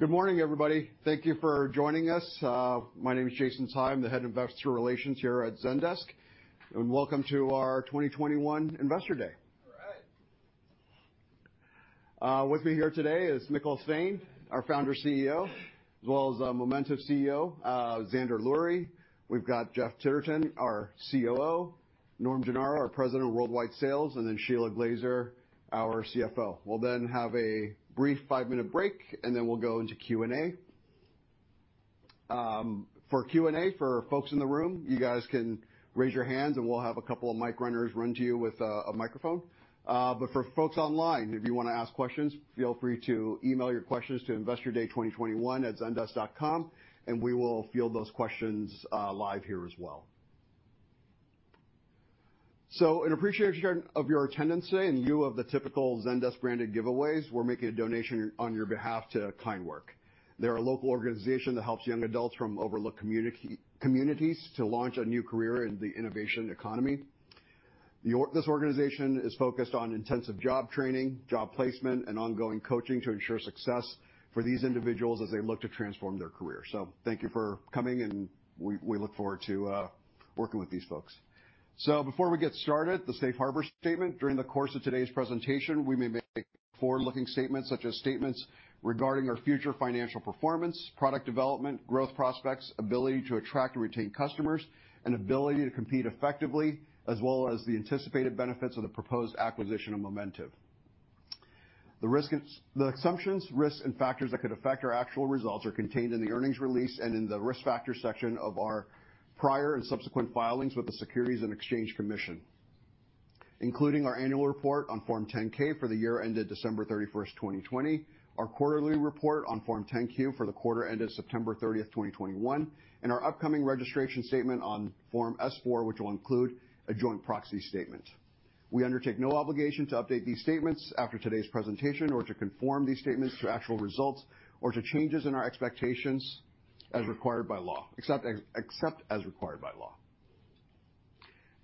Good morning, everybody. Thank you for joining us. My name is Jason Tsai. I'm the Head of Investor Relations here at Zendesk, and welcome to our 2021 Investor Day. All right. With me here today is Mikkel Svane, our founder CEO, as well as our Momentive CEO, Zander Lurie. We've got Jeff Titterton, our COO, Norm Gennaro, our President of Worldwide Sales, and then Shelagh Glaser, our CFO. We'll then have a brief 5-minute break, and then we'll go into Q&A. For Q&A, for our folks in the room, you guys can raise your hands, and we'll have a couple of mic runners run to you with a microphone. But for folks online, if you wanna ask questions, feel free to email your questions to investorday2021@zendesk.com, and we will field those questions, live here as well. In appreciation of your attendance today, in lieu of the typical Zendesk-branded giveaways, we're making a donation on your behalf to KindWork. They're a local organization that helps young adults from overlooked communities to launch a new career in the innovation economy. This organization is focused on intensive job training, job placement, and ongoing coaching to ensure success for these individuals as they look to transform their career. Thank you for coming, and we look forward to working with these folks. Before we get started, the safe harbor statement. During the course of today's presentation, we may make forward-looking statements such as statements regarding our future financial performance, product development, growth prospects, ability to attract and retain customers, and ability to compete effectively, as well as the anticipated benefits of the proposed acquisition of Momentive. The assumptions, risks, and factors that could affect our actual results are contained in the earnings release and in the Risk Factors section of our prior and subsequent filings with the Securities and Exchange Commission, including our annual report on Form 10-K for the year ended December 31, 2020, our quarterly report on Form 10-Q for the quarter ended September 30, 2021, and our upcoming registration statement on Form S-4, which will include a joint proxy statement. We undertake no obligation to update these statements after today's presentation or to conform these statements to actual results or to changes in our expectations as required by law, except as required by law.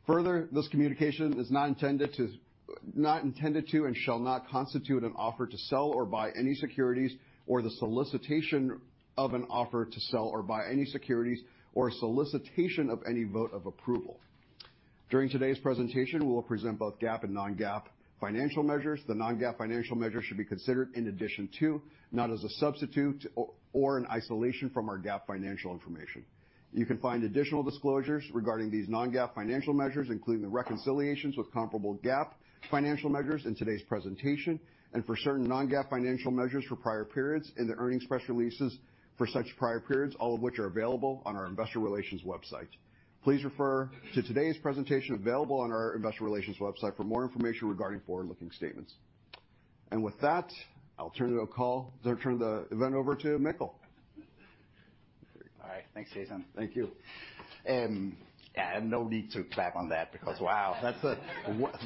Further, this communication is not intended to and shall not constitute an offer to sell or buy any securities or the solicitation of an offer to sell or buy any securities or a solicitation of any vote of approval. During today's presentation, we will present both GAAP and non-GAAP financial measures. The non-GAAP financial measures should be considered in addition to, not as a substitute or in isolation from our GAAP financial information. You can find additional disclosures regarding these non-GAAP financial measures, including the reconciliations with comparable GAAP financial measures in today's presentation and for certain non-GAAP financial measures for prior periods in the earnings press releases for such prior periods, all of which are available on our investor relations website. Please refer to today's presentation available on our investor relations website for more information regarding forward-looking statements. With that, I'll turn the event over to Mikkel. All right. Thanks, Jason. Thank you. Yeah, no need to clap on that because, wow, that's the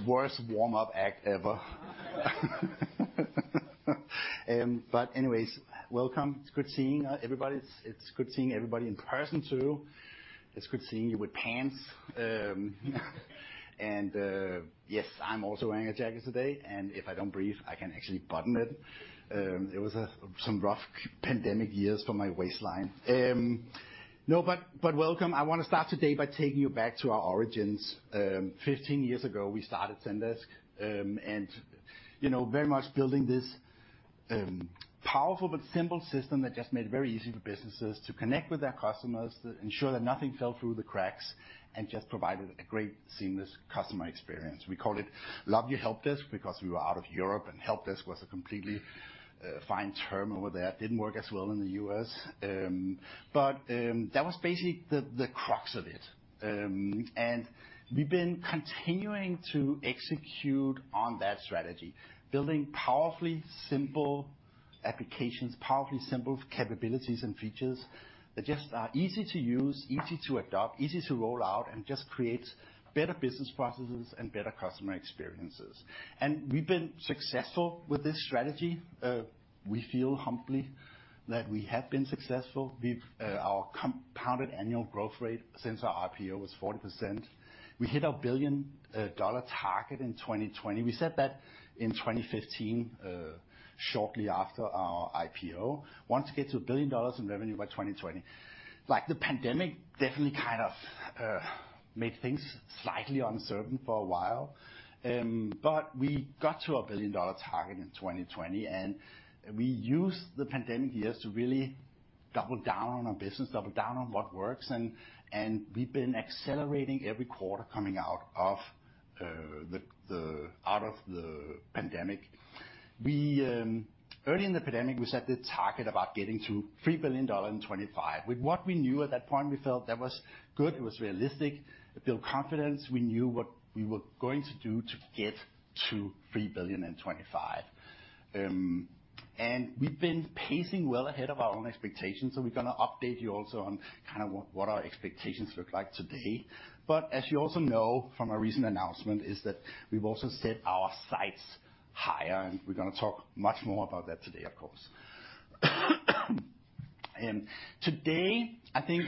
worst warm-up act ever. Anyway, welcome. It's good seeing everybody. It's good seeing everybody in person too. It's good seeing you with pants. Yes, I'm also wearing a jacket today, and if I don't breathe, I can actually button it. It was some rough pandemic years for my waistline. No, welcome. I wanna start today by taking you back to our origins. 15 years ago, we started Zendesk, and you know, very much building this powerful but simple system that just made it very easy for businesses to connect with their customers, ensure that nothing fell through the cracks, and just provided a great seamless customer experience. We called it Lovely Helpdesk because we were out of Europe, and helpdesk was a completely fine term over there. It didn't work as well in the U.S. That was basically the crux of it. We've been continuing to execute on that strategy, building powerfully simple applications, powerfully simple capabilities and features that just are easy to use, easy to adopt, easy to roll out, and just create better business processes and better customer experiences. We've been successful with this strategy. We feel humbly that we have been successful. Our compounded annual growth rate since our IPO was 40%. We hit our $1 billion target in 2020. We set that in 2015, shortly after our IPO. We wanted to get to $1 billion in revenue by 2020. Like, the pandemic definitely kind of made things slightly uncertain for a while. We got to our billion-dollar target in 2020, and we used the pandemic years to really double down on our business, double down on what works, and we've been accelerating every quarter coming out of the pandemic. Early in the pandemic, we set the target about getting to $3 billion in 2025. With what we knew at that point, we felt that was good. It was realistic. It built confidence. We knew what we were going to do to get to $3 billion in 2025. We've been pacing well ahead of our own expectations, we're gonna update you also on kind of what our expectations look like today. As you also know from our recent announcement, is that we've also set our sights higher, and we're gonna talk much more about that today, of course. Today, I think,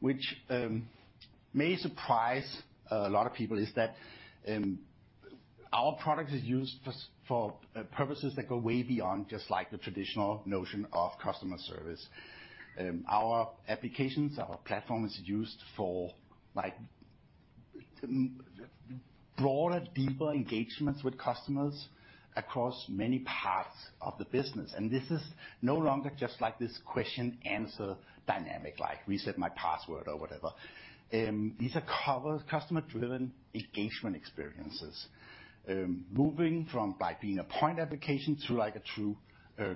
which may surprise a lot of people, is that our product is used for purposes that go way beyond just like the traditional notion of customer service. Our applications, our platform is used for like broader, deeper engagements with customers across many parts of the business. This is no longer just like this question-answer dynamic, like reset my password or whatever. These are core customer-driven engagement experiences, moving from being a point application to like a true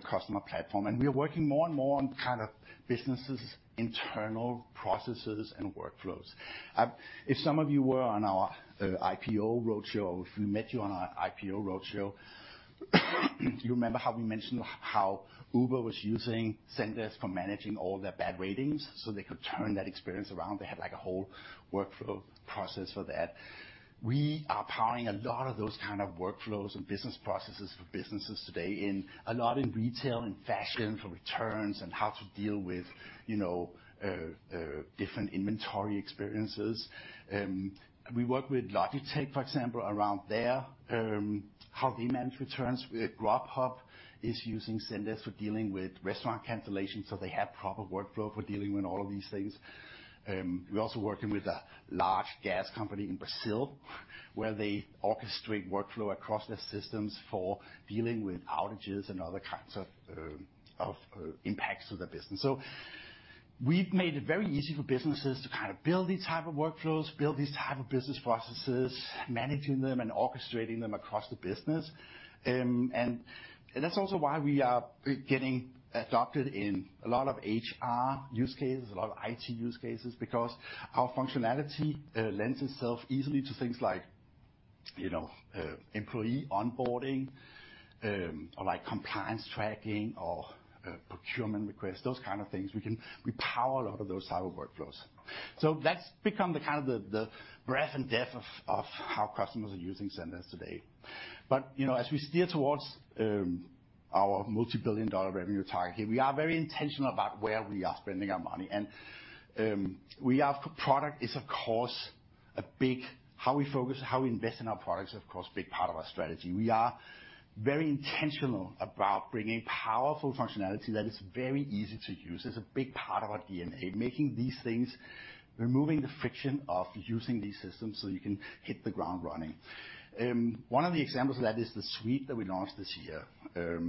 customer platform. We are working more and more on kind of businesses' internal processes and workflows. If some of you were on our IPO roadshow, if we met you on our IPO roadshow, do you remember how we mentioned how Uber was using Zendesk for managing all their bad ratings so they could turn that experience around? They had like a whole workflow process for that. We are powering a lot of those kind of workflows and business processes for businesses today in retail and fashion for returns and how to deal with, you know, different inventory experiences. We work with Logitech, for example, around their how they manage returns. Grubhub is using Zendesk for dealing with restaurant cancellations, so they have proper workflow for dealing with all of these things. We're also working with a large gas company in Brazil, where they orchestrate workflow across their systems for dealing with outages and other kinds of impacts to their business. We've made it very easy for businesses to kind of build these type of workflows, build these type of business processes, managing them and orchestrating them across the business. That's also why we are getting adopted in a lot of HR use cases, a lot of IT use cases because our functionality lends itself easily to things like, you know, employee onboarding, like compliance tracking or, procurement requests, those kind of things. We power a lot of those type of workflows. That's become the kind of the breadth and depth of how customers are using Zendesk today. You know, as we steer towards our multi-billion dollar revenue target here, we are very intentional about where we are spending our money. Product is of course a big part of how we focus, how we invest in our products, of course, big part of our strategy. We are very intentional about bringing powerful functionality that is very easy to use. It's a big part of our DNA, making these things, removing the friction of using these systems so you can hit the ground running. One of the examples of that is the suite that we launched this year.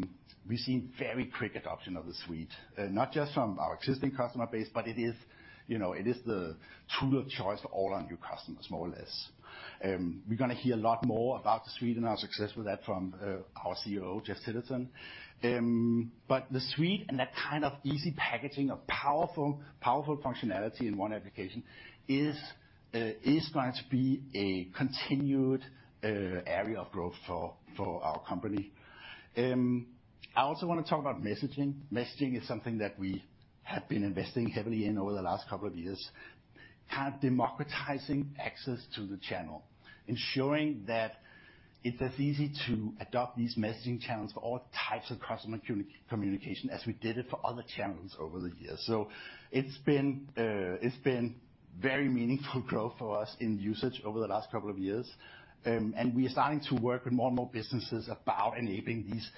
We've seen very quick adoption of the suite, not just from our existing customer base, but it is, you know, it is the tool of choice for all our new customers, more or less. We're gonna hear a lot more about the suite and our success with that from our CEO, Jeff Titterton. The suite and that kind of easy packaging of powerful functionality in one application is going to be a continued area of growth for our company. I also wanna talk about messaging. Messaging is something that we have been investing heavily in over the last couple of years. Kind of democratizing access to the channel, ensuring that it is easy to adopt these messaging channels for all types of customer communication, as we did it for other channels over the years. It's been very meaningful growth for us in usage over the last couple of years. We are starting to work with more and more businesses about enabling these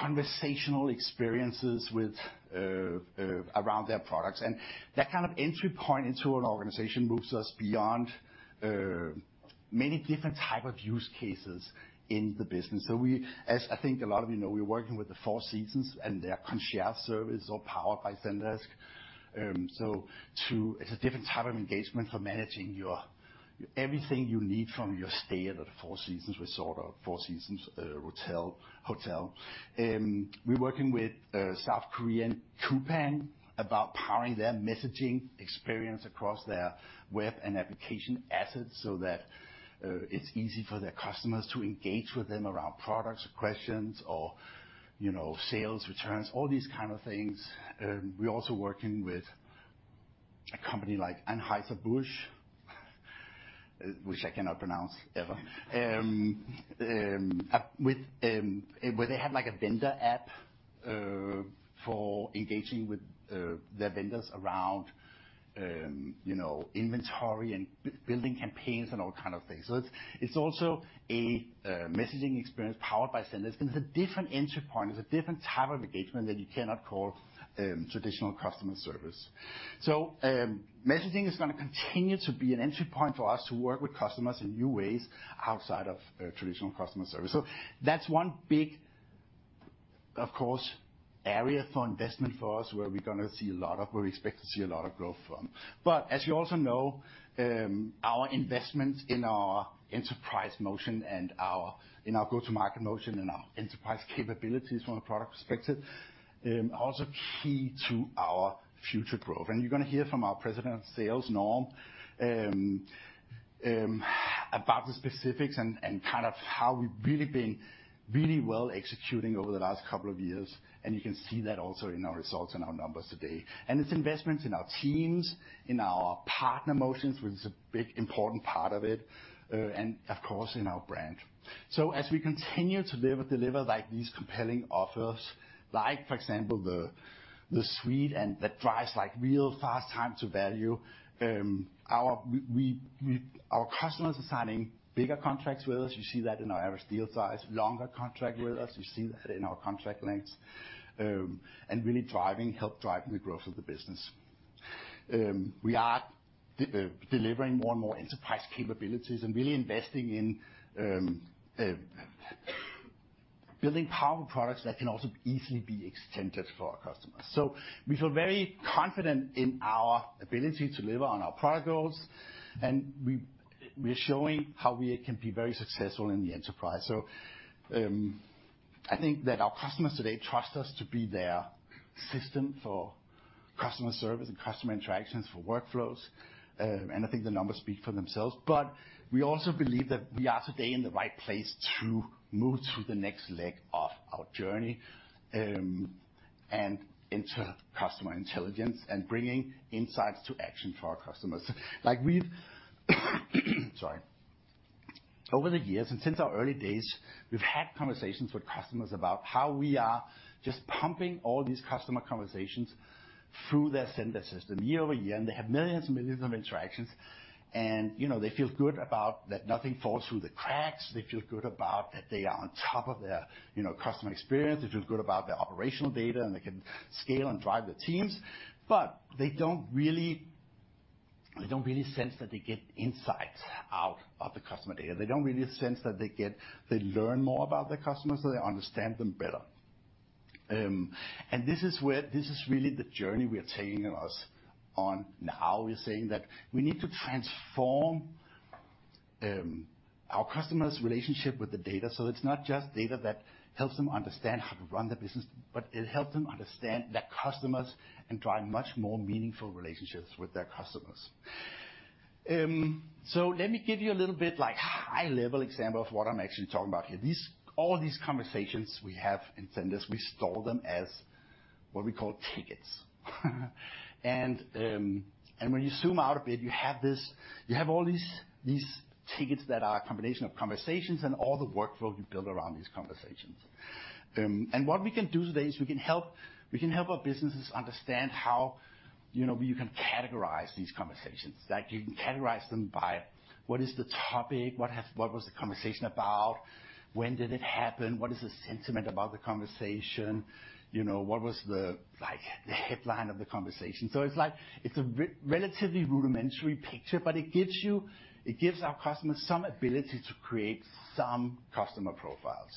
conversational experiences with around their products. That kind of entry point into an organization moves us beyond many different type of use cases in the business. We, as I think a lot of you know, are working with the Four Seasons and their concierge service all powered by Zendesk. It's a different type of engagement for managing your everything you need from your stay at a Four Seasons Resort or Four Seasons hotel. We are working with South Korean Coupang about powering their messaging experience across their web and application assets so that it's easy for their customers to engage with them around products or questions or, you know, sales, returns, all these kind of things. We're also working with a company like Anheuser-Busch, which I cannot pronounce ever, with where they have like a vendor app for engaging with their vendors around, you know, inventory and building campaigns and all kind of things. So it's also a messaging experience powered by Zendesk, and it's a different entry point. It's a different type of engagement that you cannot call traditional customer service. So messaging is gonna continue to be an entry point for us to work with customers in new ways outside of traditional customer service. So that's one big, of course, area for investment for us, where we expect to see a lot of growth from. As you also know, our investments in our enterprise motion and our go-to-market motion and our enterprise capabilities from a product perspective are also key to our future growth. You're gonna hear from our President of Sales, Norm, about the specifics and kind of how we've really been well executing over the last couple of years. You can see that also in our results and our numbers today. It's investments in our teams, in our partner motions, which is a big important part of it, and of course in our brand. As we continue to deliver like these compelling offers, like for example, the suite and that drives like real fast time to value, our customers are signing bigger contracts with us. You see that in our average deal size. Longer contract with us. You see that in our contract lengths. Really driving the growth of the business. We are delivering more and more enterprise capabilities and really investing in building powerful products that can also easily be extended for our customers. We feel very confident in our ability to deliver on our product goals, and we're showing how we can be very successful in the enterprise. I think that our customers today trust us to be their system for customer service and customer interactions, for workflows. I think the numbers speak for themselves. We also believe that we are today in the right place to move to the next leg of our journey, and into customer intelligence and bringing insights to action for our customers. Sorry. Over the years, and since our early days, we've had conversations with customers about how we are just pumping all these customer conversations through their Zendesk system year-over-year, and they have millions and millions of interactions. You know, they feel good about that, nothing falls through the cracks. They feel good about that they are on top of their, you know, customer experience. They feel good about their operational data, and they can scale and drive their teams. They don't really sense that they get insights out of the customer data. They don't really sense that they learn more about their customers, so they understand them better. This is where this is really the journey we are taking us on now. We're saying that we need to transform our customers' relationship with the data, so it's not just data that helps them understand how to run their business, but it helps them understand their customers and drive much more meaningful relationships with their customers. Let me give you a little bit like high level example of what I'm actually talking about here. All these conversations we have in Zendesk, we store them as what we call tickets. When you zoom out a bit, you have all these tickets that are a combination of conversations and all the workflow you build around these conversations. What we can do today is we can help our businesses understand how you know you can categorize these conversations. Like you can categorize them by what is the topic, what was the conversation about, when did it happen, what is the sentiment about the conversation, you know, what was, like, the headline of the conversation. It's like, it's a relatively rudimentary picture, but it gives you, it gives our customers some ability to create some customer profiles.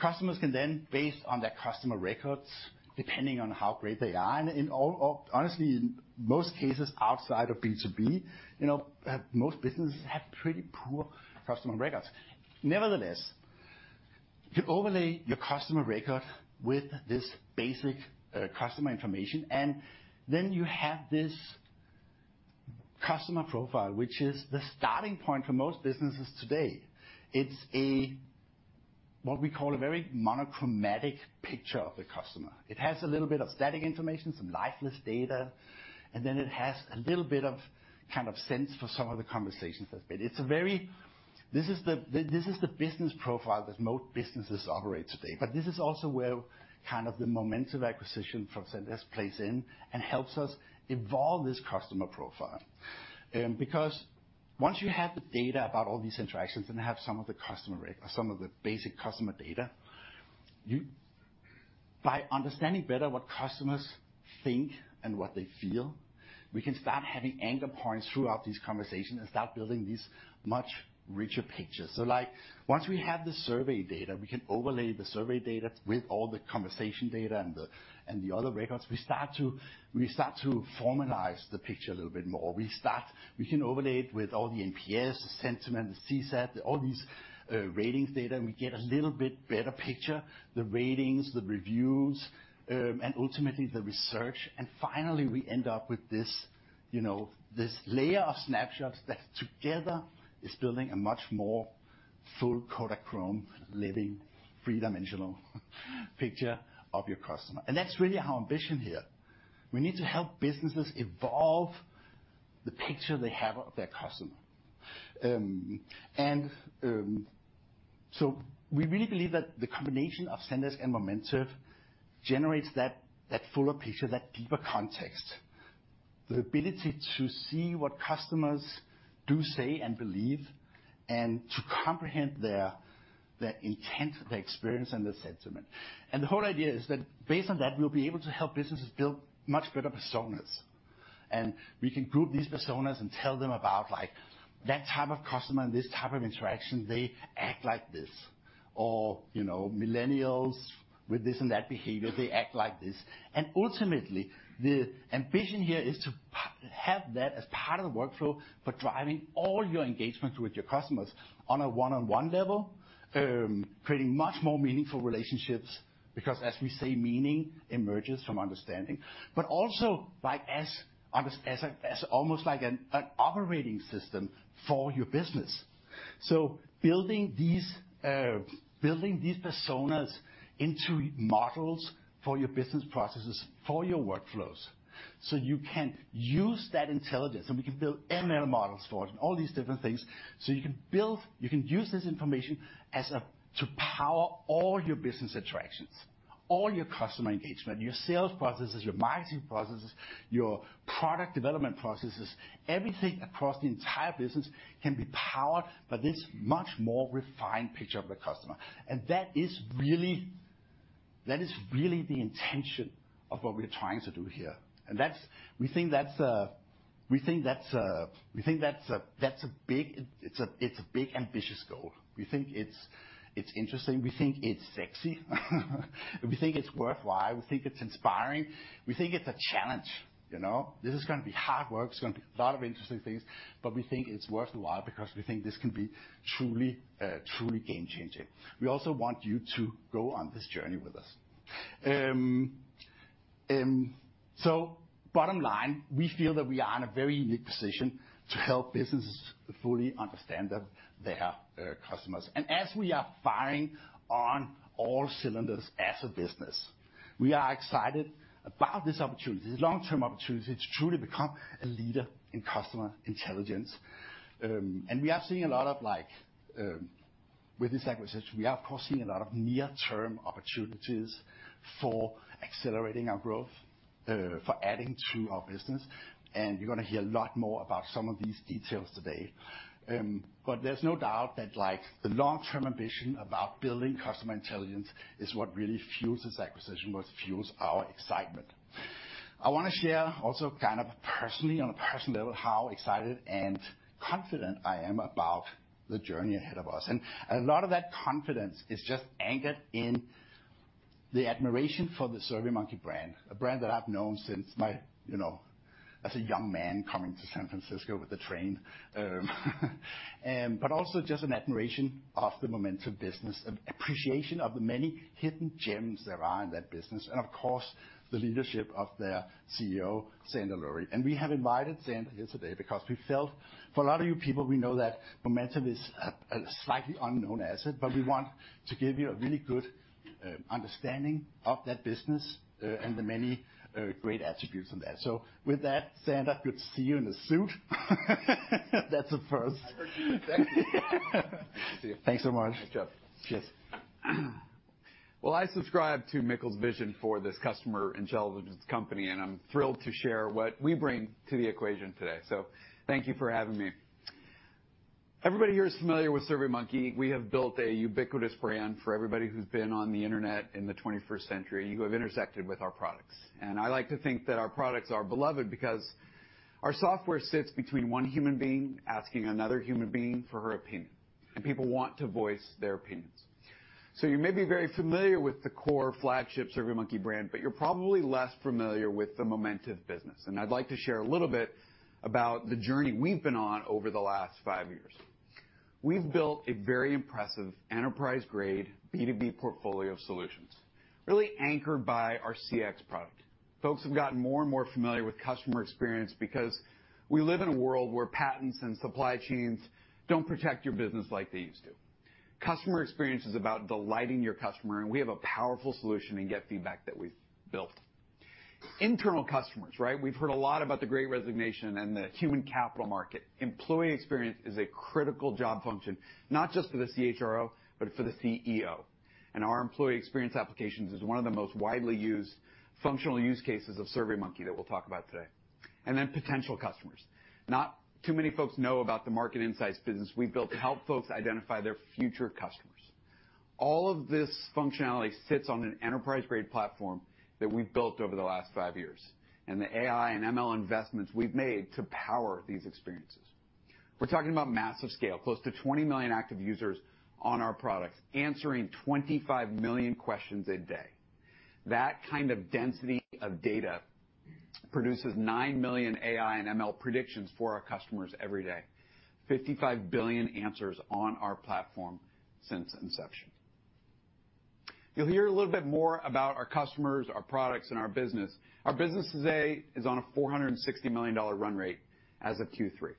Customers can then, based on their customer records, depending on how great they are, or honestly, in most cases outside of B2B, you know, most businesses have pretty poor customer records. Nevertheless, you overlay your customer record with this basic customer information, and then you have this customer profile, which is the starting point for most businesses today. It's, what we call a very monochromatic picture of the customer. It has a little bit of static information, some lifeless data, and then it has a little bit of, kind of sense for some of the conversations they've been. This is the business profile that most businesses operate today. This is also where kind of the Momentive acquisition for Zendesk plays in and helps us evolve this customer profile. Because once you have the data about all these interactions and have some of the customer or some of the basic customer data, by understanding better what customers think and what they feel, we can start having anchor points throughout these conversations and start building these much richer pictures. Like, once we have the survey data, we can overlay the survey data with all the conversation data and the other records. We start to formalize the picture a little bit more. We can overlay it with all the NPS, the sentiment, the CSAT, all these ratings data, and we get a little bit better picture. The ratings, the reviews, and ultimately the research. Finally, we end up with this, you know, this layer of snapshots that together is building a much more full Kodachrome living three-dimensional picture of your customer. That's really our ambition here. We need to help businesses evolve the picture they have of their customer. We really believe that the combination of Zendesk and Momentive generates that fuller picture, that deeper context. The ability to see what customers do, say, and believe, and to comprehend their intent, their experience, and their sentiment. The whole idea is that based on that, we'll be able to help businesses build much better personas. We can group these personas and tell them about, like, that type of customer and this type of interaction, they act like this. You know, millennials with this and that behavior, they act like this. Ultimately, the ambition here is to have that as part of the workflow for driving all your engagements with your customers on a one-on-one level, creating much more meaningful relationships. Because as we say, meaning emerges from understanding. Also, like as almost like an operating system for your business. Building these personas into models for your business processes, for your workflows, so you can use that intelligence, and we can build ML models for it and all these different things. You can use this information to power all your business interactions, all your customer engagement, your sales processes, your marketing processes, your product development processes. Everything across the entire business can be powered by this much more refined picture of the customer. That is really the intention of what we're trying to do here. We think that's a big, ambitious goal. We think it's interesting. We think it's sexy. We think it's worthwhile. We think it's inspiring. We think it's a challenge, you know? This is gonna be hard work. There's gonna be a lot of interesting things. We think it's worthwhile because we think this can be truly game-changing. We also want you to go on this journey with us. Bottom line, we feel that we are in a very unique position to help businesses fully understand their customers. As we are firing on all cylinders as a business, we are excited about this opportunity, this long-term opportunity to truly become a leader in customer intelligence. We are seeing a lot of like with this acquisition, we are of course seeing a lot of near-term opportunities for accelerating our growth, for adding to our business, and you're gonna hear a lot more about some of these details today. There's no doubt that like the long-term ambition about building customer intelligence is what really fuels this acquisition, what fuels our excitement. I wanna share also kind of personally, on a personal level, how excited and confident I am about the journey ahead of us. A lot of that confidence is just anchored in the admiration for the SurveyMonkey brand, a brand that I've known since my, you know, as a young man coming to San Francisco with the train. Also just an admiration of the Momentive business, an appreciation of the many hidden gems there are in that business and of course, the leadership of their CEO, Zander Lurie. We have invited Zander here today because we felt for a lot of you people, we know that Momentive is a slightly unknown asset, but we want to give you a really good understanding of that business and the many great attributes of that. With that, Zander, good to see you in a suit. That's a first. I heard you in tech. Good to see you. Thanks so much. Thanks, Jeff. Cheers. Well, I subscribe to Mikkel’s vision for this customer intelligence company, and I'm thrilled to share what we bring to the equation today. Thank you for having me. Everybody here is familiar with SurveyMonkey. We have built a ubiquitous brand for everybody who's been on the internet in the 21st century. You have intersected with our products. I like to think that our products are beloved because our software sits between one human being asking another human being for her opinion, and people want to voice their opinions. You may be very familiar with the core flagship SurveyMonkey brand, but you're probably less familiar with the Momentive business. I'd like to share a little bit about the journey we've been on over the last five years. We've built a very impressive enterprise-grade B2B portfolio of solutions, really anchored by our CX product. Folks have gotten more and more familiar with customer experience because we live in a world where patents and supply chains don't protect your business like they used to. Customer experience is about delighting your customer, and we have a powerful solution in GetFeedback that we've built. Internal customers, right? We've heard a lot about the Great Resignation and the human capital market. Employee experience is a critical job function, not just for the CHRO, but for the CEO. Our employee experience applications is one of the most widely used functional use cases of SurveyMonkey that we'll talk about today. Potential customers. Not too many folks know about the market insights business we've built to help folks identify their future customers. All of this functionality sits on an enterprise-grade platform that we've built over the last 5 years, and the AI and ML investments we've made to power these experiences. We're talking about massive scale, close to 20 million active users on our products, answering 25 million questions a day. That kind of density of data produces 9 million AI and ML predictions for our customers every day. 55 billion answers on our platform since inception. You'll hear a little bit more about our customers, our products, and our business. Our business today is on a $460 million run rate as of Q3.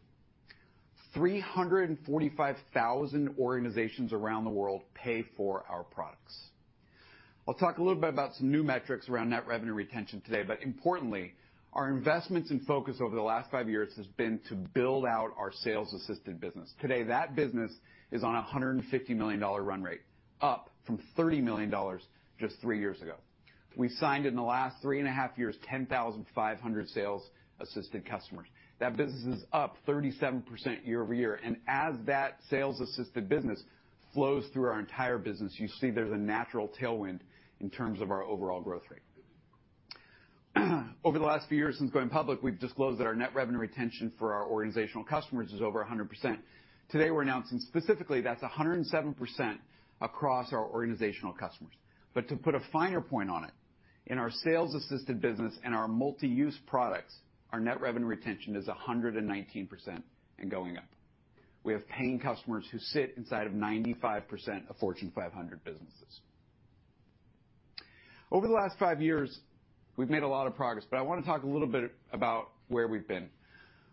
345,000 organizations around the world pay for our products. I'll talk a little bit about some new metrics around net revenue retention today, but importantly, our investments and focus over the last five years has been to build out our sales assistant business. Today, that business is on a $150 million run rate, up from $30 million just three years ago. We signed in the last three and a half years, 10,500 sales assisted customers. That business is up 37% year-over-year. As that sales assisted business flows through our entire business, you see there's a natural tailwind in terms of our overall growth rate. Over the last few years since going public, we've disclosed that our net revenue retention for our organizational customers is over 100%. Today, we're announcing specifically that's 107% across our organizational customers. To put a finer point on it, in our sales assisted business and our multi-use products, our net revenue retention is 119% and going up. We have paying customers who sit inside of 95% of Fortune 500 businesses. Over the last five years, we've made a lot of progress, but I wanna talk a little bit about where we've been.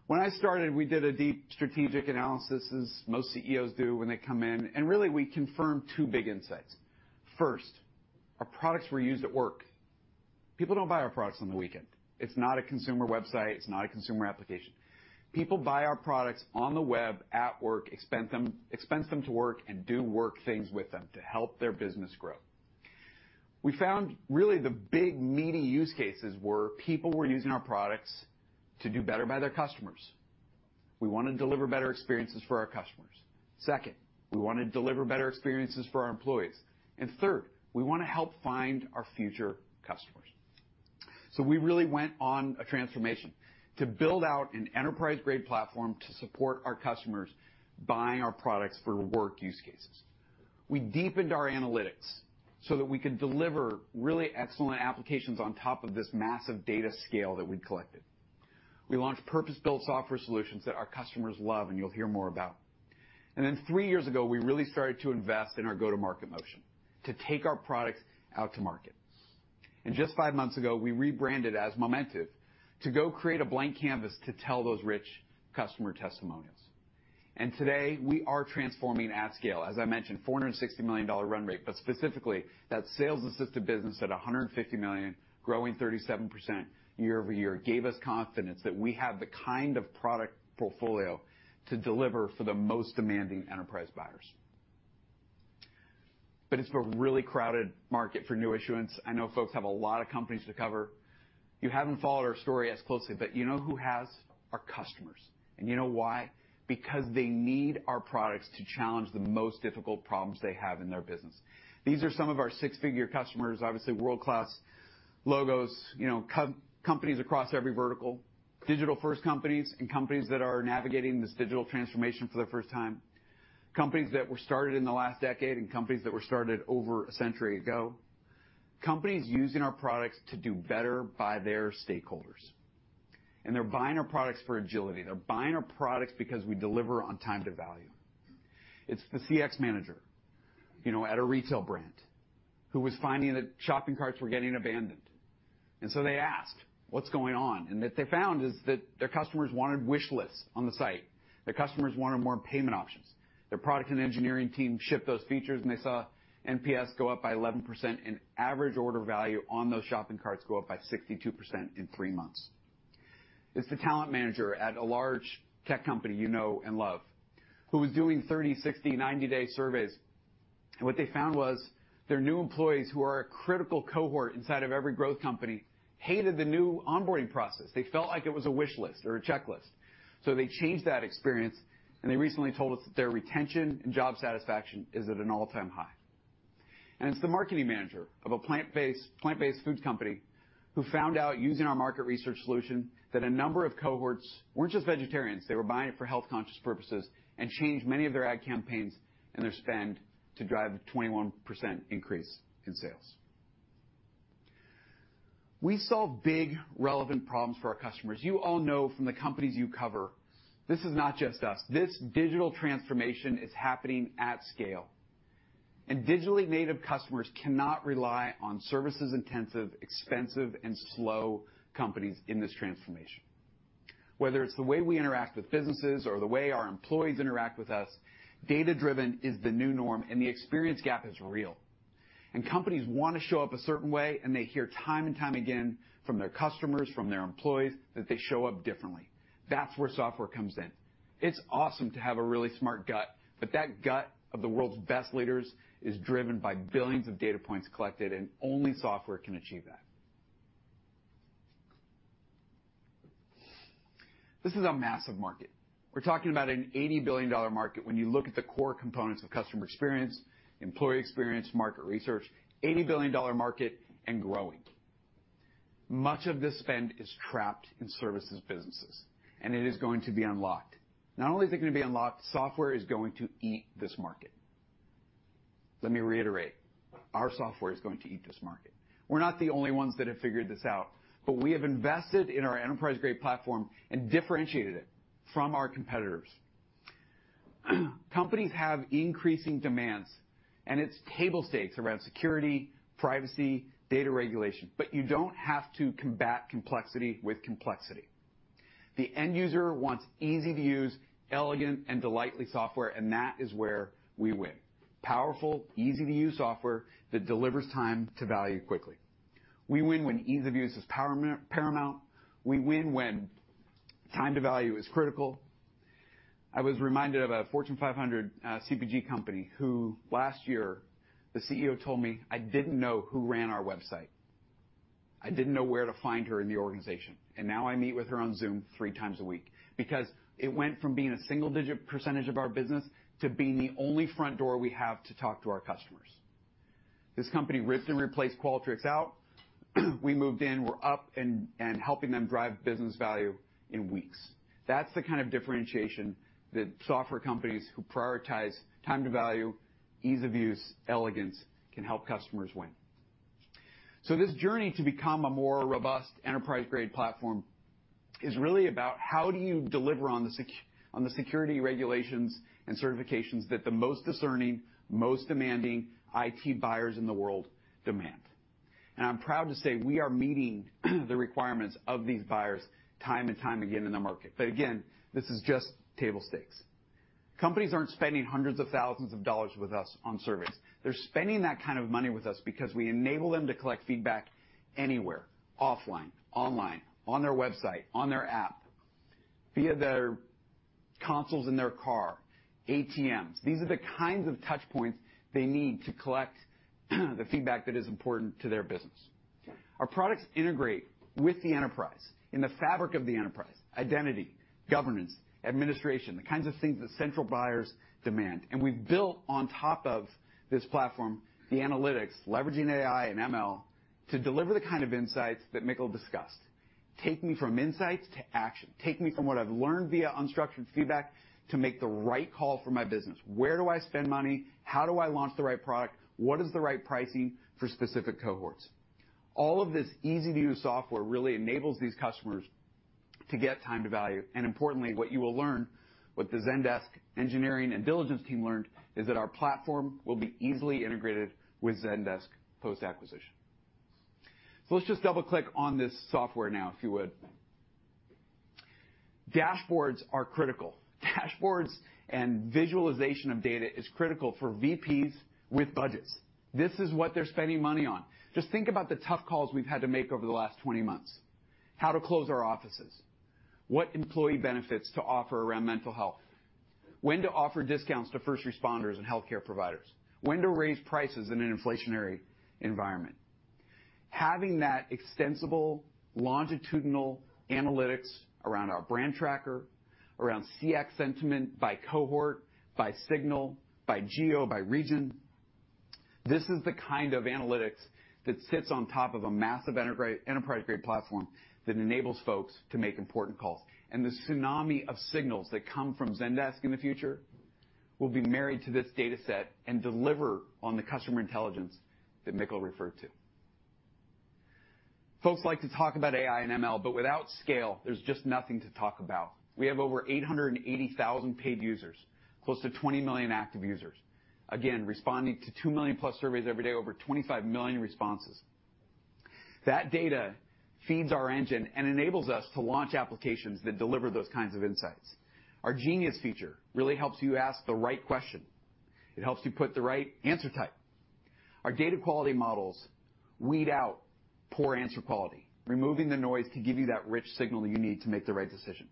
When I started, we did a deep strategic analysis, as most CEOs do when they come in, and really we confirmed two big insights. First, our products were used at work. People don't buy our products on the weekend. It's not a consumer website. It's not a consumer application. People buy our products on the web at work, expense them to work and do work things with them to help their business grow. We found really the big meaty use cases were people were using our products to do better by their customers. We want to deliver better experiences for our customers. Second, we want to deliver better experiences for our employees. Third, we want to help find our future customers. We really went on a transformation to build out an enterprise-grade platform to support our customers buying our products for work use cases. We deepened our analytics so that we could deliver really excellent applications on top of this massive data scale that we'd collected. We launched purpose-built software solutions that our customers love, and you'll hear more about. Then three years ago, we really started to invest in our go-to-market motion to take our products out to market. Just five months ago, we rebranded as Momentive to go create a blank canvas to tell those rich customer testimonials. Today, we are transforming at scale. As I mentioned, $460 million run rate, but specifically, that sales-assisted business at $150 million, growing 37% year-over-year, gave us confidence that we have the kind of product portfolio to deliver for the most demanding enterprise buyers. It's a really crowded market for new issuance. I know folks have a lot of companies to cover. You haven't followed our story as closely, but you know who has? Our customers. You know why? Because they need our products to challenge the most difficult problems they have in their business. These are some of our six-figure customers, obviously world-class logos, you know, companies across every vertical, digital-first companies and companies that are navigating this digital transformation for the first time, companies that were started in the last decade and companies that were started over a century ago, companies using our products to do better by their stakeholders. They're buying our products for agility. They're buying our products because we deliver on time to value. It's the CX manager, you know, at a retail brand who was finding that shopping carts were getting abandoned. They asked, "What's going on?" What they found is that their customers wanted wish lists on the site. Their customers wanted more payment options. Their product and engineering team shipped those features, and they saw NPS go up by 11% and average order value on those shopping carts go up by 62% in 3 months. It's the talent manager at a large tech company you know and love, who was doing 30-, 60-, 90-day surveys. What they found was their new employees, who are a critical cohort inside of every growth company, hated the new onboarding process. They felt like it was a wish list or a checklist. They changed that experience, and they recently told us that their retention and job satisfaction is at an all-time high. It's the marketing manager of a plant-based foods company who found out using our market research solution that a number of cohorts weren't just vegetarians, they were buying it for health-conscious purposes, and changed many of their ad campaigns and their spend to drive a 21% increase in sales. We solve big, relevant problems for our customers. You all know from the companies you cover, this is not just us. This digital transformation is happening at scale, and digitally native customers cannot rely on services-intensive, expensive, and slow companies in this transformation. Whether it's the way we interact with businesses or the way our employees interact with us, data-driven is the new norm, and the experience gap is real. Companies want to show up a certain way, and they hear time and time again from their customers, from their employees, that they show up differently. That's where software comes in. It's awesome to have a really smart gut, but that gut of the world's best leaders is driven by billions of data points collected, and only software can achieve that. This is a massive market. We're talking about an $80 billion market when you look at the core components of customer experience, employee experience, market research, $80 billion market and growing. Much of this spend is trapped in services businesses, and it is going to be unlocked. Not only is it going to be unlocked, software is going to eat this market. Let me reiterate, our software is going to eat this market. We're not the only ones that have figured this out, but we have invested in our enterprise-grade platform and differentiated it from our competitors. Companies have increasing demands, and it's table stakes around security, privacy, data regulation. You don't have to combat complexity with complexity. The end user wants easy-to-use, elegant, and delightful software, and that is where we win. Powerful, easy-to-use software that delivers time to value quickly. We win when ease of use is paramount. We win when time to value is critical. I was reminded of a Fortune 500, CPG company who last year, the CEO told me, "I didn't know who ran our website. I didn't know where to find her in the organization, and now I meet with her on Zoom three times a week because it went from being a single-digit percentage of our business to being the only front door we have to talk to our customers." This company ripped and replaced Qualtrics out. We moved in, we're up and helping them drive business value in weeks. That's the kind of differentiation that software companies who prioritize time to value, ease of use, elegance can help customers win. This journey to become a more robust enterprise-grade platform is really about how do you deliver on the security regulations and certifications that the most discerning, most demanding IT buyers in the world demand. I'm proud to say we are meeting the requirements of these buyers time and time again in the market. This is just table stakes. Companies aren't spending hundreds of thousands of dollars with us on surveys. They're spending that kind of money with us because we enable them to collect feedback anywhere, offline, online, on their website, on their app, via their consoles in their car, ATMs. These are the kinds of touch points they need to collect the feedback that is important to their business. Our products integrate with the enterprise in the fabric of the enterprise, identity, governance, administration, the kinds of things that central buyers demand. We've built on top of this platform, the analytics, leveraging AI and ML, to deliver the kind of insights that Mikkel discussed. Take me from insights to action. Take me from what I've learned via unstructured feedback to make the right call for my business. Where do I spend money? How do I launch the right product? What is the right pricing for specific cohorts? All of this easy-to-use software really enables these customers to get time to value. Importantly, what you will learn, what the Zendesk engineering and diligence team learned is that our platform will be easily integrated with Zendesk post-acquisition. Let's just double-click on this software now, if you would. Dashboards are critical. Dashboards and visualization of data is critical for VPs with budgets. This is what they're spending money on. Just think about the tough calls we've had to make over the last 20 months. How to close our offices, what employee benefits to offer around mental health, when to offer discounts to first responders and healthcare providers, when to raise prices in an inflationary environment. Having that extensible, longitudinal analytics around our brand tracker, around CX sentiment by cohort, by signal, by geo, by region, this is the kind of analytics that sits on top of a massive enterprise-grade platform that enables folks to make important calls. The tsunami of signals that come from Zendesk in the future will be married to this data set and deliver on the customer intelligence that Mikkel referred to. Folks like to talk about AI and ML, but without scale, there's just nothing to talk about. We have over 880,000 paid users, close to 20 million active users, again, responding to 2 million-plus surveys every day, over 25 million responses. That data feeds our engine and enables us to launch applications that deliver those kinds of insights. Our genius feature really helps you ask the right question. It helps you put the right answer type. Our data quality models weed out poor answer quality, removing the noise to give you that rich signal you need to make the right decision.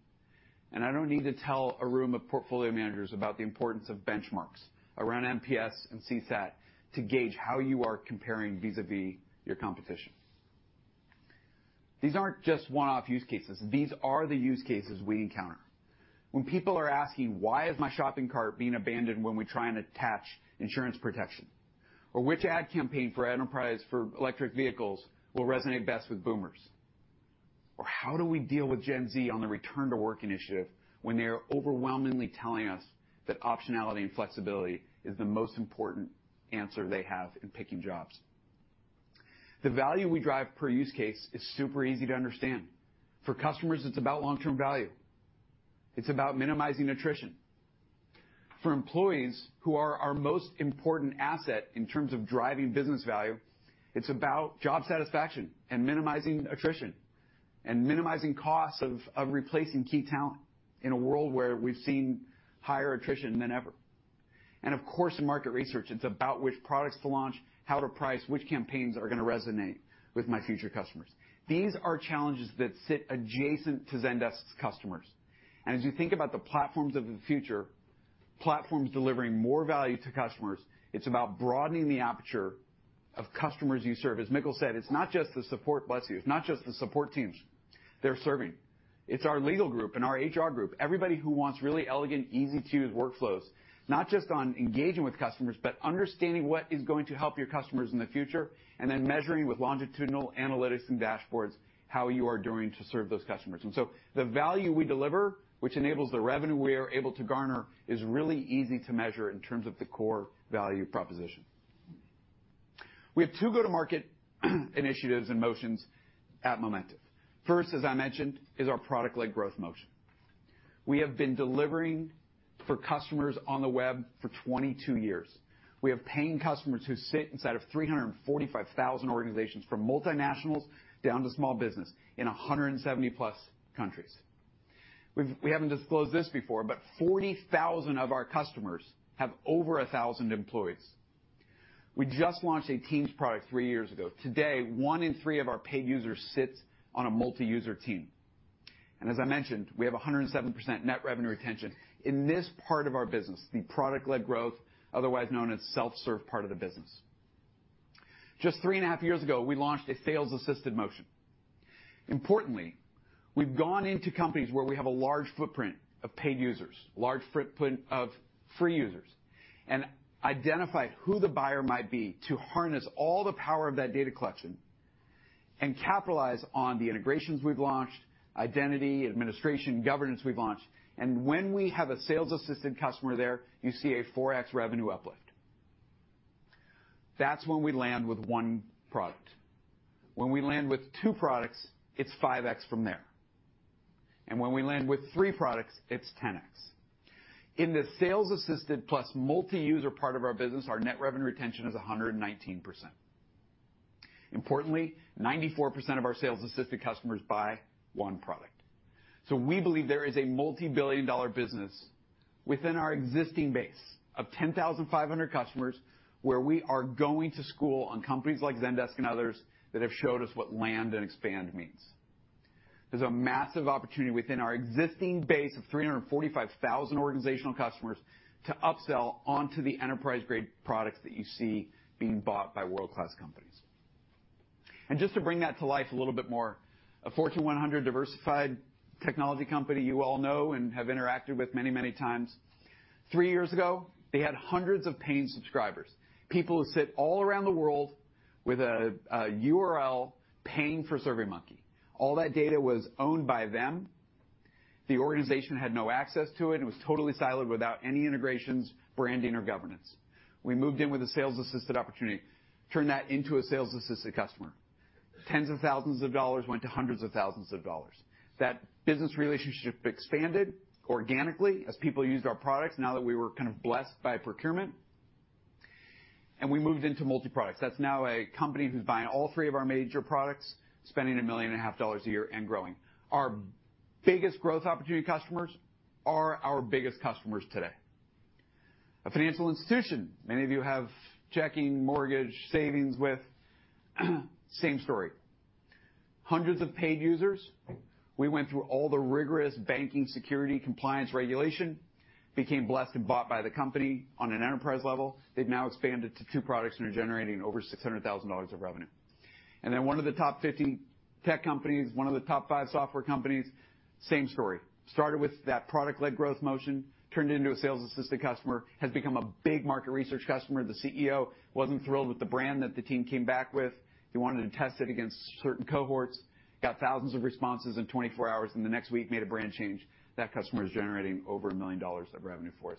I don't need to tell a room of portfolio managers about the importance of benchmarks around NPS and CSAT to gauge how you are comparing vis-à-vis your competition. These aren't just one-off use cases. These are the use cases we encounter. When people are asking, "Why is my shopping cart being abandoned when we try and attach insurance protection?" Or, "Which ad campaign for enterprise for electric vehicles will resonate best with boomers?" Or, "How do we deal with Gen Z on the return-to-work initiative when they are overwhelmingly telling us that optionality and flexibility is the most important answer they have in picking jobs?" The value we drive per use case is super easy to understand. For customers, it's about long-term value. It's about minimizing attrition. For employees who are our most important asset in terms of driving business value, it's about job satisfaction and minimizing attrition and minimizing costs of replacing key talent in a world where we've seen higher attrition than ever. Of course, in market research, it's about which products to launch, how to price, which campaigns are going to resonate with my future customers. These are challenges that sit adjacent to Zendesk's customers. As you think about the platforms of the future, platforms delivering more value to customers, it's about broadening the aperture of customers you serve. As Mikkel said, it's not just the support. Bless you. It's not just the support teams they're serving. It's our legal group and our HR group, everybody who wants really elegant, easy-to-use workflows, not just on engaging with customers, but understanding what is going to help your customers in the future, and then measuring with longitudinal analytics and dashboards how you are doing to serve those customers. The value we deliver, which enables the revenue we are able to garner, is really easy to measure in terms of the core value proposition. We have two go-to-market initiatives and motions at Momentive. First, as I mentioned, is our product-led growth motion. We have been delivering for customers on the web for 22 years. We have paying customers who sit inside of 345,000 organizations, from multinationals down to small business, in 170+ countries. We've, we haven't disclosed this before, but 40,000 of our customers have over 1,000 employees. We just launched a Teams product 3 years ago. Today, one in three of our paid users sits on a multi-user team. As I mentioned, we have 107% net revenue retention in this part of our business, the product-led growth, otherwise known as self-serve part of the business. Just 3.5 years ago, we launched a sales-assisted motion. Importantly, we've gone into companies where we have a large footprint of paid users, large footprint of free users, and identified who the buyer might be to harness all the power of that data collection and capitalize on the integrations we've launched, identity, administration, governance we've launched. When we have a sales assistant customer there, you see a 4x revenue uplift. That's when we land with one product. When we land with two products, it's 5x from there. When we land with three products, it's 10x. In the sales-assisted plus multi-user part of our business, our net revenue retention is 119%. Importantly, 94% of our sales-assisted customers buy one product. We believe there is a multi-billion-dollar business within our existing base of 10,500 customers, where we are going to school on companies like Zendesk and others that have showed us what land and expand means. There is a massive opportunity within our existing base of 345,000 organizational customers to upsell onto the enterprise-grade products that you see being bought by world-class companies. Just to bring that to life a little bit more, a Fortune 100 diversified technology company you all know and have interacted with many, many times. Three years ago, they had hundreds of paying subscribers, people who sit all around the world with a URL paying for SurveyMonkey. All that data was owned by them. The organization had no access to it. It was totally siloed without any integrations, branding, or governance. We moved in with a sales assisted opportunity, turned that into a sales assisted customer. Tens of thousands of dollars went to hundreds of thousands of dollars. That business relationship expanded organically as people used our products now that we were kind of blessed by procurement, and we moved into multiproducts. That's now a company who's buying all three of our major products, spending $1.5 million a year and growing. Our biggest growth opportunity customers are our biggest customers today. A financial institution many of you have checking, mortgage, savings with, same story. Hundreds of paid users. We went through all the rigorous banking security compliance regulation, became blessed and bought by the company on an enterprise level. They've now expanded to two products and are generating over $600,000 of revenue. Then one of the top 15 tech companies, one of the top 5 software companies, same story. Started with that product-led growth motion, turned into a sales assisted customer, has become a big market research customer. The CEO wasn't thrilled with the brand that the team came back with. He wanted to test it against certain cohorts, got thousands of responses in 24 hours, and the next week made a brand change. That customer is generating over $1 million of revenue for us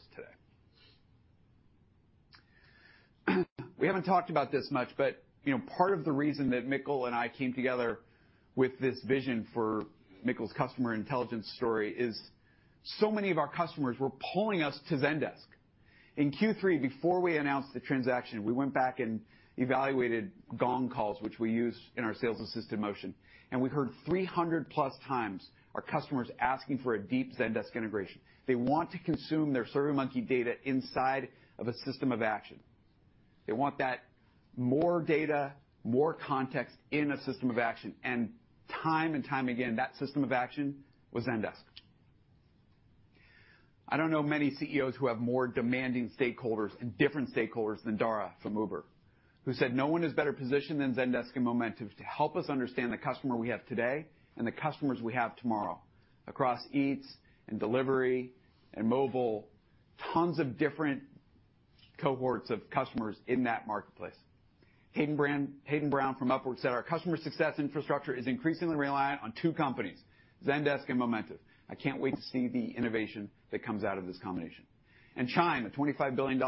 today. We haven't talked about this much, but, you know, part of the reason that Mikkel and I came together with this vision for Mikkel's customer intelligence story is so many of our customers were pulling us to Zendesk. In Q3, before we announced the transaction, we went back and evaluated Gong calls, which we use in our sales assisted motion, and we heard 300+ times our customers asking for a deep Zendesk integration. They want to consume their SurveyMonkey data inside of a system of action. They want that more data, more context in a system of action. Time and time again, that system of action was Zendesk. I don't know many CEOs who have more demanding stakeholders and different stakeholders than Dara from Uber, who said, "No one is better positioned than Zendesk and Momentive to help us understand the customer we have today and the customers we have tomorrow across Eats and delivery and mobile," tons of different cohorts of customers in that marketplace. Hayden Brown from Upwork said, "Our customer success infrastructure is increasingly reliant on two companies, Zendesk and Momentive. I can't wait to see the innovation that comes out of this combination." Chime, a $25 billion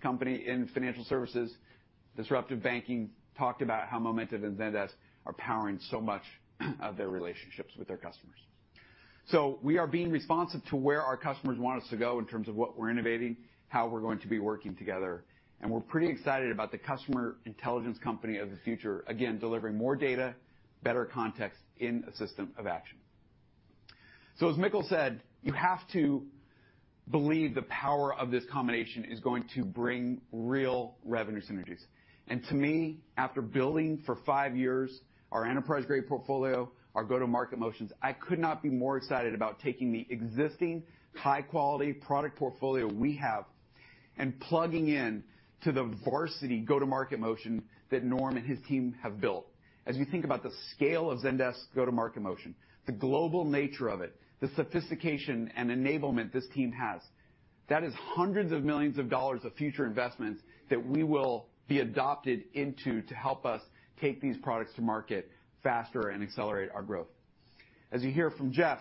company in financial services, disruptive banking, talked about how Momentive and Zendesk are powering so much of their relationships with their customers. We are being responsive to where our customers want us to go in terms of what we're innovating, how we're going to be working together, and we're pretty excited about the customer intelligence company of the future, again, delivering more data, better context in a system of action. As Mikkel said, you have to believe the power of this combination is going to bring real revenue synergies. To me, after building for five years our enterprise-grade portfolio, our go-to-market motions, I could not be more excited about taking the existing high-quality product portfolio we have and plugging in to the varsity go-to-market motion that Norm and his team have built. As you think about the scale of Zendesk's go-to-market motion, the global nature of it, the sophistication and enablement this team has, that is hundreds of millions of dollars of future investments that we will be adopted into to help us take these products to market faster and accelerate our growth. As you hear from Jeff,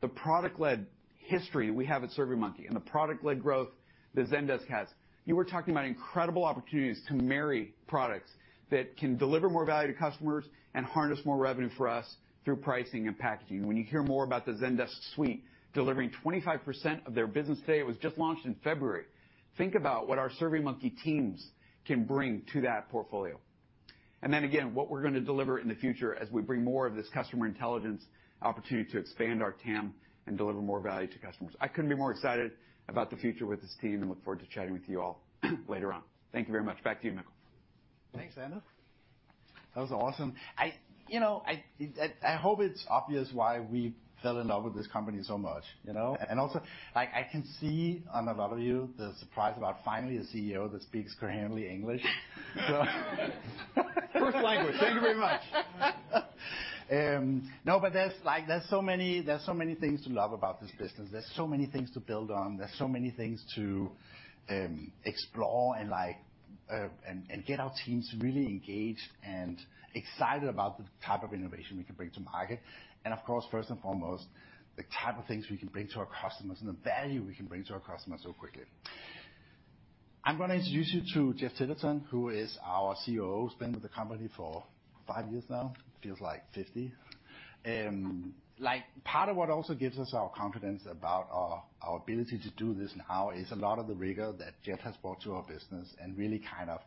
the product-led history we have at SurveyMonkey and the product-led growth that Zendesk has, you are talking about incredible opportunities to marry products that can deliver more value to customers and harness more revenue for us through pricing and packaging. When you hear more about the Zendesk Suite delivering 25% of their business today, it was just launched in February. Think about what our SurveyMonkey teams can bring to that portfolio. What we're going to deliver in the future as we bring more of this customer intelligence opportunity to expand our TAM and deliver more value to customers. I couldn't be more excited about the future with this team and look forward to chatting with you all later on. Thank you very much. Back to you, Mikkel. Thanks, Zander. That was awesome. You know, I hope it's obvious why we fell in love with this company so much, you know? Also, like I can see on a lot of you the surprise about finally a CEO that speaks plain English. First language. Thank you very much. No, there's so many things to love about this business. There's so many things to build on. There's so many things to explore and like and get our teams really engaged and excited about the type of innovation we can bring to market. Of course, first and foremost, the type of things we can bring to our customers and the value we can bring to our customers so quickly. I'm going to introduce you to Jeff Titterton, who is our COO, has been with the company for 5 years now, feels like 50. Part of what also gives us our confidence about our ability to do this now is a lot of the rigor that Jeff has brought to our business and really kind of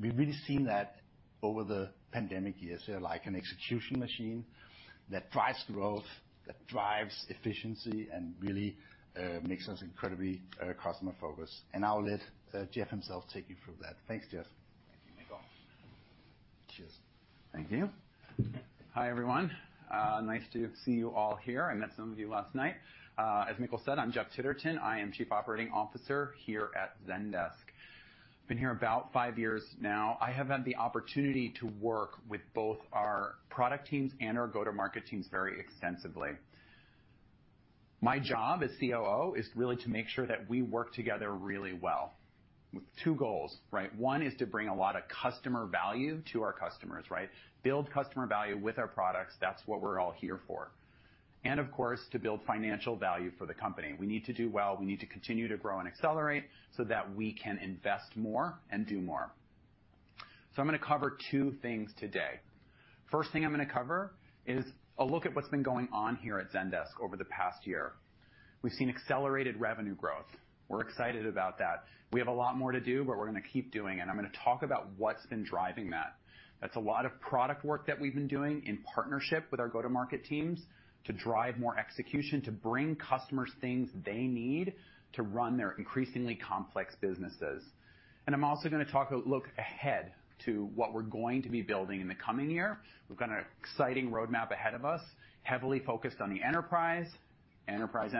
we've really seen that over the pandemic years. They're like an execution machine that drives growth, that drives efficiency, and really makes us incredibly customer-focused. I'll let Jeff himself take you through that. Thanks, Jeff. Mikkel. Cheers. Thank you. Hi, everyone. Nice to see you all here. I met some of you last night. As Mikkel said, I'm Jeff Titterton. I am Chief Operating Officer here at Zendesk. Been here about five years now. I have had the opportunity to work with both our product teams and our go-to-market teams very extensively. My job as COO is really to make sure that we work together really well. Two goals, right? One is to bring a lot of customer value to our customers, right? Build customer value with our products. That's what we're all here for. Of course, to build financial value for the company. We need to do well. We need to continue to grow and accelerate so that we can invest more and do more. I'm gonna cover two things today. First thing I'm gonna cover is a look at what's been going on here at Zendesk over the past year. We've seen accelerated revenue growth. We're excited about that. We have a lot more to do, but we're gonna keep doing, and I'm gonna talk about what's been driving that. That's a lot of product work that we've been doing in partnership with our go-to-market teams to drive more execution, to bring customers things they need to run their increasingly complex businesses. I'm also gonna take a look ahead to what we're going to be building in the coming year. We've got an exciting roadmap ahead of us, heavily focused on the enterprise. Enterprise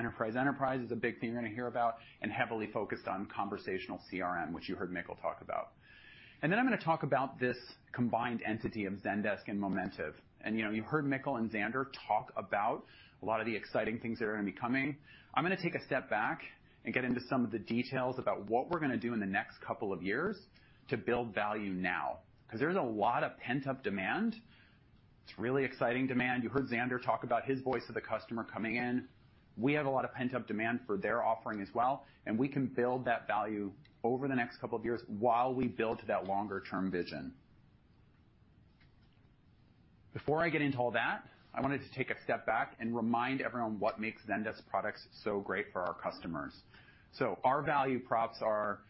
is a big thing you're gonna hear about, and heavily focused on conversational CRM, which you heard Mikkel talk about. Then I'm gonna talk about this combined entity of Zendesk and Momentive. You heard Mikkel and Zander talk about a lot of the exciting things that are gonna be coming. I'm gonna take a step back and get into some of the details about what we're gonna do in the next couple of years to build value now, 'cause there's a lot of pent-up demand. It's really exciting demand. You heard Zander talk about his voice of the customer coming in. We have a lot of pent-up demand for their offering as well, and we can build that value over the next couple of years while we build to that longer-term vision. Before I get into all that, I wanted to take a step back and remind everyone what makes Zendesk products so great for our customers. Our value props are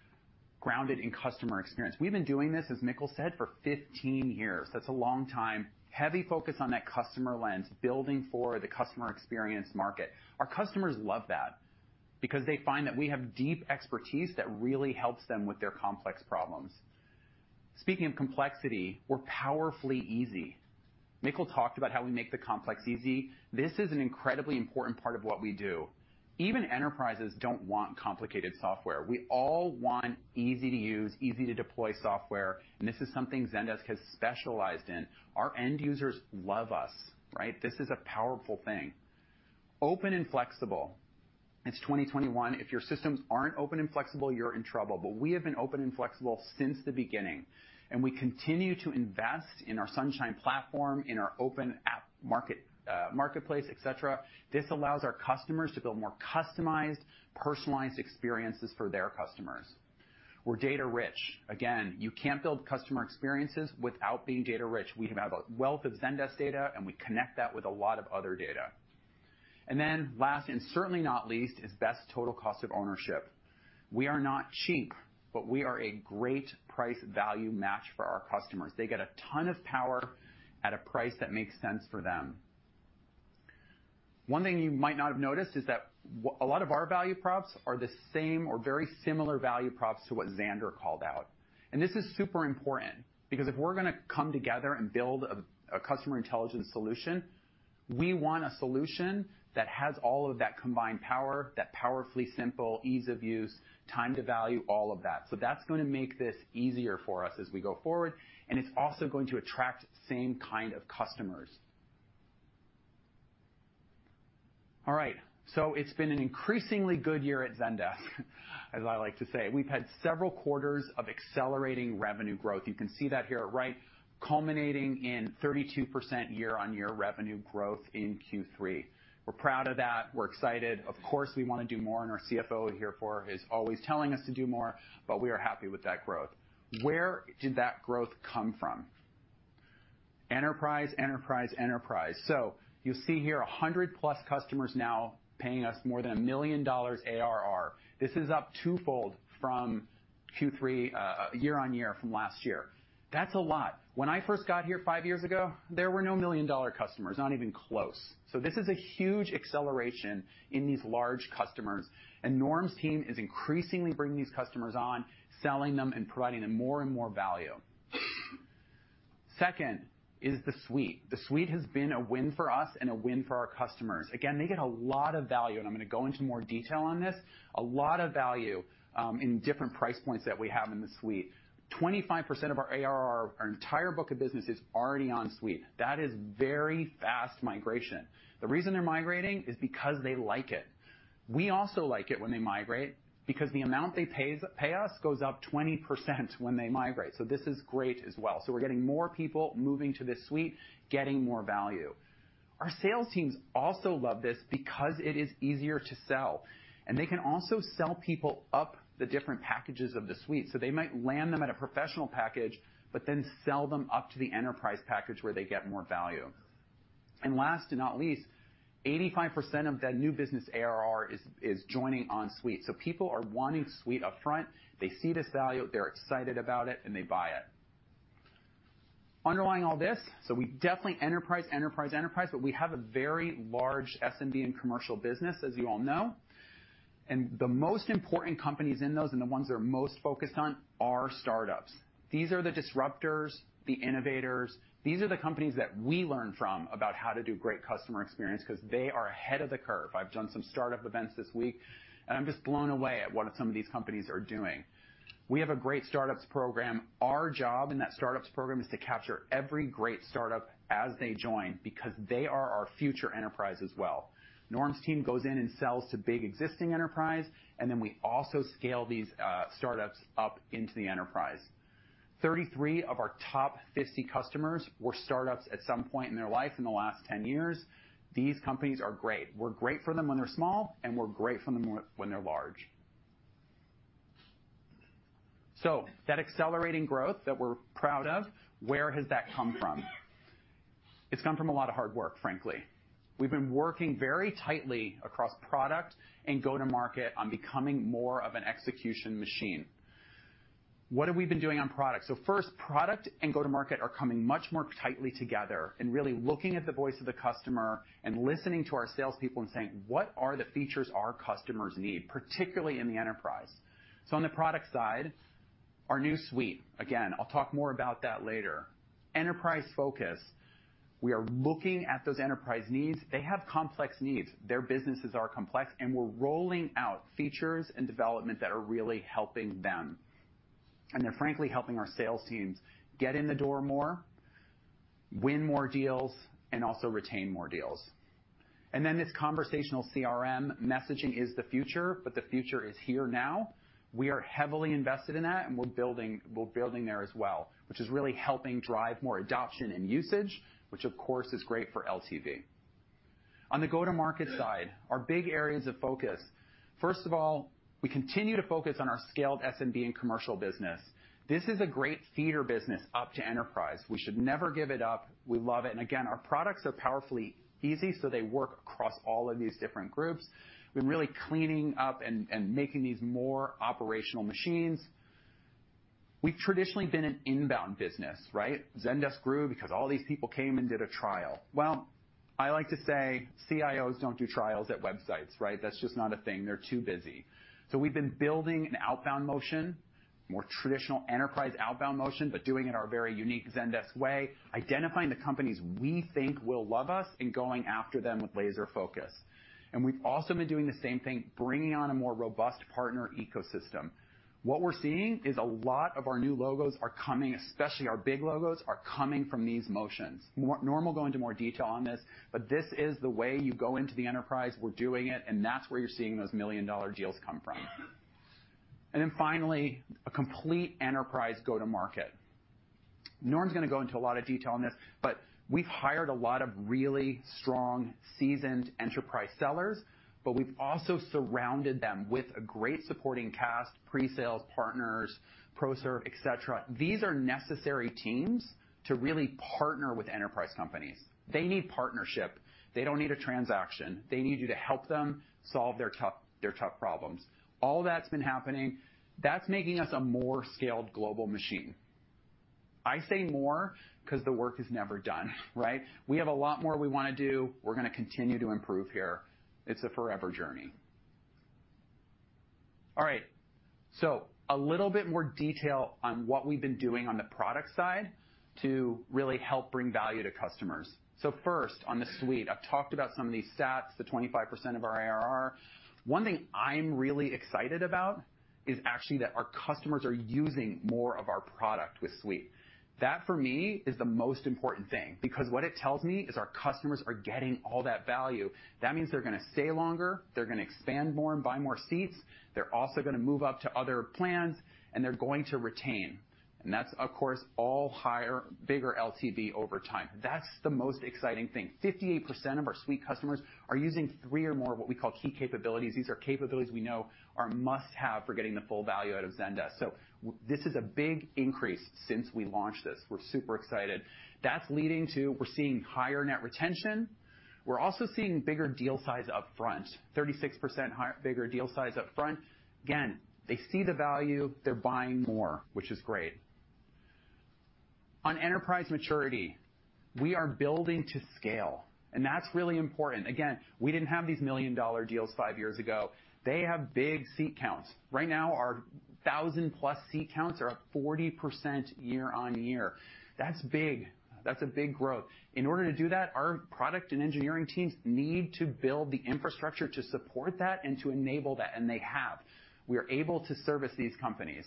grounded in customer experience. We've been doing this, as Mikkel said, for 15 years. That's a long time. Heavy focus on that customer lens, building for the customer experience market. Our customers love that because they find that we have deep expertise that really helps them with their complex problems. Speaking of complexity, we're powerfully easy. Mikkel talked about how we make the complex easy. This is an incredibly important part of what we do. Even enterprises don't want complicated software. We all want easy-to-use, easy-to-deploy software, and this is something Zendesk has specialized in. Our end users love us, right? This is a powerful thing. Open and flexible. It's 2021. If your systems aren't open and flexible, you're in trouble. We have been open and flexible since the beginning, and we continue to invest in our Sunshine platform, in our open app market, marketplace, et cetera. This allows our customers to build more customized, personalized experiences for their customers. We're data rich. Again, you can't build customer experiences without being data rich. We have a wealth of Zendesk data, and we connect that with a lot of other data. Then last, and certainly not least, is best total cost of ownership. We are not cheap, but we are a great price-value match for our customers. They get a ton of power at a price that makes sense for them. One thing you might not have noticed is that a lot of our value props are the same or very similar value props to what Zander called out. This is super important because if we're gonna come together and build a customer intelligence solution, we want a solution that has all of that combined power, that powerfully simple ease of use, time to value, all of that. That's gonna make this easier for us as we go forward, and it's also going to attract same kind of customers. All right, it's been an increasingly good year at Zendesk as I like to say. We've had several quarters of accelerating revenue growth. You can see that here at right, culminating in 32% year-on-year revenue growth in Q3. We're proud of that. We're excited. Of course, we wanna do more, and our CFO here, Shelagh Glaser, is always telling us to do more, but we are happy with that growth. Where did that growth come from? Enterprise. You'll see here 100+ customers now paying us more than $1 million ARR. This is up twofold from Q3 year-on-year from last year. That's a lot. When I first got here five years ago, there were no million-dollar customers, not even close. This is a huge acceleration in these large customers, and Norm's team is increasingly bringing these customers on, selling them, and providing them more and more value. Second is the suite. The suite has been a win for us and a win for our customers. Again, they get a lot of value, and I'm gonna go into more detail on this, a lot of value, in different price points that we have in the suite. 25% of our ARR, our entire book of business is already on suite. That is very fast migration. The reason they're migrating is because they like it. We also like it when they migrate because the amount they pay us goes up 20% when they migrate. This is great as well. We're getting more people moving to this suite, getting more value. Our sales teams also love this because it is easier to sell, and they can also sell people up the different packages of the suite. They might land them at a professional package, but then sell them up to the enterprise package where they get more value. Last but not least, 85% of that new business ARR is joining on suite. People are wanting suite upfront. They see this value, they're excited about it, and they buy it. Underlying all this, we definitely enterprise, but we have a very large SMB and commercial business, as you all know. The most important companies in those and the ones they're most focused on are startups. These are the disruptors, the innovators. These are the companies that we learn from about how to do great customer experience because they are ahead of the curve. I've done some startup events this week, and I'm just blown away at what some of these companies are doing. We have a great startups program. Our job in that startups program is to capture every great startup as they join because they are our future enterprise as well. Norm's team goes in and sells to big existing enterprise, and then we also scale these startups up into the enterprise. 33 of our top 50 customers were startups at some point in their life in the last 10 years. These companies are great. We're great for them when they're small, and we're great for them when they're large. That accelerating growth that we're proud of, where has that come from? It's come from a lot of hard work, frankly. We've been working very tightly across product and go-to-market on becoming more of an execution machine. What have we been doing on product? First, product and go-to-market are coming much more tightly together and really looking at the voice of the customer and listening to our salespeople and saying, "What are the features our customers need, particularly in the enterprise?" On the product side, our new suite, again, I'll talk more about that later. Enterprise focus, we are looking at those enterprise needs. They have complex needs. Their businesses are complex, and we're rolling out features and development that are really helping them. They're frankly helping our sales teams get in the door more, win more deals, and also retain more deals. This conversational CRM messaging is the future, but the future is here now. We are heavily invested in that, and we're building there as well, which is really helping drive more adoption and usage, which of course is great for LTV. On the go-to-market side, our big areas of focus, first of all, we continue to focus on our scaled SMB and commercial business. This is a great feeder business up to enterprise. We should never give it up. We love it. Again, our products are powerfully easy, so they work across all of these different groups. We're really cleaning up and making these more operational machines. We've traditionally been an inbound business, right? Zendesk grew because all these people came and did a trial. Well, I like to say CIOs don't do trials at websites, right? That's just not a thing. They're too busy. We've been building an outbound motion, more traditional enterprise outbound motion, but doing it our very unique Zendesk way, identifying the companies we think will love us and going after them with laser focus. We've also been doing the same thing, bringing on a more robust partner ecosystem. What we're seeing is a lot of our new logos are coming, especially our big logos, are coming from these motions. Norm will go into more detail on this, but this is the way you go into the enterprise. We're doing it, and that's where you're seeing those million-dollar deals come from. A complete enterprise go-to-market. Norm's gonna go into a lot of detail on this, but we've hired a lot of really strong, seasoned enterprise sellers, but we've also surrounded them with a great supporting cast, pre-sales partners, pro serve, et cetera. These are necessary teams to really partner with enterprise companies. They need partnership. They don't need a transaction. They need you to help them solve their tough problems. All that's been happening. That's making us a more scaled global machine. I say more because the work is never done, right? We have a lot more we wanna do. We're gonna continue to improve here. It's a forever journey. All right. A little bit more detail on what we've been doing on the product side to really help bring value to customers. First, on the Suite, I've talked about some of these stats, the 25% of our ARR. One thing I'm really excited about is actually that our customers are using more of our product with Suite. That, for me, is the most important thing because what it tells me is our customers are getting all that value. That means they're gonna stay longer, they're gonna expand more and buy more seats, they're also gonna move up to other plans, and they're going to retain. That's, of course, all higher, bigger LTV over time. That's the most exciting thing. 58% of our Suite customers are using three or more of what we call key capabilities. These are capabilities we know are must-have for getting the full value out of Zendesk. This is a big increase since we launched this. We're super excited. That's leading to. We're seeing higher net retention. We're also seeing bigger deal size up front. 36% higher, bigger deal size up front. Again, they see the value, they're buying more, which is great. On enterprise maturity, we are building to scale, and that's really important. Again, we didn't have these million-dollar deals five years ago. They have big seat counts. Right now, our 1,000-plus seat counts are up 40% year-over-year. That's big. That's a big growth. In order to do that, our product and engineering teams need to build the infrastructure to support that and to enable that, and they have. We are able to service these companies.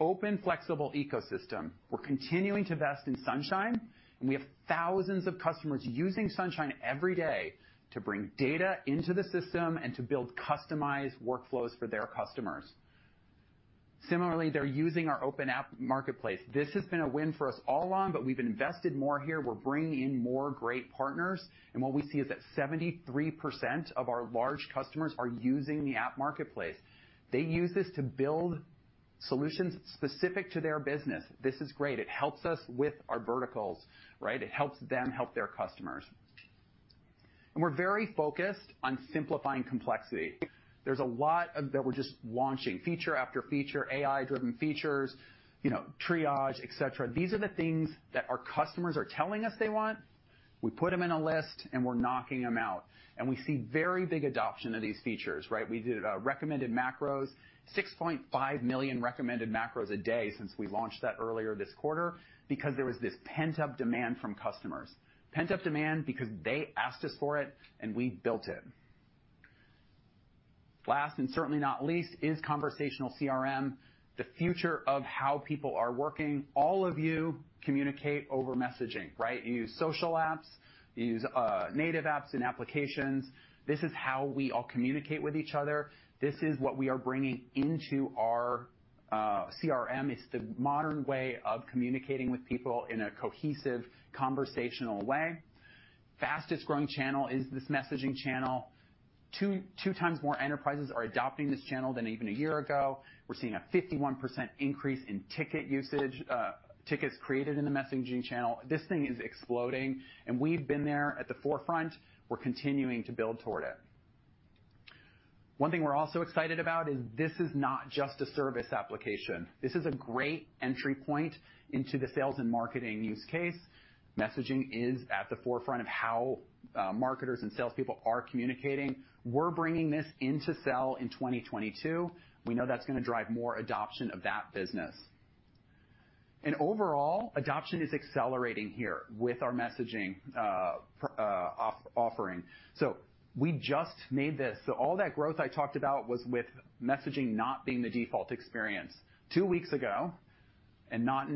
Open, flexible ecosystem. We're continuing to invest in Sunshine, and we have thousands of customers using Sunshine every day to bring data into the system and to build customized workflows for their customers. Similarly, they're using our open app marketplace. This has been a win for us all along, but we've invested more here. We're bringing in more great partners. What we see is that 73% of our large customers are using the app marketplace. They use this to build solutions specific to their business. This is great. It helps us with our verticals, right? It helps them help their customers. We're very focused on simplifying complexity. We're just launching feature after feature, AI-driven features, you know, triage, et cetera. These are the things that our customers are telling us they want. We put them in a list, and we're knocking them out. We see very big adoption of these features, right? We did recommended macros, 6.5 million recommended macros a day since we launched that earlier this quarter because there was this pent-up demand from customers. Pent-up demand because they asked us for it, and we built it. Last, and certainly not least, is conversational CRM, the future of how people are working. All of you communicate over messaging, right? You use social apps, you use native apps and applications. This is how we all communicate with each other. This is what we are bringing into our CRM. It's the modern way of communicating with people in a cohesive, conversational way. Fastest-growing channel is this messaging channel. 2 times more enterprises are adopting this channel than even a year ago. We're seeing a 51% increase in ticket usage, tickets created in the messaging channel. This thing is exploding, and we've been there at the forefront. We're continuing to build toward it. One thing we're also excited about is this is not just a service application. This is a great entry point into the sales and marketing use case. Messaging is at the forefront of how marketers and salespeople are communicating. We're bringing this into Sell in 2022. We know that's gonna drive more adoption of that business. Overall, adoption is accelerating here with our messaging offering. We just made this. All that growth I talked about was with messaging not being the default experience. Two weeks ago, not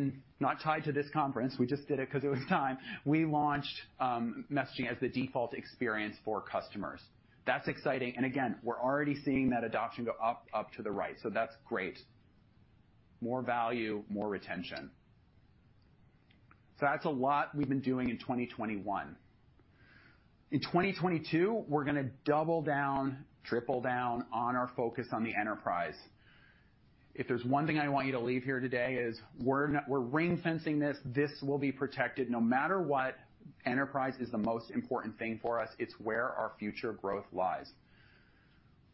tied to this conference, we just did it 'cause it was time, we launched messaging as the default experience for customers. That's exciting. Again, we're already seeing that adoption go up to the right. That's great. More value, more retention. That's a lot we've been doing in 2021. In 2022, we're gonna double down, triple down on our focus on the enterprise. If there's one thing I want you to leave here today is we're ring-fencing this. This will be protected. No matter what, enterprise is the most important thing for us. It's where our future growth lies.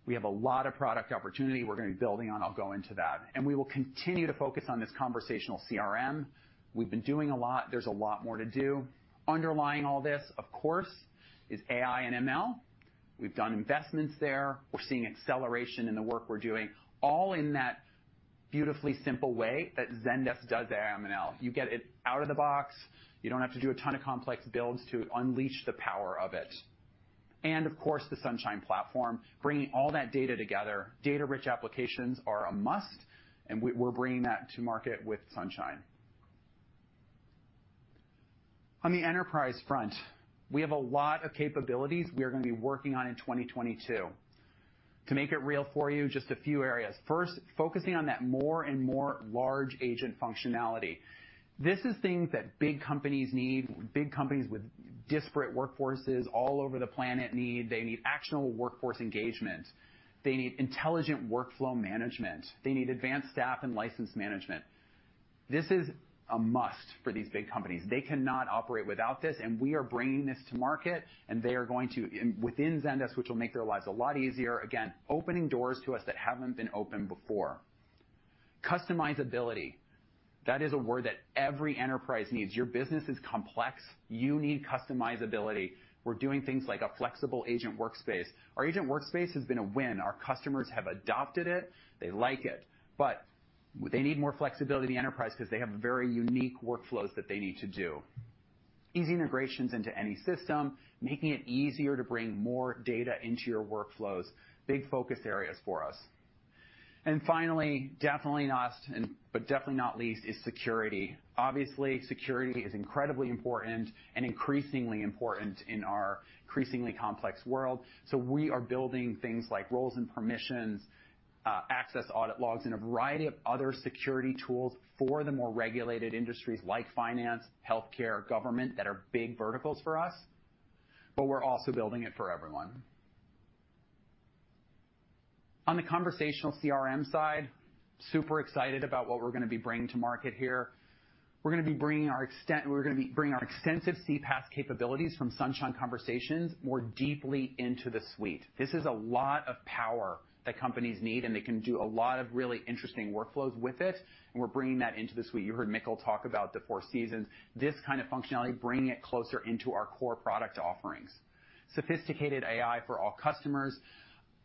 We have a lot of product opportunity we're gonna be building on. I'll go into that. We will continue to focus on this conversational CRM. We've been doing a lot. There's a lot more to do. Underlying all this, of course, is AI and ML. We've done investments there. We're seeing acceleration in the work we're doing, all in that beautifully simple way that Zendesk does AI and ML. You get it out of the box. You don't have to do a ton of complex builds to unleash the power of it. Of course, the Sunshine platform, bringing all that data together. Data-rich applications are a must, and we're bringing that to market with Sunshine. On the enterprise front, we have a lot of capabilities we are gonna be working on in 2022. To make it real for you, just a few areas. First, focusing on that more and more large agent functionality. This is things that big companies need, big companies with disparate workforces all over the planet need. They need actionable workforce engagement. They need intelligent workflow management. They need advanced staff and license management. This is a must for these big companies. They cannot operate without this, and we are bringing this to market, and they are going to within Zendesk, which will make their lives a lot easier, again, opening doors to us that haven't been opened before. Customizability, that is a word that every enterprise needs. Your business is complex. You need customizability. We're doing things like a flexible agent workspace. Our agent workspace has been a win. Our customers have adopted it. They like it, but they need more flexibility in the enterprise 'cause they have very unique workflows that they need to do. Easy integrations into any system, making it easier to bring more data into your workflows, big focus areas for us. Finally, definitely last but definitely not least is security. Obviously, security is incredibly important and increasingly important in our increasingly complex world. We are building things like roles and permissions, access audit logs, and a variety of other security tools for the more regulated industries like finance, healthcare, government, that are big verticals for us, but we're also building it for everyone. On the conversational CRM side, super excited about what we're gonna be bringing to market here. We're gonna be bringing our extensive CPaaS capabilities from Sunshine Conversations more deeply into the suite. This is a lot of power that companies need, and they can do a lot of really interesting workflows with it, and we're bringing that into the suite. You heard Mikkel talk about the Four Seasons. This kind of functionality, bringing it closer into our core product offerings. Sophisticated AI for all customers.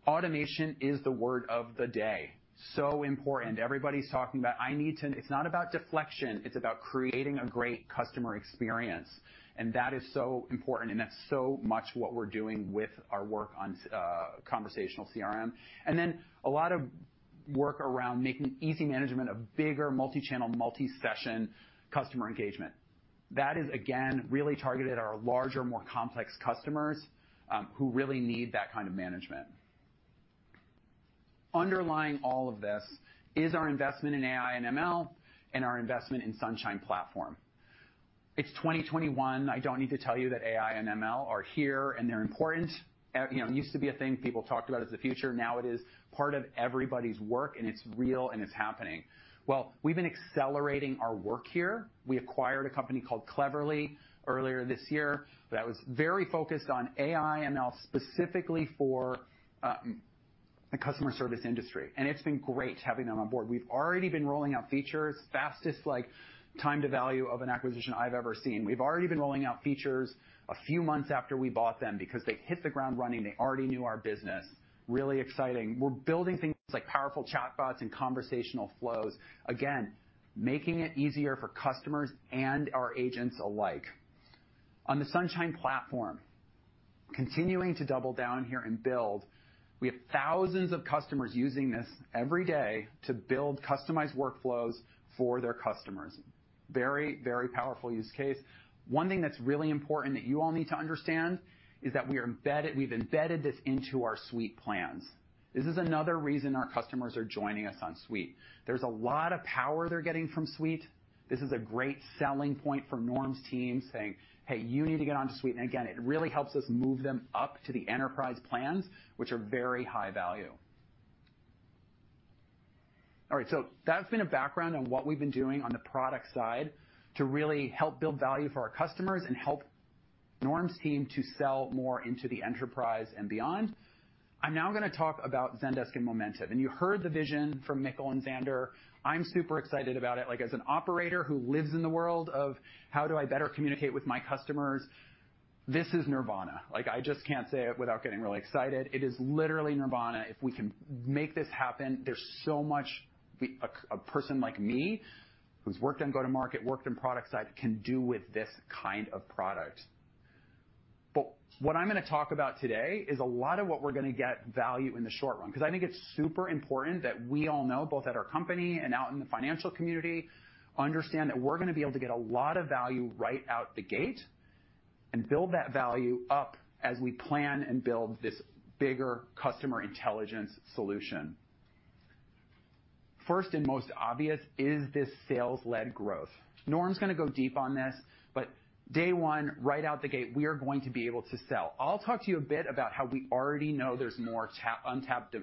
Automation is the word of the day. Important. Everybody's talking about, "I need to." It's not about deflection. It's about creating a great customer experience, and that is so important, and that's so much what we're doing with our work on Sunshine, conversational CRM. Then a lot of work around making easy management of bigger multi-channel, multi-session customer engagement. That is, again, really targeted at our larger, more complex customers, who really need that kind of management. Underlying all of this is our investment in AI and ML and our investment in Sunshine platform. It's 2021. I don't need to tell you that AI and ML are here, and they're important. You know, it used to be a thing people talked about as the future. Now it is part of everybody's work, and it's real, and it's happening. Well, we've been accelerating our work here. We acquired a company called Cleverly.ai Earlier this year that was very focused on AI and ML specifically for the customer service industry. It's been great having them on board. We've already been rolling out features, fastest time to value of an acquisition I've ever seen. We've already been rolling out features a few months after we bought them because they hit the ground running. They already knew our business. Really exciting. We're building things like powerful chatbots and conversational flows. Again, making it easier for customers and our agents alike. On the Sunshine platform, continuing to double down here and build, we have thousands of customers using this every day to build customized workflows for their customers. Very, very powerful use case. One thing that's really important that you all need to understand is that we've embedded this into our Suite plans. This is another reason our customers are joining us on Suite. There's a lot of power they're getting from Suite. This is a great selling point for Norm's team saying, "Hey, you need to get onto Suite." Again, it really helps us move them up to the enterprise plans, which are very high value. All right, that's been a background on what we've been doing on the product side to really help build value for our customers and help Norm's team to sell more into the enterprise and beyond. I'm now gonna talk about Zendesk and Momentive. You heard the vision from Mikkel and Zander. I'm super excited about it. Like, as an operator who lives in the world of how do I better communicate with my customers, this is nirvana. Like, I just can't say it without getting really excited. It is literally nirvana. If we can make this happen, there's so much a person like me, who's worked in go-to-market, worked in product side, can do with this kind of product. What I'm gonna talk about today is a lot of what we're gonna get value in the short run, because I think it's super important that we all know, both at our company and out in the financial community, understand that we're gonna be able to get a lot of value right out the gate and build that value up as we plan and build this bigger customer intelligence solution. First and most obvious is this sales-led growth. Norm's gonna go deep on this, but day one, right out the gate, we are going to be able to sell. I'll talk to you a bit about how we already know there's more untapped,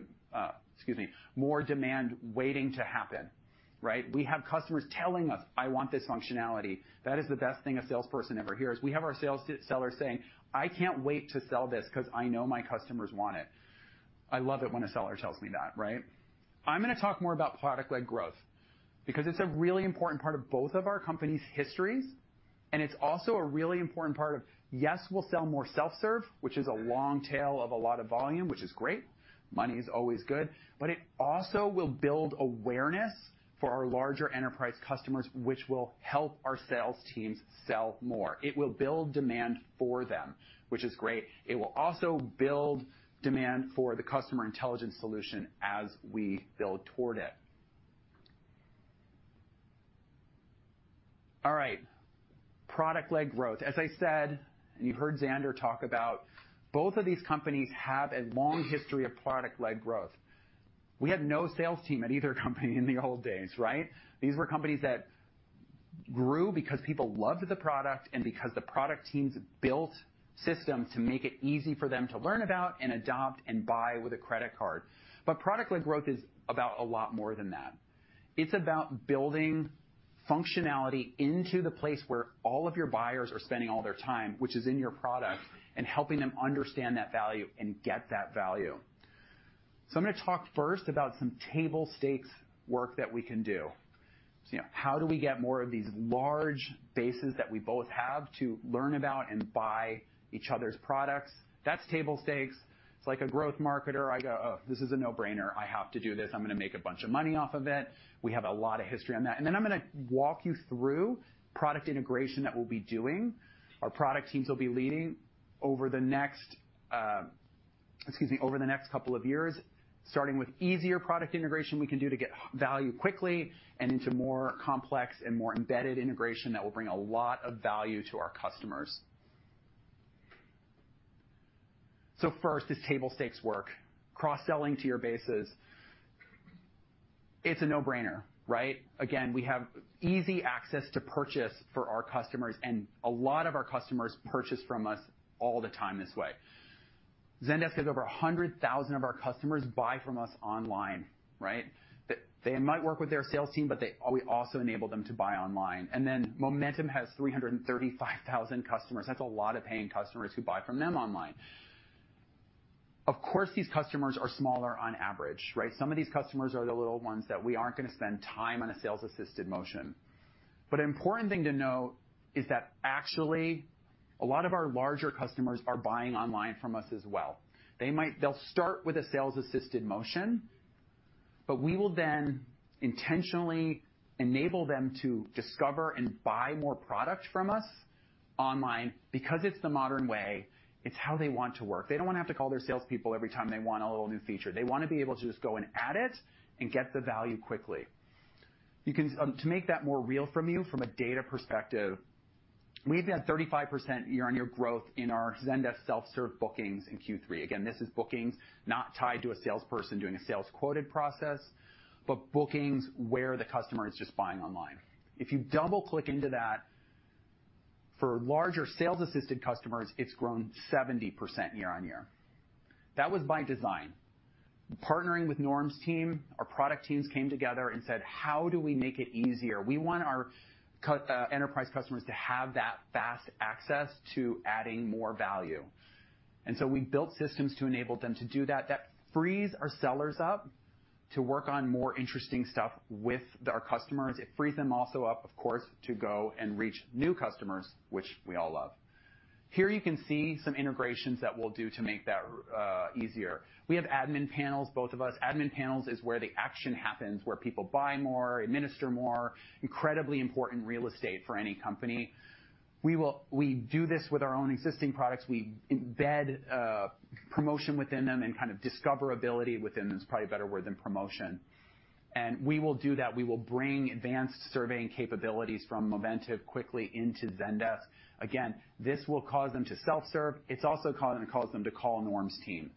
excuse me, more demand waiting to happen, right? We have customers telling us, "I want this functionality." That is the best thing a salesperson ever hears. We have our sales sellers saying, "I can't wait to sell this 'cause I know my customers want it." I love it when a seller tells me that, right? I'm gonna talk more about product-led growth because it's a really important part of both of our companies' histories, and it's also a really important part of, yes, we'll sell more self-serve, which is a long tail of a lot of volume, which is great. Money is always good. It also will build awareness for our larger enterprise customers, which will help our sales teams sell more. It will build demand for them, which is great. It will also build demand for the customer intelligence solution as we build toward it. All right. Product-led growth. As I said, and you heard Zander talk about, both of these companies have a long history of product-led growth. We had no sales team at either company in the old days, right? These were companies that grew because people loved the product and because the product teams built systems to make it easy for them to learn about and adopt and buy with a credit card. Product-led growth is about a lot more than that. It's about building functionality into the place where all of your buyers are spending all their time, which is in your product, and helping them understand that value and get that value. I'm gonna talk first about some table stakes work that we can do. You know, how do we get more of these large bases that we both have to learn about and buy each other's products? That's table stakes. It's like a growth marketer. I go, "Oh, this is a no-brainer. I have to do this. I'm gonna make a bunch of money off of it." We have a lot of history on that. I'm gonna walk you through product integration that we'll be doing, our product teams will be leading over the next couple of years, starting with easier product integration we can do to get value quickly and into more complex and more embedded integration that will bring a lot of value to our customers. First is table stakes work. Cross-selling to your bases, it's a no-brainer, right? Again, we have easy access to purchase for our customers, and a lot of our customers purchase from us all the time this way. Zendesk has over 100,000 of our customers buy from us online, right? They might work with their sales team, but we also enable them to buy online. Then Momentive has 335,000 customers. That's a lot of paying customers who buy from them online. Of course, these customers are smaller on average, right? Some of these customers are the little ones that we aren't gonna spend time on a sales-assisted motion. An important thing to note is that actually a lot of our larger customers are buying online from us as well. They might. They'll start with a sales-assisted motion, but we will then intentionally enable them to discover and buy more product from us online because it's the modern way. It's how they want to work. They don't want to have to call their salespeople every time they want a little new feature. They want to be able to just go and add it and get the value quickly. To make that more real for you from a data perspective, we've had 35% year-on-year growth in our Zendesk self-serve bookings in Q3. Again, this is bookings not tied to a salesperson doing a sales quoted process, but bookings where the customer is just buying online. If you double-click into that, for larger sales-assisted customers, it's grown 70% year-on-year. That was by design. Partnering with Norm's team, our product teams came together and said, "How do we make it easier? We want our enterprise customers to have that fast access to adding more value." We built systems to enable them to do that. That frees our sellers up to work on more interesting stuff with our customers. It frees them also up, of course, to go and reach new customers, which we all love. Here you can see some integrations that we'll do to make that easier. We have admin panels, both of us. Admin panels is where the action happens, where people buy more, administer more, incredibly important real estate for any company. We do this with our own existing products. We embed promotion within them, and kind of discoverability within them is probably a better word than promotion. We will do that. We will bring advanced surveying capabilities from Momentive quickly into Zendesk. Again, this will cause them to self-serve. It's also gonna cause them to call Norm's team.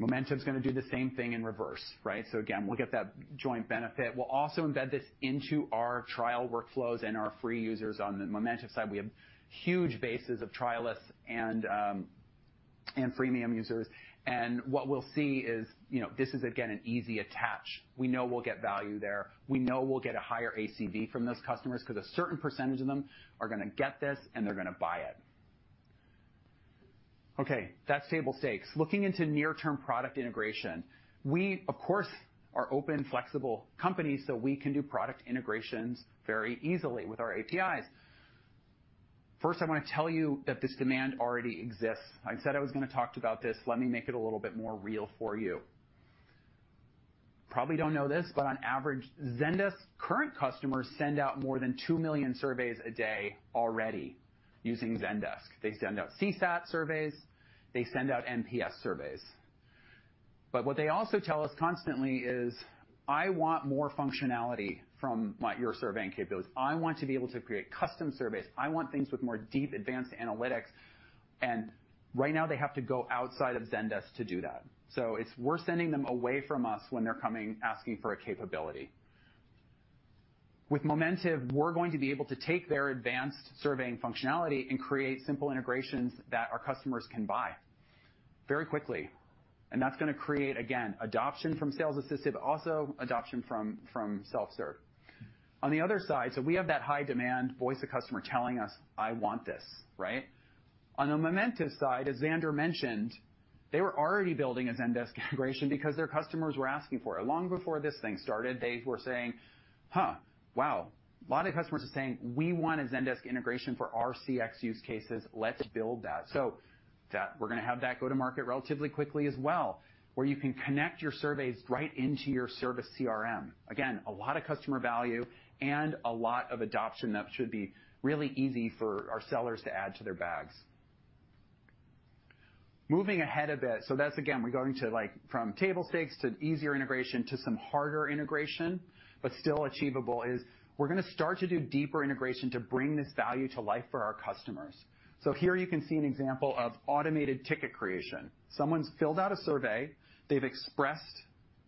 Momentive's gonna do the same thing in reverse, right? Again, we'll get that joint benefit. We'll also embed this into our trial workflows and our free users. On the Momentive side, we have huge bases of trialists and freemium users. What we'll see is, you know, this is again an easy attach. We know we'll get value there. We know we'll get a higher ACV from those customers 'cause a certain percentage of them are gonna get this, and they're gonna buy it. Okay, that's table stakes. Looking into near-term product integration, we of course are open, flexible companies, so we can do product integrations very easily with our APIs. First, I wanna tell you that this demand already exists. I said I was gonna talk about this. Let me make it a little bit more real for you. Probably don't know this, but on average, Zendesk current customers send out more than 2 million surveys a day already using Zendesk. They send out CSAT surveys. They send out NPS surveys. What they also tell us constantly is, "I want more functionality from your surveying capabilities. I want to be able to create custom surveys. I want things with more deep advanced analytics." Right now they have to go outside of Zendesk to do that. It's, we're sending them away from us when they're coming asking for a capability. With Momentive, we're going to be able to take their advanced surveying functionality and create simple integrations that our customers can buy very quickly, and that's gonna create, again, adoption from sales assistive, also adoption from self-serve. On the other side, we have that high demand voice of customer telling us, "I want this," right? On the Momentive side, as Zander mentioned, they were already building a Zendesk integration because their customers were asking for it. Long before this thing started, they were saying, "Huh, wow, a lot of customers are saying we want a Zendesk integration for our CX use cases. Let's build that." that, we're gonna have that go to market relatively quickly as well, where you can connect your surveys right into your service CRM. Again, a lot of customer value and a lot of adoption that should be really easy for our sellers to add to their bags. Moving ahead a bit, so that's again, we're going to like from table stakes to easier integration to some harder integration, but still achievable, is we're gonna start to do deeper integration to bring this value to life for our customers. Here you can see an example of automated ticket creation. Someone's filled out a survey. They've expressed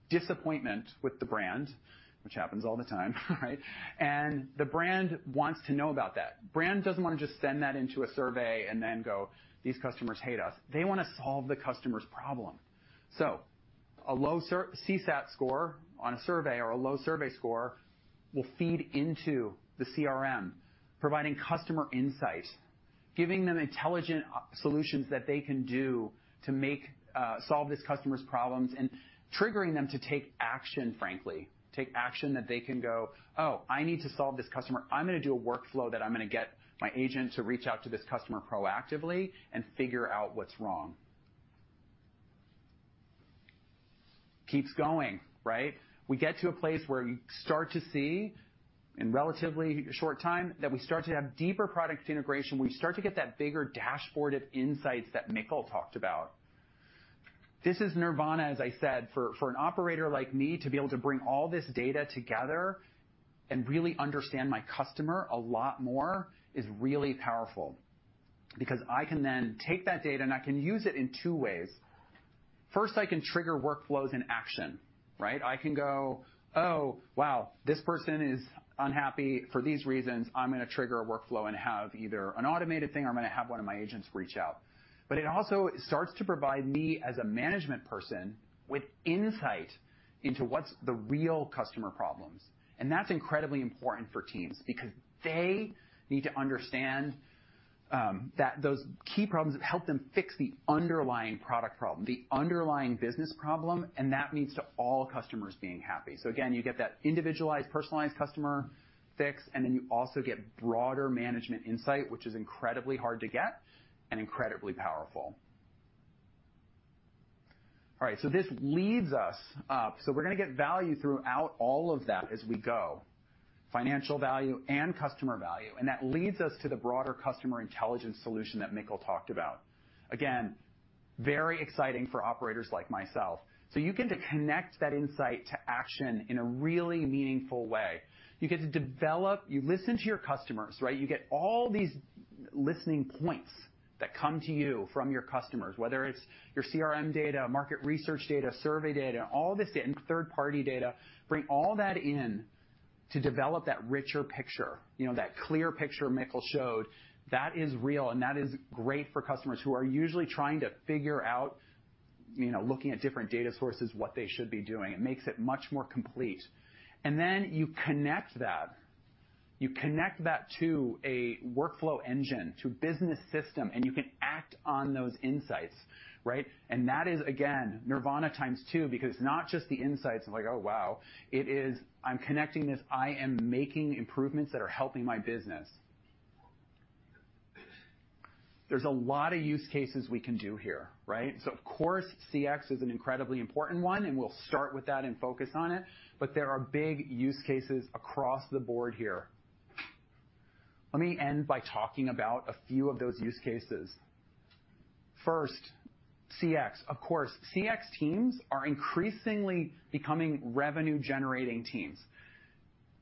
disappointment with the brand, which happens all the time, right? The brand wants to know about that. The brand doesn't wanna just send that into a survey and then go, "These customers hate us." They wanna solve the customer's problem. A low CSAT score on a survey or a low survey score will feed into the CRM, providing customer insight, giving them intelligent solutions that they can do to make solve this customer's problems and triggering them to take action, frankly, take action that they can go, "Oh, I need to solve this customer. I'm gonna do a workflow that I'm gonna get my agent to reach out to this customer proactively and figure out what's wrong." Keeps going, right? We get to a place where you start to see in relatively short time that we start to have deeper product integration. We start to get that bigger dashboard of insights that Mikkel talked about. This is nirvana, as I said. For an operator like me, to be able to bring all this data together and really understand my customer a lot more is really powerful because I can then take that data, and I can use it in two ways. First, I can trigger workflows in action, right? I can go, "Oh, wow, this person is unhappy for these reasons. I'm gonna trigger a workflow and have either an automated thing, or I'm gonna have one of my agents reach out." But it also starts to provide me as a management person with insight into what's the real customer problems. That's incredibly important for teams because they need to understand that those key problems help them fix the underlying product problem, the underlying business problem, and that means to all customers being happy. Again, you get that individualized, personalized customer fix, and then you also get broader management insight, which is incredibly hard to get and incredibly powerful. All right, this leads us up. We're gonna get value throughout all of that as we go, financial value and customer value. That leads us to the broader customer intelligence solution that Mikkel talked about. Again, very exciting for operators like myself. You get to connect that insight to action in a really meaningful way. You get to develop. You listen to your customers, right? You get all these listening points that come to you from your customers, whether it's your CRM data, market research data, survey data, all this data, and third-party data. Bring all that in to develop that richer picture, you know, that clear picture Mikkel showed. That is real, and that is great for customers who are usually trying to figure out, you know, looking at different data sources, what they should be doing. It makes it much more complete. You connect that to a workflow engine, to business system, and you can act on those insights, right? That is again, nirvana times two, because it's not just the insights of like, oh, wow. It is, I'm connecting this. I am making improvements that are helping my business. There's a lot of use cases we can do here, right? Of course, CX is an incredibly important one, and we'll start with that and focus on it. There are big use cases across the board here. Let me end by talking about a few of those use cases. First, CX, of course. CX teams are increasingly becoming revenue-generating teams,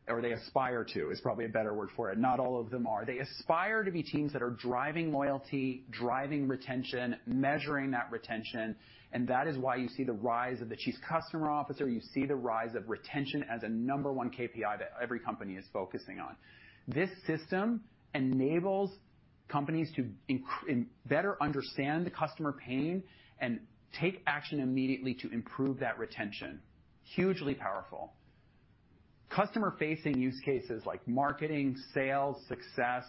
or they aspire to, is probably a better word for it. Not all of them are. They aspire to be teams that are driving loyalty, driving retention, measuring that retention, and that is why you see the rise of the Chief Customer Officer. You see the rise of retention as a number one KPI that every company is focusing on. This system enables companies to better understand the customer pain and take action immediately to improve that retention. Hugely powerful. Customer-facing use cases like marketing, sales, success,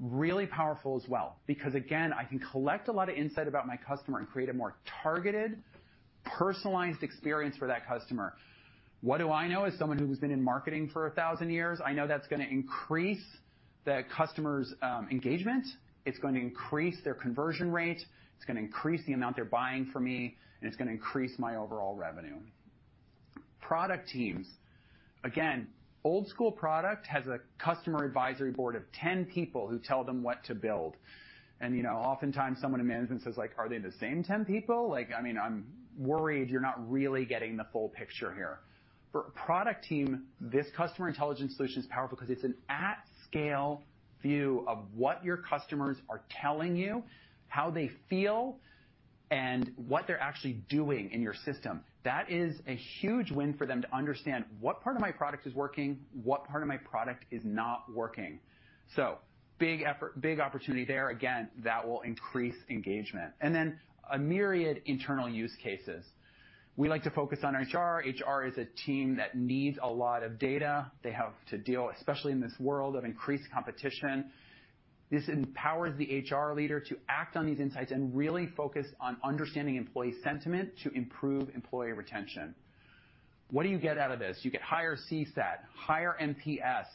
really powerful as well. Because again, I can collect a lot of insight about my customer and create a more targeted, personalized experience for that customer. What do I know as someone who has been in marketing for a thousand years? I know that's gonna increase the customer's engagement. It's going to increase their conversion rate. It's gonna increase the amount they're buying from me, and it's gonna increase my overall revenue. Product teams. Again, old school product has a customer advisory board of ten people who tell them what to build. You know, oftentimes someone in management says, like, "Are they the same ten people?" Like, I mean, I'm worried you're not really getting the full picture here. For product team, this customer intelligence solution is powerful 'cause it's an at-scale view of what your customers are telling you, how they feel, and what they're actually doing in your system. That is a huge win for them to understand what part of my product is working, what part of my product is not working. Big effort, big opportunity there. Again, that will increase engagement. Then a myriad internal use cases. We like to focus on HR. HR is a team that needs a lot of data. They have to deal, especially in this world, of increased competition. This empowers the HR leader to act on these insights and really focus on understanding employee sentiment to improve employee retention. What do you get out of this? You get higher CSAT, higher NPS,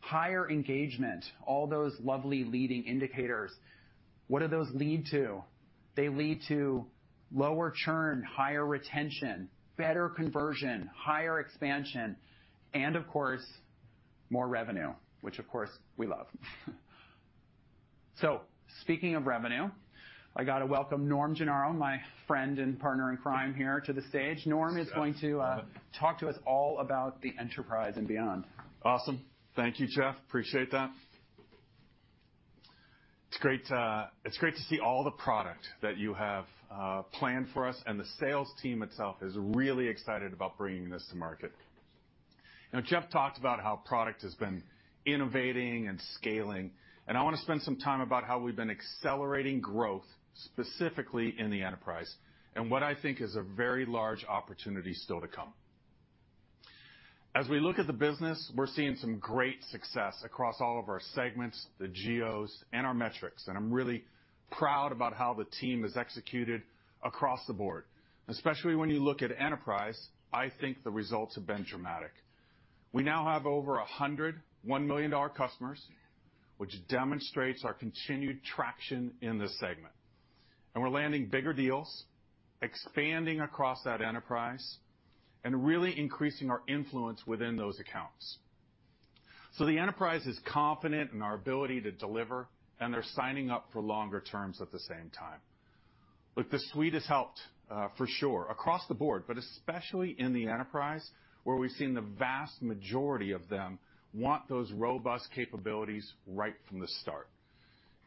higher engagement, all those lovely leading indicators. What do those lead to? They lead to lower churn, higher retention, better conversion, higher expansion, and of course, more revenue, which of course we love. Speaking of revenue, I gotta welcome Norm Gennaro, my friend and partner in crime here to the stage. Norm is going to talk to us all about the enterprise and beyond. Awesome. Thank you, Jeff. Appreciate that. It's great, it's great to see all the product that you have planned for us, and the sales team itself is really excited about bringing this to market. Now, Jeff talked about how product has been innovating and scaling, and I wanna spend some time about how we've been accelerating growth, specifically in the enterprise, and what I think is a very large opportunity still to come. As we look at the business, we're seeing some great success across all of our segments, the geos, and our metrics, and I'm really proud about how the team has executed across the board. Especially when you look at enterprise, I think the results have been dramatic. We now have over 100 $1 million customers, which demonstrates our continued traction in this segment. We're landing bigger deals, expanding across that enterprise, and really increasing our influence within those accounts. The enterprise is confident in our ability to deliver, and they're signing up for longer terms at the same time. Look, the Suite has helped, for sure across the board, but especially in the enterprise, where we've seen the vast majority of them want those robust capabilities right from the start.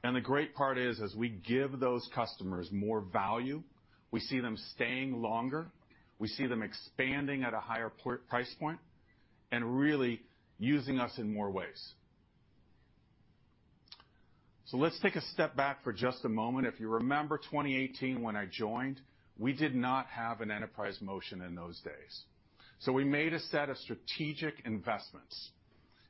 The great part is, as we give those customers more value, we see them staying longer, we see them expanding at a higher price point, and really using us in more ways. Let's take a step back for just a moment. If you remember 2018 when I joined, we did not have an enterprise motion in those days. We made a set of strategic investments,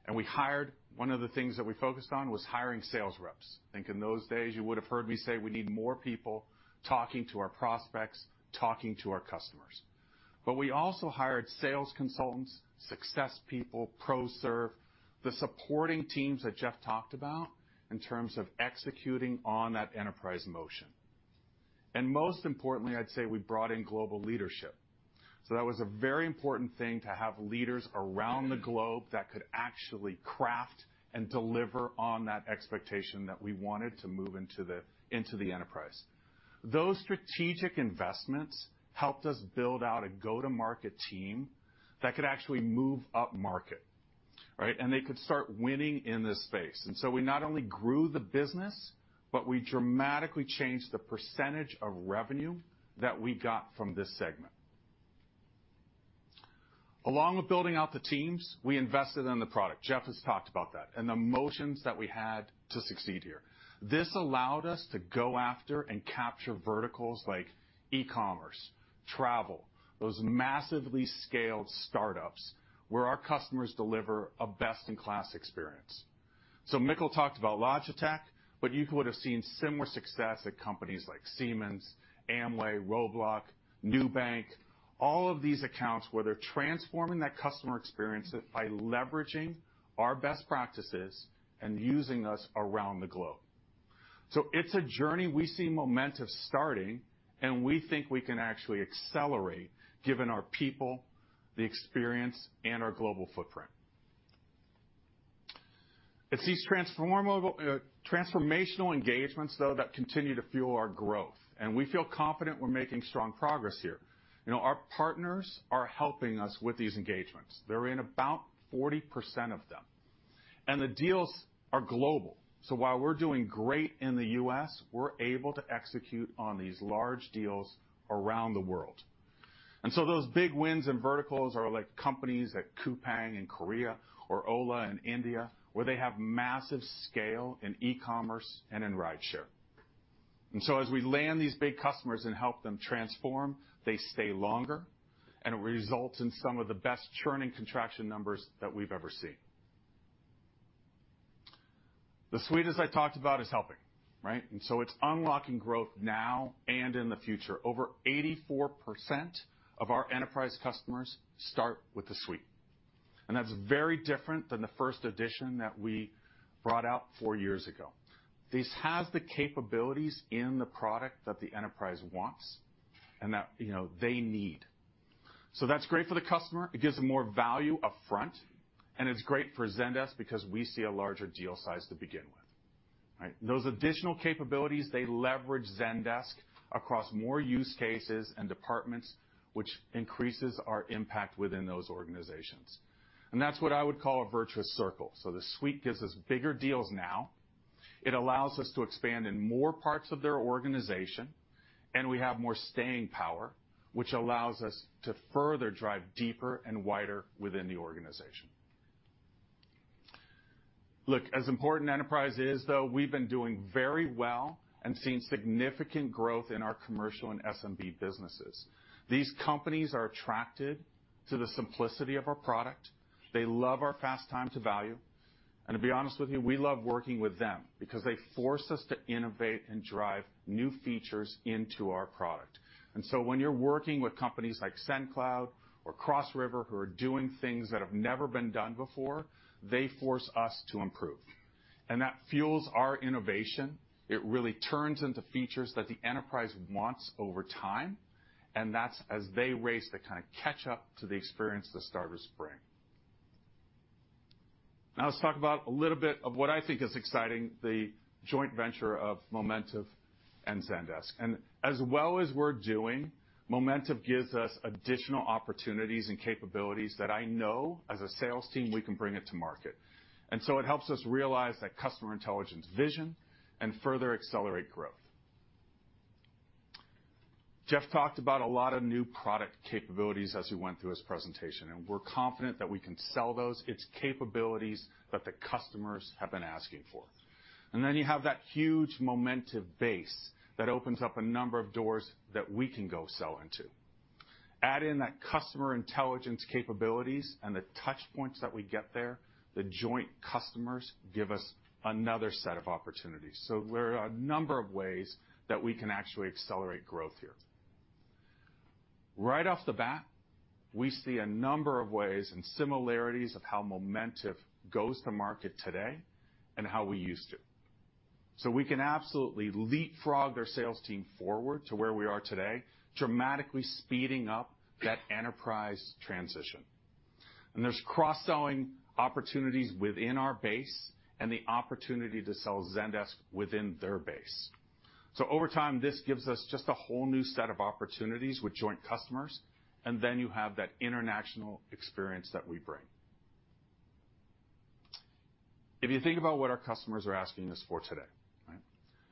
and we hired... One of the things that we focused on was hiring sales reps. I think in those days you would have heard me say, "We need more people talking to our prospects, talking to our customers." We also hired sales consultants, success people, pro serve, the supporting teams that Jeff talked about in terms of executing on that enterprise motion. Most importantly, I'd say we brought in global leadership. That was a very important thing to have leaders around the globe that could actually craft and deliver on that expectation that we wanted to move into the enterprise. Those strategic investments helped us build out a go-to-market team that could actually move upmarket, right? They could start winning in this space. We not only grew the business, but we dramatically changed the percentage of revenue that we got from this segment. Along with building out the teams, we invested in the product, Jeff has talked about that, and the motions that we had to succeed here. This allowed us to go after and capture verticals like e-commerce, travel, those massively scaled startups where our customers deliver a best-in-class experience. Mikkel talked about Logitech, but you could have seen similar success at companies like Siemens, Amway, Roblox, Nubank, all of these accounts where they're transforming that customer experience by leveraging our best practices and using us around the globe. It's a journey. We see Momentive starting, and we think we can actually accelerate given our people, the experience, and our global footprint. It's these transformable, transformational engagements, though, that continue to fuel our growth, and we feel confident we're making strong progress here. You know, our partners are helping us with these engagements. They're in about 40% of them, and the deals are global. While we're doing great in the U.S., we're able to execute on these large deals around the world. Those big wins in verticals are like companies like Coupang in Korea or Ola in India, where they have massive scale in e-commerce and in rideshare. As we land these big customers and help them transform, they stay longer, and it results in some of the best churning contraction numbers that we've ever seen. The suite, as I talked about, is helping, right? It's unlocking growth now and in the future. Over 84% of our enterprise customers start with the suite, and that's very different than the first edition that we brought out four years ago. This has the capabilities in the product that the enterprise wants and that, you know, they need. That's great for the customer. It gives them more value up front, and it's great for Zendesk because we see a larger deal size to begin with, right? Those additional capabilities, they leverage Zendesk across more use cases and departments, which increases our impact within those organizations. That's what I would call a virtuous circle. The suite gives us bigger deals now, it allows us to expand in more parts of their organization, and we have more staying power, which allows us to further drive deeper and wider within the organization. Look, as important as enterprise is, though, we've been doing very well and seen significant growth in our commercial and SMB businesses. These companies are attracted to the simplicity of our product. They love our fast time to value. To be honest with you, we love working with them because they force us to innovate and drive new features into our product. When you're working with companies like Sendcloud or Cross River who are doing things that have never been done before, they force us to improve. That fuels our innovation. It really turns into features that the enterprise wants over time, and that's as they race to kind of catch up to the experience that starters bring. Now let's talk about a little bit of what I think is exciting, the joint venture of Momentive and Zendesk. As well as we're doing, Momentive gives us additional opportunities and capabilities that I know as a sales team, we can bring it to market. It helps us realize that customer intelligence vision and further accelerate growth. Jeff talked about a lot of new product capabilities as he went through his presentation, and we're confident that we can sell those. It's capabilities that the customers have been asking for. Then you have that huge Momentive base that opens up a number of doors that we can go sell into. Add in that customer intelligence capabilities and the touch points that we get there, the joint customers give us another set of opportunities. There are a number of ways that we can actually accelerate growth here. Right off the bat, we see a number of ways and similarities of how Momentive goes to market today and how we used to. We can absolutely leapfrog their sales team forward to where we are today, dramatically speeding up that enterprise transition. There's cross-selling opportunities within our base and the opportunity to sell Zendesk within their base. Over time, this gives us just a whole new set of opportunities with joint customers, and then you have that international experience that we bring. If you think about what our customers are asking us for today, right?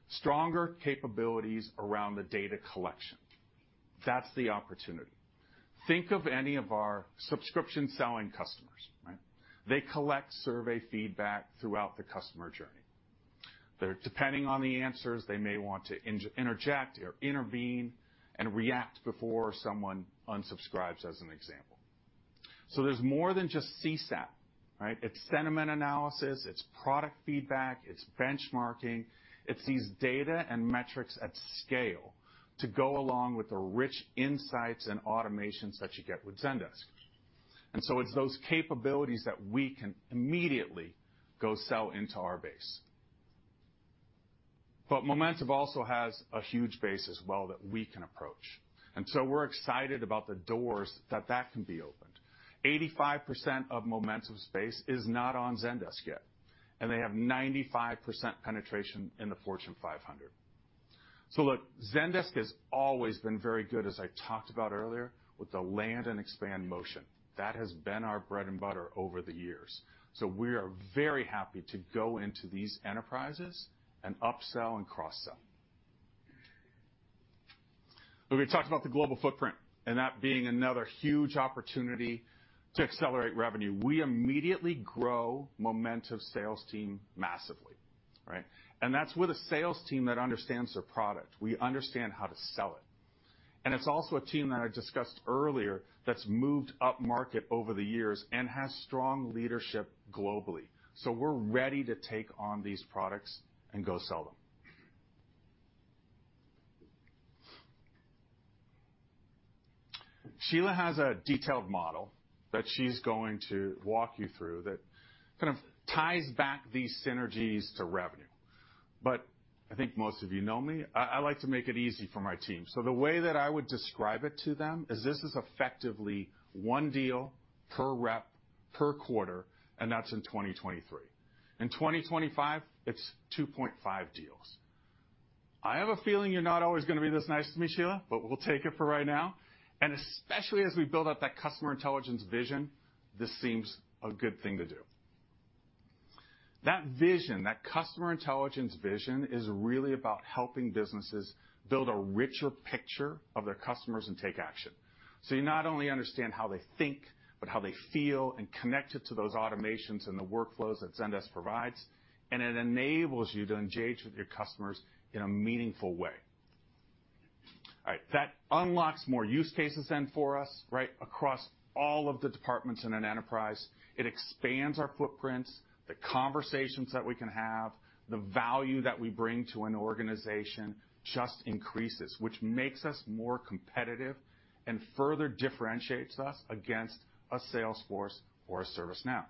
Stronger capabilities around the data collection. That's the opportunity. Think of any of our subscription-selling customers, right? They collect survey feedback throughout the customer journey. They're, depending on the answers, they may want to interject or intervene and react before someone unsubscribes, as an example. There's more than just CSAT, right? It's sentiment analysis, it's product feedback, it's benchmarking. It's these data and metrics at scale to go along with the rich insights and automations that you get with Zendesk. It's those capabilities that we can immediately go sell into our base. Momentive also has a huge base as well that we can approach. We're excited about the doors that can be opened. 85% of Momentive's base is not on Zendesk yet, and they have 95% penetration in the Fortune 500. Look, Zendesk has always been very good, as I talked about earlier, with the land and expand motion. That has been our bread and butter over the years. We are very happy to go into these enterprises and upsell and cross-sell. Look, we talked about the global footprint and that being another huge opportunity to accelerate revenue. We immediately grow Momentive sales team massively, right? That's with a sales team that understands their product. We understand how to sell it. It's also a team that I discussed earlier that's moved upmarket over the years and has strong leadership globally. We're ready to take on these products and go sell them. Shelagh has a detailed model that she's going to walk you through that kind of ties back these synergies to revenue. I think most of you know me, I like to make it easy for my team. The way that I would describe it to them is this is effectively one deal per rep, per quarter, and that's in 2023. In 2025, it's 2.5 deals. I have a feeling you're not always gonna be this nice to me, Shelagh, but we'll take it for right now. Especially as we build out that customer intelligence vision, this seems a good thing to do. That vision, that customer intelligence vision, is really about helping businesses build a richer picture of their customers and take action. You not only understand how they think, but how they feel and connect it to those automations and the workflows that Zendesk provides, and it enables you to engage with your customers in a meaningful way. All right. That unlocks more use cases then for us, right, across all of the departments in an enterprise. It expands our footprints. The conversations that we can have, the value that we bring to an organization just increases, which makes us more competitive and further differentiates us against a Salesforce or a ServiceNow.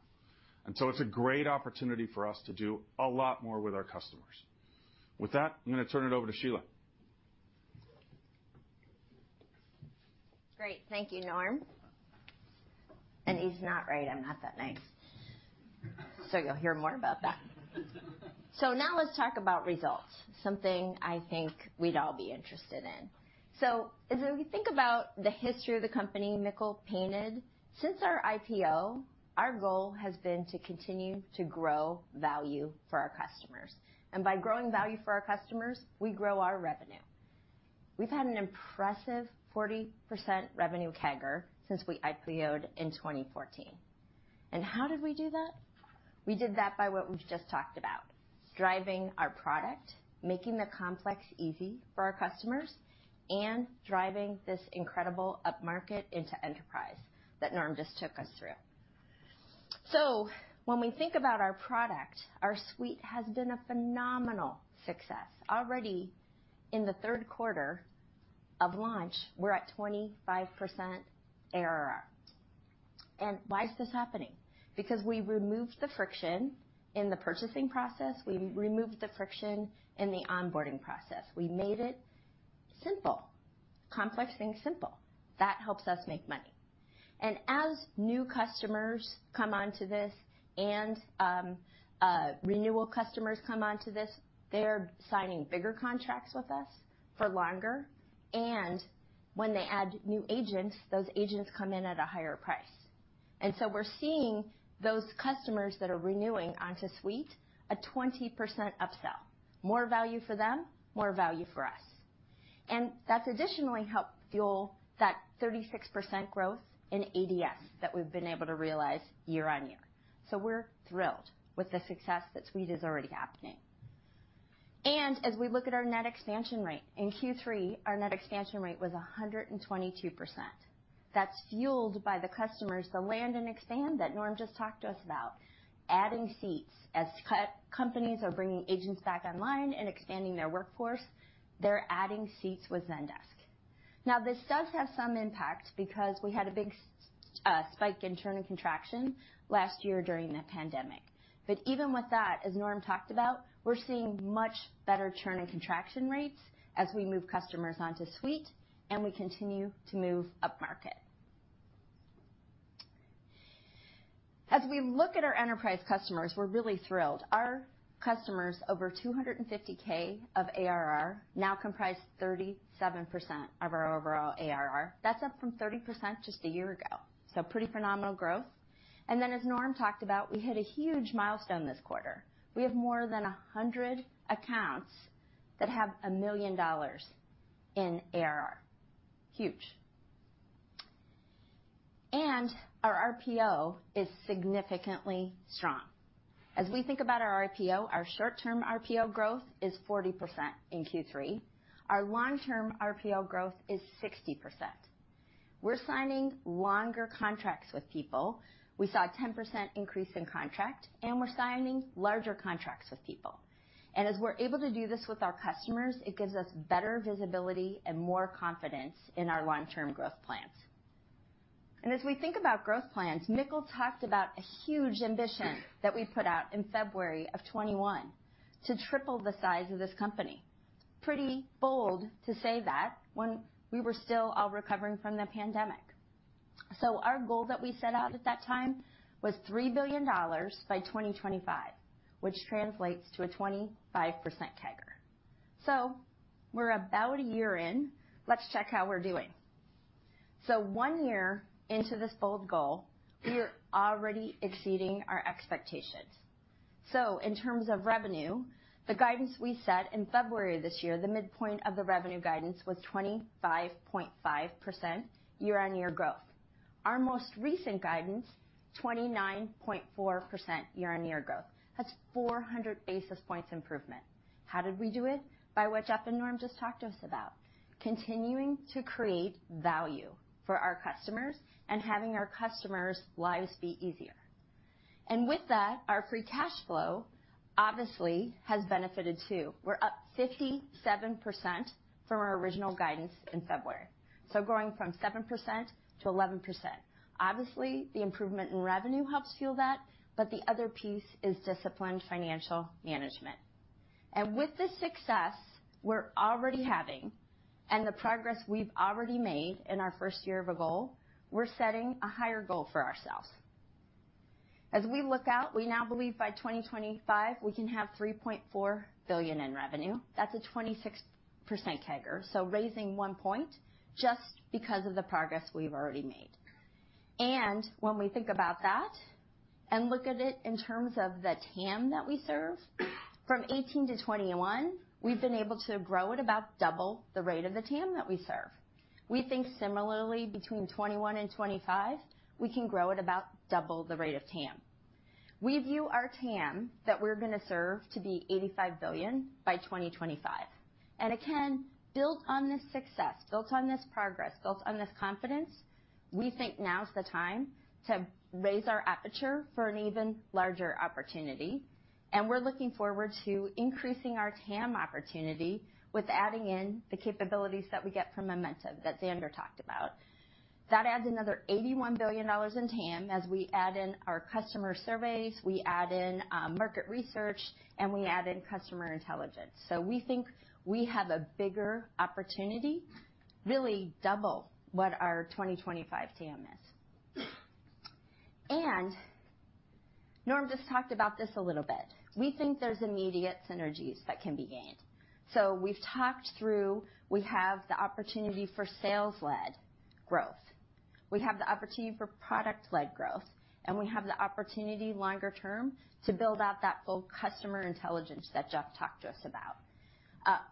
It's a great opportunity for us to do a lot more with our customers. With that, I'm gonna turn it over to Shelagh. Great. Thank you, Norm. He's not right, I'm not that nice. You'll hear more about that. Now let's talk about results, something I think we'd all be interested in. As we think about the history of the company Mikkel painted, since our IPO, our goal has been to continue to grow value for our customers. By growing value for our customers, we grow our revenue. We've had an impressive 40% revenue CAGR since we IPO'd in 2014. How did we do that? We did that by what we've just talked about. Driving our product, making the complex easy for our customers, and driving this incredible upmarket into enterprise that Norm just took us through. When we think about our product, our suite has been a phenomenal success. Already in the third quarter of launch, we're at 25% ARR. Why is this happening? Because we removed the friction in the purchasing process. We removed the friction in the onboarding process. We made complex things simple. That helps us make money. As new customers come onto this and renewal customers come onto this, they are signing bigger contracts with us for longer. When they add new agents, those agents come in at a higher price. We're seeing those customers that are renewing onto Suite, a 20% upsell. More value for them, more value for us. That's additionally helped fuel that 36% growth in ADS that we've been able to realize year-on-year. We're thrilled with the success that Suite is already happening. As we look at our net expansion rate, in Q3, our net expansion rate was 122%. That's fueled by the customers, the land and expand that Norm just talked to us about. Adding seats. As companies are bringing agents back online and expanding their workforce, they're adding seats with Zendesk. Now, this does have some impact because we had a big spike in churn and contraction last year during the pandemic. Even with that, as Norm talked about, we're seeing much better churn and contraction rates as we move customers onto Suite, and we continue to move upmarket. As we look at our enterprise customers, we're really thrilled. Our customers over 250K of ARR now comprise 37% of our overall ARR. That's up from 30% just a year ago. Pretty phenomenal growth. Then, as Norm talked about, we hit a huge milestone this quarter. We have more than 100 accounts that have $1 million in ARR. Huge. Our RPO is significantly strong. As we think about our RPO, our short-term RPO growth is 40% in Q3. Our long-term RPO growth is 60%. We're signing longer contracts with people. We saw a 10% increase in contract, and we're signing larger contracts with people. As we're able to do this with our customers, it gives us better visibility and more confidence in our long-term growth plans. As we think about growth plans, Mikkel talked about a huge ambition that we put out in February 2021, to triple the size of this company. Pretty bold to say that when we were still all recovering from the pandemic. Our goal that we set out at that time was $3 billion by 2025, which translates to a 25% CAGR. We're about a year in. Let's check how we're doing. One year into this bold goal, we are already exceeding our expectations. In terms of revenue, the guidance we set in February of this year, the midpoint of the revenue guidance was 25.5% year-on-year growth. Our most recent guidance, 29.4% year-on-year growth. That's 400 basis points improvement. How did we do it? By what Jeff and Norm just talked to us about. Continuing to create value for our customers and having our customers' lives be easier. With that, our free cash flow obviously has benefited too. We're up 57% from our original guidance in February, so growing from 7% to 11%. Obviously, the improvement in revenue helps fuel that, but the other piece is disciplined financial management. With the success we're already having and the progress we've already made in our first year of a goal, we're setting a higher goal for ourselves. As we look out, we now believe by 2025 we can have $3.4 billion in revenue. That's a 26% CAGR. Raising one point just because of the progress we've already made. When we think about that, and look at it in terms of the TAM that we serve, from 2018 to 2021, we've been able to grow at about double the rate of the TAM that we serve. We think similarly between 2021 and 2025, we can grow at about double the rate of TAM. We view our TAM that we're gonna serve to be $85 billion by 2025. Again, built on this success, built on this progress, built on this confidence, we think now is the time to raise our aperture for an even larger opportunity, and we're looking forward to increasing our TAM opportunity with adding in the capabilities that we get from Momentive that Zander talked about. That adds another $81 billion in TAM as we add in our customer surveys, we add in, market research, and we add in customer intelligence. We think we have a bigger opportunity, really double what our 2025 TAM is. Norm just talked about this a little bit. We think there's immediate synergies that can be gained. We've talked through, we have the opportunity for sales-led growth. We have the opportunity for product-led growth, and we have the opportunity longer term to build out that full customer intelligence that Jeff talked to us about.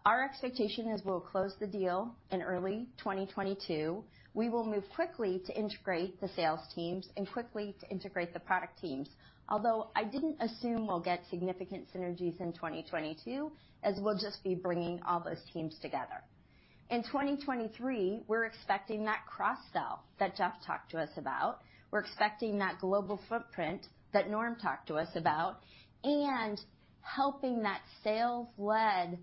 Our expectation is we'll close the deal in early 2022. We will move quickly to integrate the sales teams and quickly to integrate the product teams. Although I didn't assume we'll get significant synergies in 2022, as we'll just be bringing all those teams together. In 2023, we're expecting that cross-sell that Jeff talked to us about. We're expecting that global footprint that Norm talked to us about. Helping that sales-led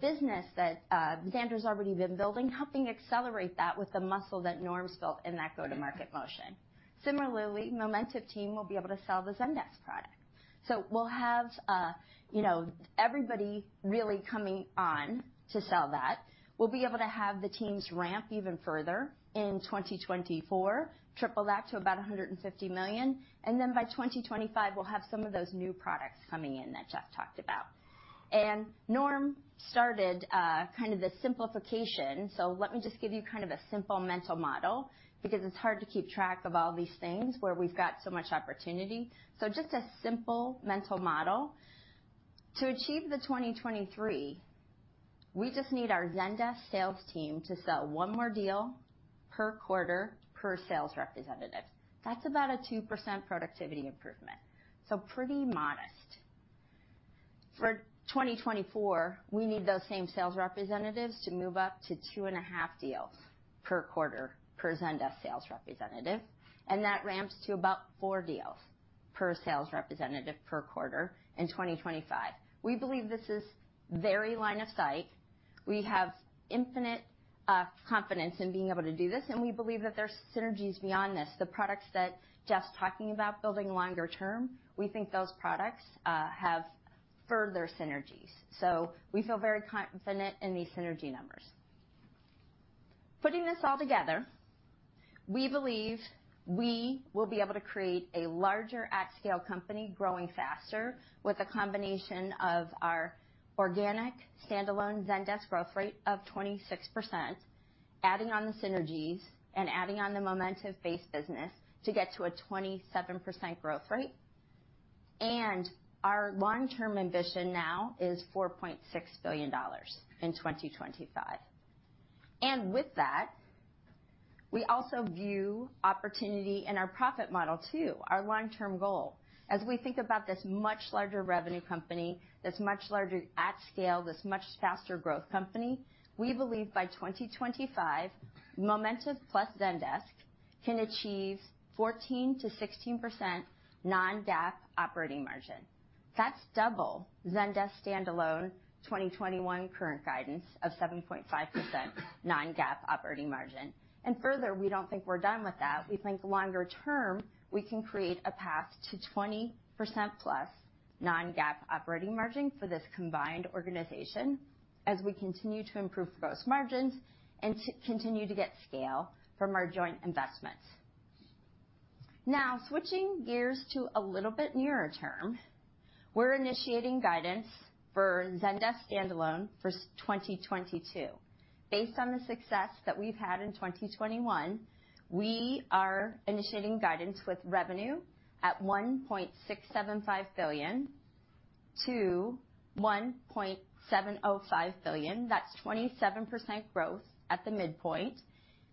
business that Zander's already been building, helping accelerate that with the muscle that Norm's built in that go-to-market motion. Similarly, Momentive team will be able to sell the Zendesk product. We'll have, you know, everybody really coming on to sell that. We'll be able to have the teams ramp even further in 2024, triple that to about $150 million, and then by 2025, we'll have some of those new products coming in that Jeff talked about. Norm started kind of the simplification, let me just give you kind of a simple mental model because it's hard to keep track of all these things where we've got so much opportunity. Just a simple mental model. To achieve the 2023, we just need our Zendesk sales team to sell one more deal per quarter per sales representative. That's about a 2% productivity improvement, so pretty modest. For 2024, we need those same sales representatives to move up to 2.5 deals per quarter per Zendesk sales representative, and that ramps to about 4 deals per sales representative per quarter in 2025. We believe this is very line of sight. We have infinite confidence in being able to do this, and we believe that there's synergies beyond this. The products that Jeff's talking about building longer term, we think those products have further synergies. We feel very confident in these synergy numbers. Putting this all together, we believe we will be able to create a larger at-scale company growing faster with a combination of our organic standalone Zendesk growth rate of 26%, adding on the synergies and adding on the Momentive-based business to get to a 27% growth rate. Our long-term ambition now is $4.6 billion in 2025. With that, we also view opportunity in our profit model too, our long-term goal. As we think about this much larger revenue company, this much larger at scale, this much faster growth company, we believe by 2025, Momentive plus Zendesk can achieve 14%-16% non-GAAP operating margin. That's double Zendesk standalone 2021 current guidance of 7.5% non-GAAP operating margin. Further, we don't think we're done with that. We think longer term, we can create a path to 20%+ non-GAAP operating margin for this combined organization as we continue to improve gross margins and to continue to get scale from our joint investments. Now, switching gears to a little bit nearer term, we're initiating guidance for Zendesk standalone for Q1 2022. Based on the success that we've had in 2021, we are initiating guidance with revenue at $1.675 billion-$1.705 billion. That's 27% growth at the midpoint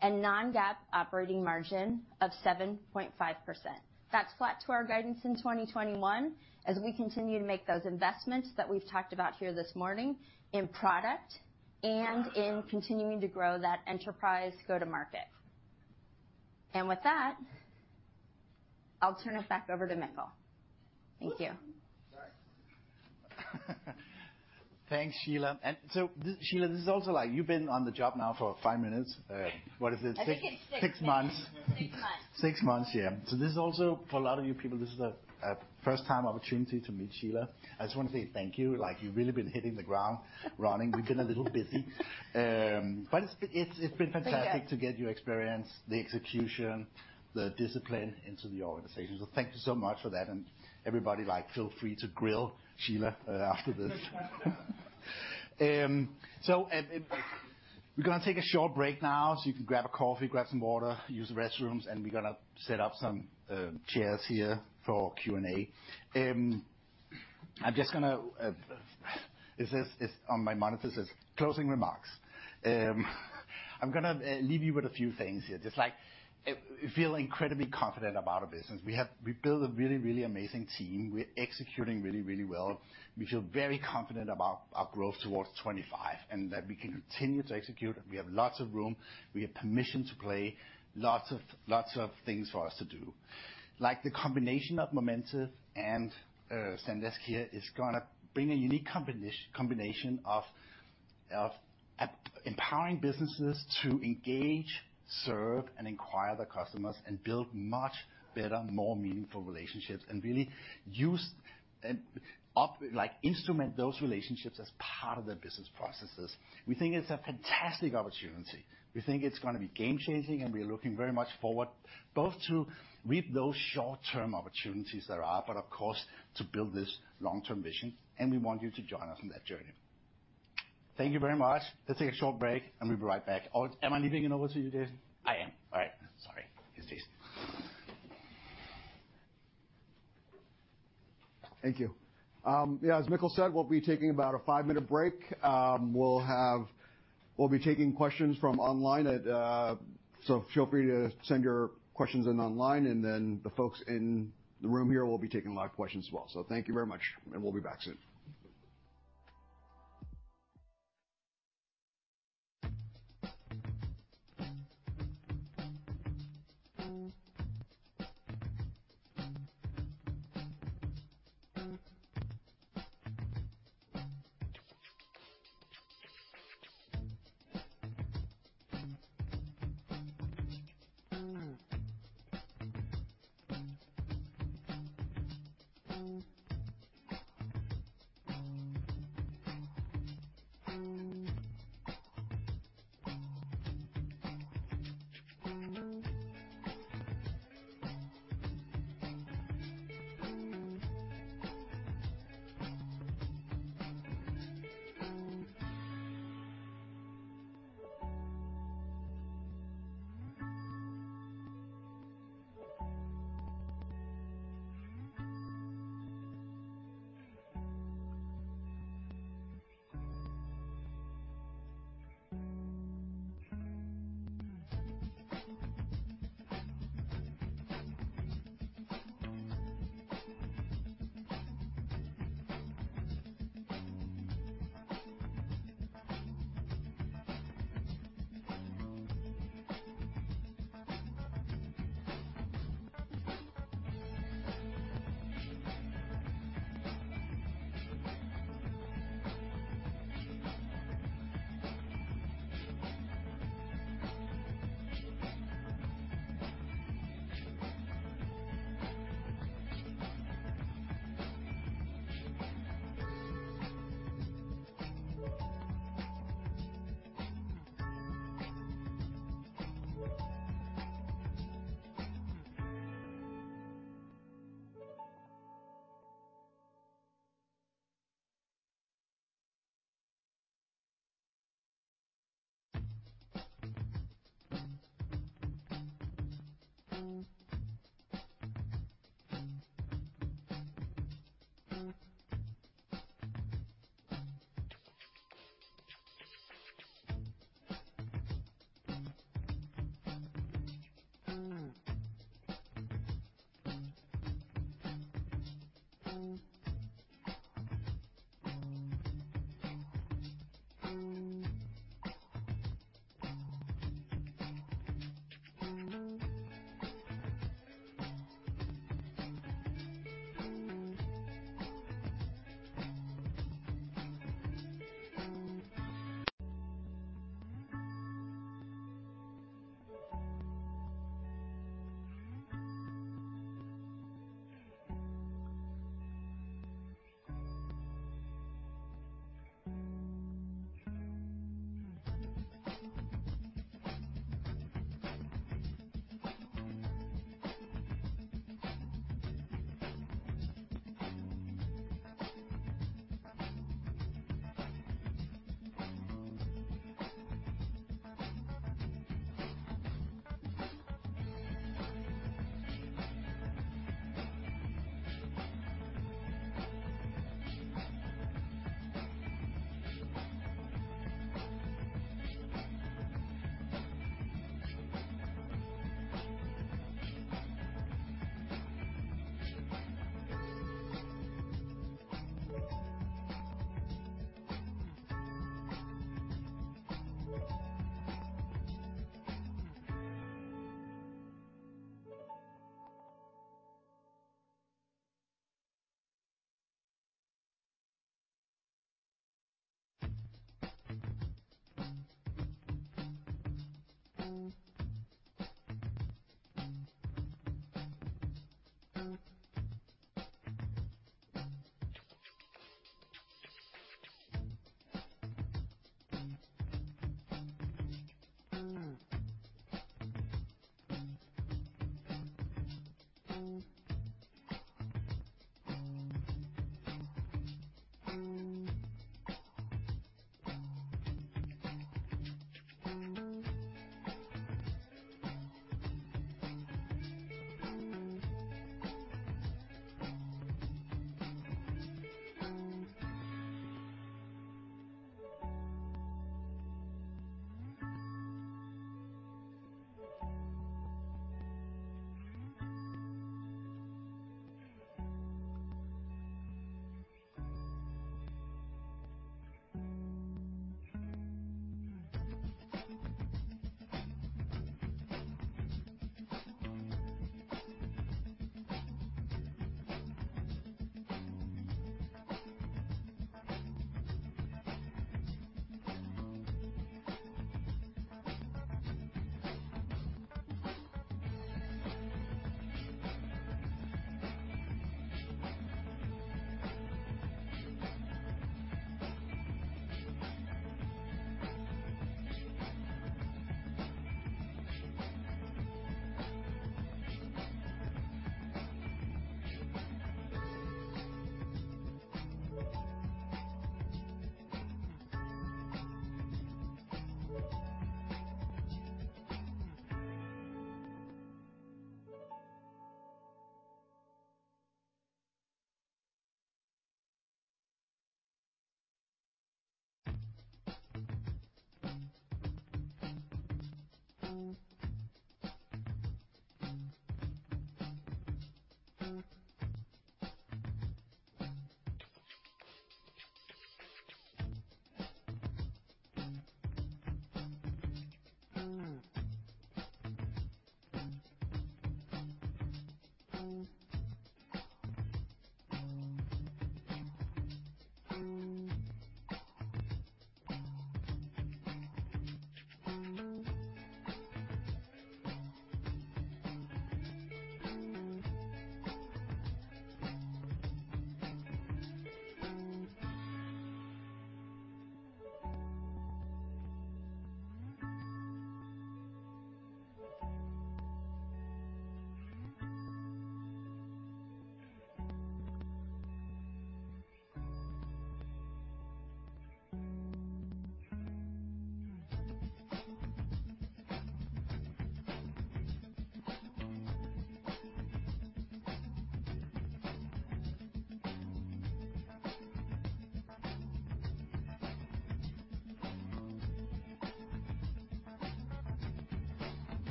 and non-GAAP operating margin of 7.5%. That's flat to our guidance in 2021 as we continue to make those investments that we've talked about here this morning in product and in continuing to grow that enterprise go-to-market. With that, I'll turn it back over to Mikkel. Thank you. Thanks, Shelagh. Shelagh, this is also like you've been on the job now for five minutes. What is it? I think it's six. 6 months. Six months. Six months, yeah. This is also for a lot of you people, this is a first time opportunity to meet Shelagh. I just wanna say thank you. Like, you've really been hitting the ground running. We've been a little busy. It's been fantastic to get your experience, the execution, the discipline into the organization. Thank you so much for that. Everybody, like, feel free to grill Shelagh after this. We're gonna take a short break now so you can grab a coffee, grab some water, use the restrooms, and we're gonna set up some chairs here for Q&A. I'm just gonna leave you with a few things here. Just like we feel incredibly confident about our business. We built a really amazing team. We're executing really well. We feel very confident about our growth towards 25 and that we can continue to execute. We have lots of room. We have permission to play. Lots of things for us to do. Like, the combination of Momentive and Zendesk here is gonna bring a unique combination of empowering businesses to engage, serve, and inquire their customers and build much better, more meaningful relationships and really use and up like instrument those relationships as part of their business processes. We think it's a fantastic opportunity. We think it's gonna be game changing, and we're looking very much forward both to reap those short-term opportunities there are, but of course to build this long-term vision. We want you to join us on that journey. Thank you very much. Let's take a short break and we'll be right back. Am I leaving it over to you, Jason? I am. All right. Sorry. It's Jason. Thank you. Yeah, as Mikkel said, we'll be taking a five-minute break. We'll be taking questions from online at, so feel free to send your questions in online, and then the folks in the room here will be taking live questions as well. Thank you very much, and we'll be back soon.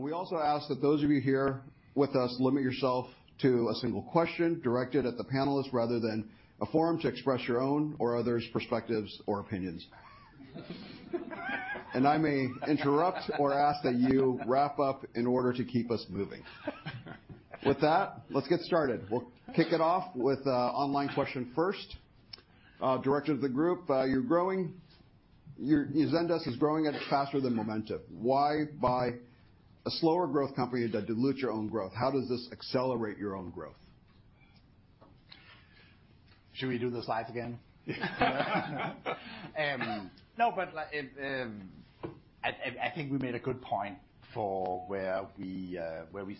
We also ask that those of you here with us limit yourself to a single question directed at the panelist rather than a forum to express your own or others' perspectives or opinions. I may interrupt or ask that you wrap up in order to keep us moving. With that, let's get started. We'll kick it off with online question first. Director of the group, you're growing. Zendesk is growing faster than Momentive. Why buy a slower growth company that dilutes your own growth? How does this accelerate your own growth? Should we do the slides again? Yeah. No, but like, I think we made a good point for where we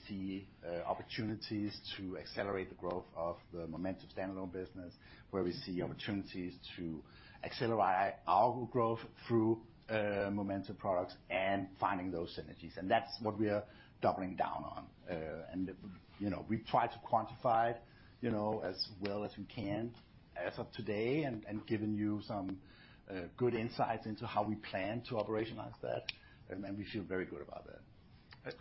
see opportunities to accelerate the growth of the Momentive standalone business, where we see opportunities to accelerate our growth through Momentive products and finding those synergies. That's what we are doubling down on. You know, we try to quantify, as well as we can as of today, and given you some good insights into how we plan to operationalize that, and then we feel very good about that.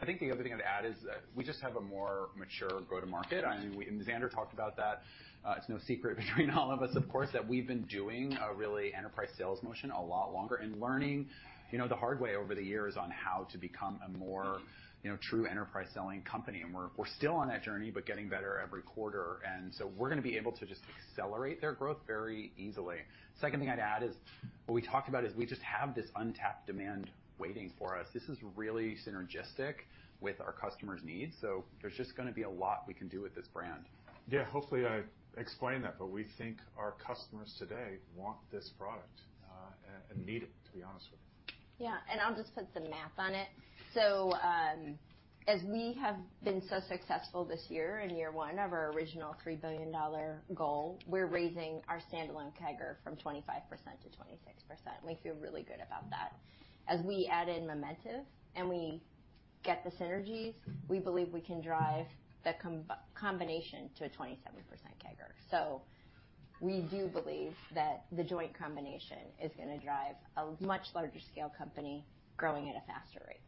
I think the other thing I'd add is we just have a more mature go-to-market. I mean, Zander talked about that. It's no secret between all of us, of course, that we've been doing a really enterprise sales motion a lot longer and learning, you know, the hard way over the years on how to become a more, true enterprise selling company. We're still on that journey, but getting better every quarter. We're gonna be able to just accelerate their growth very easily. Second thing I'd add is what we talked about is we just have this untapped demand waiting for us. This is really synergistic with our customers' needs. There's just gonna be a lot we can do with this brand. Yeah, hopefully, I explained that. We think our customers today want this product, and need it, to be honest with you. Yeah. I'll just put some math on it. As we have been so successful this year in year one of our original $3 billion goal, we're raising our standalone CAGR from 25% to 26%. We feel really good about that. As we add in Momentive and we get the synergies, we believe we can drive the combination to a 27% CAGR. We do believe that the joint combination is gonna drive a much larger scale company growing at a faster rate.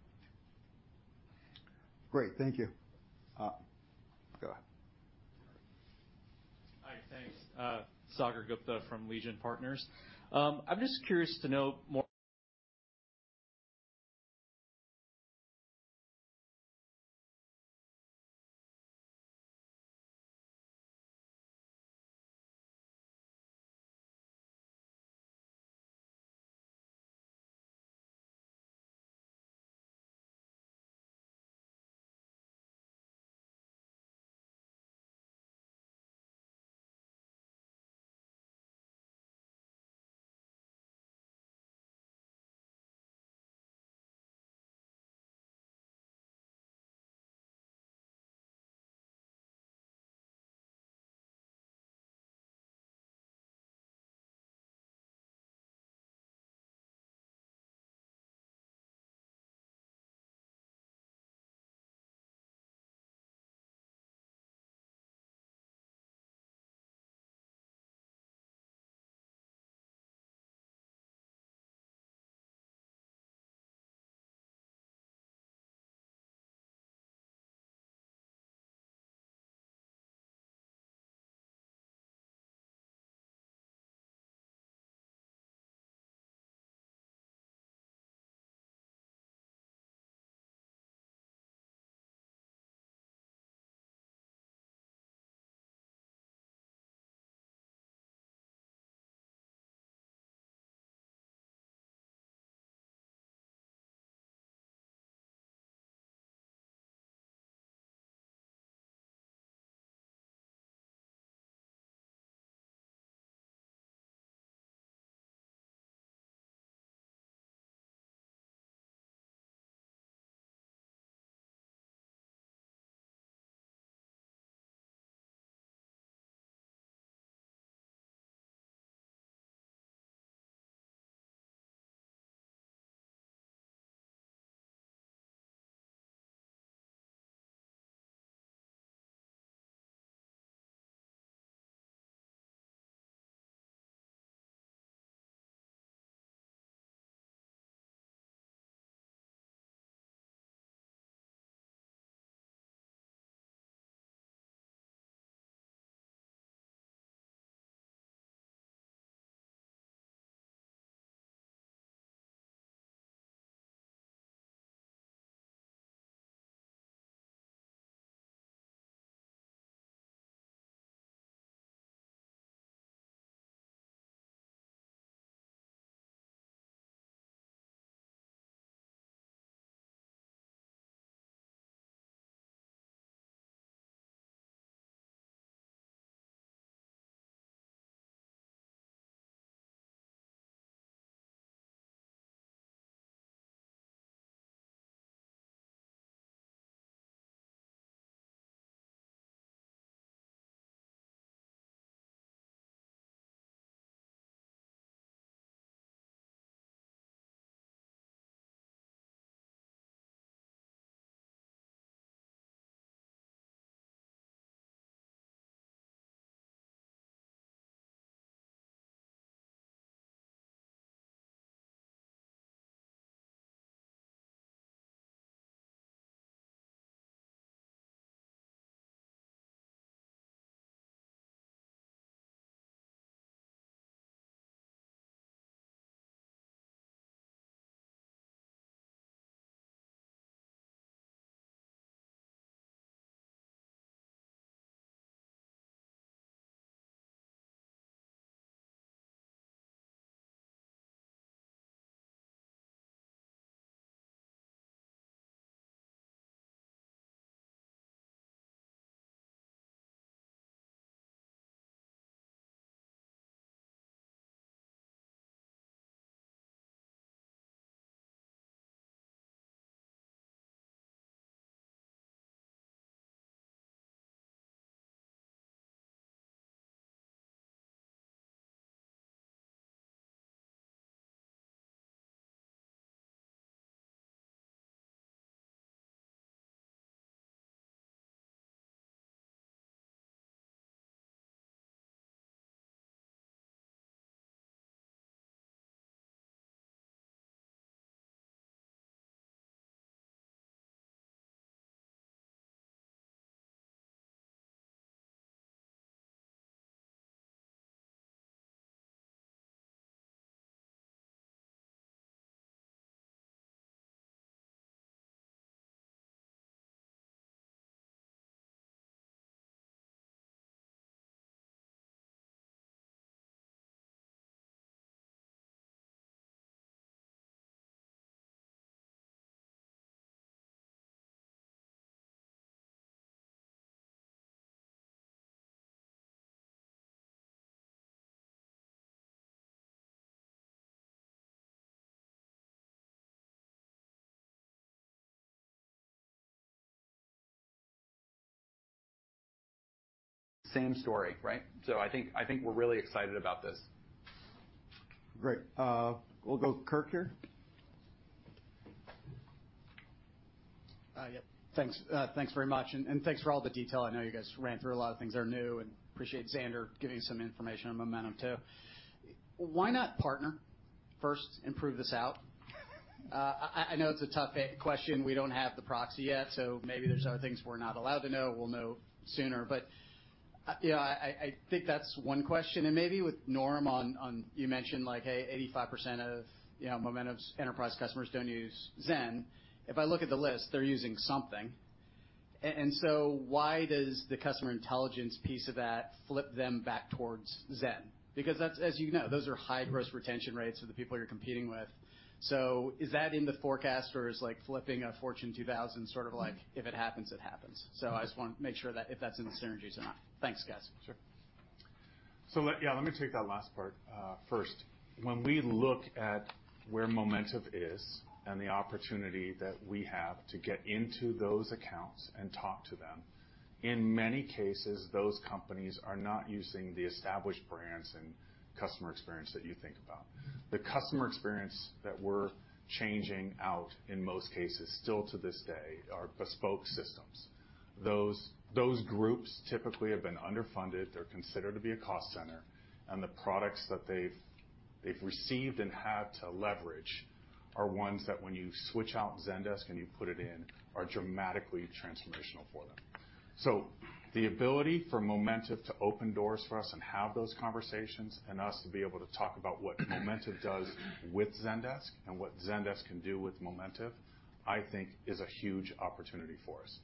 Great. Thank you. Go ahead. Hi, thanks. Sagar Gupta from Legion Partners. I'm just curious to know more- Same story, right? I think we're really excited about this. Great. We'll go Kirk here. Yeah. Thanks. Thanks very much, and thanks for all the detail. I know you guys ran through a lot of things that are new and appreciate Zander giving some information on Momentive too. Why not partner first and prove this out? I know it's a tough question. We don't have the proxy yet, so maybe there's other things we're not allowed to know. We'll know sooner. You know, I think that's one question. Maybe with Norm on, you mentioned like, 85% of, you know, Momentive's enterprise customers don't use Zen. If I look at the list, they're using something. So why does the customer intelligence piece of that flip them back towards Zen? Because that's, as you know, those are high gross retention rates of the people you're competing with. Is that in the forecast or is like flipping a Fortune 2000 sort of like, if it happens, it happens. I just wanna make sure that if that's in the synergies or not. Thanks, guys. Sure. Yeah, let me take that last part first. When we look at where Momentive is and the opportunity that we have to get into those accounts and talk to them, in many cases, those companies are not using the established brands and customer experience that you think about. The customer experience that we're changing out in most cases still to this day are bespoke systems. Those groups typically have been underfunded. They're considered to be a cost center, and the products that they've received and had to leverage are ones that when you switch out Zendesk and you put it in, are dramatically transformational for them. The ability for Momentive to open doors for us and have those conversations and us to be able to talk about what Momentive does with Zendesk and what Zendesk can do with Momentive, I think is a huge opportunity for us.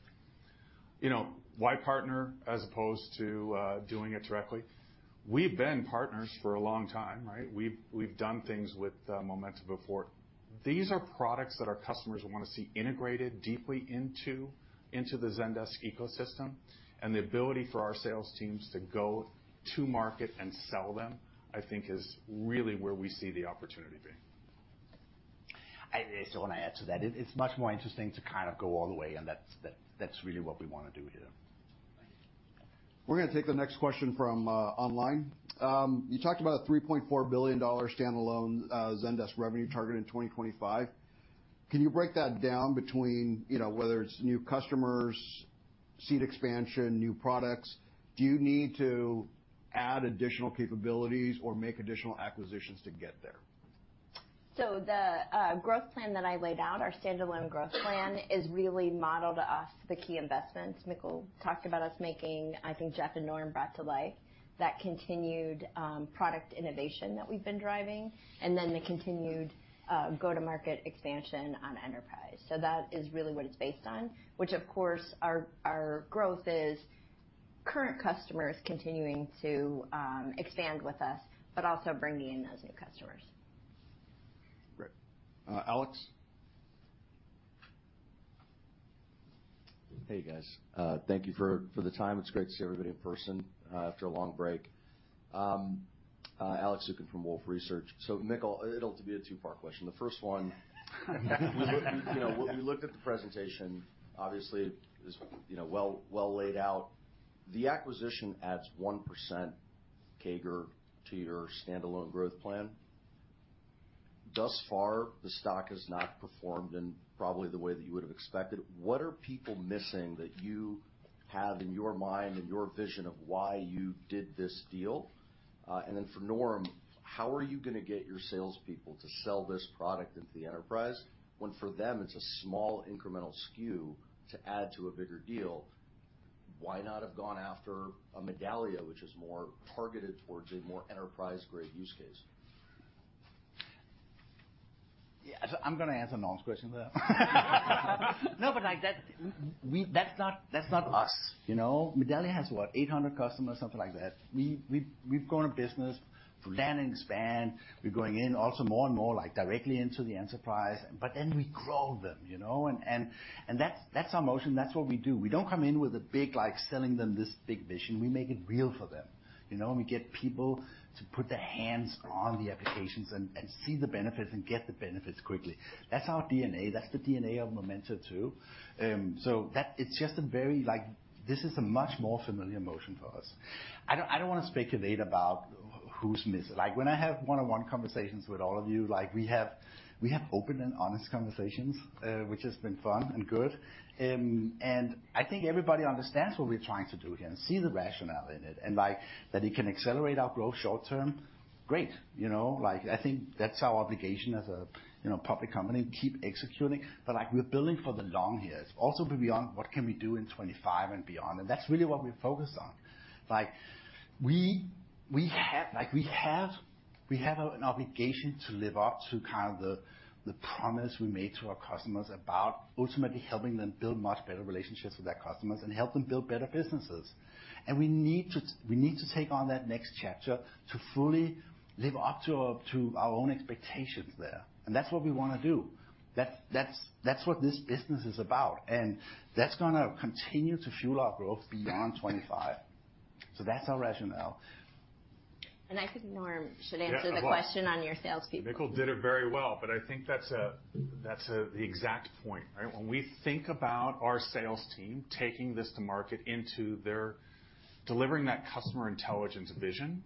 You know, why partner as opposed to doing it directly? We've been partners for a long time, right? We've done things with Momentive before. These are products that our customers wanna see integrated deeply into the Zendesk ecosystem, and the ability for our sales teams to go to market and sell them, I think is really where we see the opportunity being. I just want to add to that. It's much more interesting to kind of go all the way, and that's really what we wanna do here. Thank you. We're gonna take the next question from online. You talked about a $3.4 billion standalone Zendesk revenue target in 2025. Can you break that down between, you know, whether it's new customers, seat expansion, new products? Do you need to add additional capabilities or make additional acquisitions to get there? The growth plan that I laid out, our standalone growth plan is really modeled off the key investments Mikkel talked about us making. I think Jeff and Norm brought to life that continued product innovation that we've been driving, and then the continued go-to-market expansion on enterprise. That is really what it's based on, which of course our growth is current customers continuing to expand with us, but also bringing in those new customers. Great. Alex? Hey, you guys. Thank you for the time. It's great to see everybody in person after a long break. Alex Zukin from Wolfe Research. Mikkel, it'll be a two-part question. The first one. You know, we looked at the presentation, obviously it was, you know, well laid out. The acquisition adds 1% CAGR to your standalone growth plan. Thus far, the stock has not performed in probably the way that you would have expected. What are people missing that you have in your mind and your vision of why you did this deal? Then for Norm, how are you gonna get your salespeople to sell this product into the enterprise, when for them, it's a small incremental SKU to add to a bigger deal? Why not have gone after a Medallia, which is more targeted towards a more enterprise-grade use case? Yeah. I'm gonna answer Norm's question to that. No, but like that's not us, you know? Medallia has what? 800 customers, something like that. We've grown a business through land and expand. We're going in also more and more like directly into the enterprise, but then we grow them, you know. That's our motion. That's what we do. We don't come in with a big like selling them this big vision. We make it real for them, you know? We get people to put their hands on the applications and see the benefits and get the benefits quickly. That's our DNA. That's the DNA of Momentive too. That's just a very familiar motion for us. I don't wanna speculate about who's missed. Like, when I have one-on-one conversations with all of you, like we have open and honest conversations, which has been fun and good. I think everybody understands what we're trying to do here and see the rationale in it. Like, that it can accelerate our growth short-term, great. You know? Like, I think that's our obligation as a, you know, public company, keep executing. Like, we're building for the long years, also beyond what can we do in 25 and beyond, and that's really what we're focused on. Like, we have an obligation to live up to kind of the promise we made to our customers about ultimately helping them build much better relationships with their customers and help them build better businesses. We need to take on that next chapter to fully live up to our own expectations there, and that's what we wanna do. That's what this business is about, and that's gonna continue to fuel our growth beyond 25. That's our rationale. I think Norm should answer the question on your salespeople. Mikkel did it very well, but I think that's the exact point, right? When we think about our sales team taking this to market, delivering that customer intelligence vision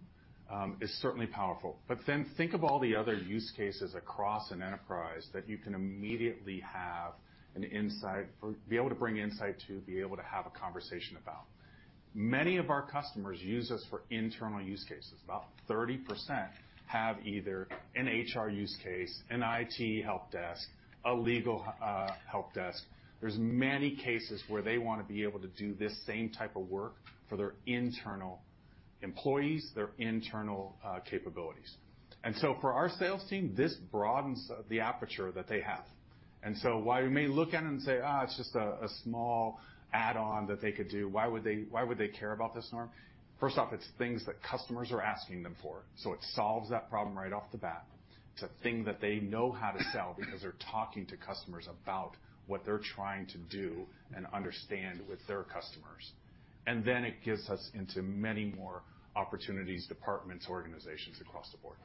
is certainly powerful. But then think of all the other use cases across an enterprise that you can immediately have an insight or be able to bring insight to, be able to have a conversation about. Many of our customers use us for internal use cases. About 30% have either an HR use case, an IT helpdesk, a legal helpdesk. There's many cases where they wanna be able to do this same type of work for their internal employees, their internal capabilities. For our sales team, this broadens the aperture that they have. While you may look at it and say, "it's just a small add-on that they could do. Why would they care about this, Norm?" First off, it's things that customers are asking them for. It solves that problem right off the bat. It's a thing that they know how to sell because they're talking to customers about what they're trying to do and understand with their customers. It gets us into many more opportunities, departments, organizations across the board.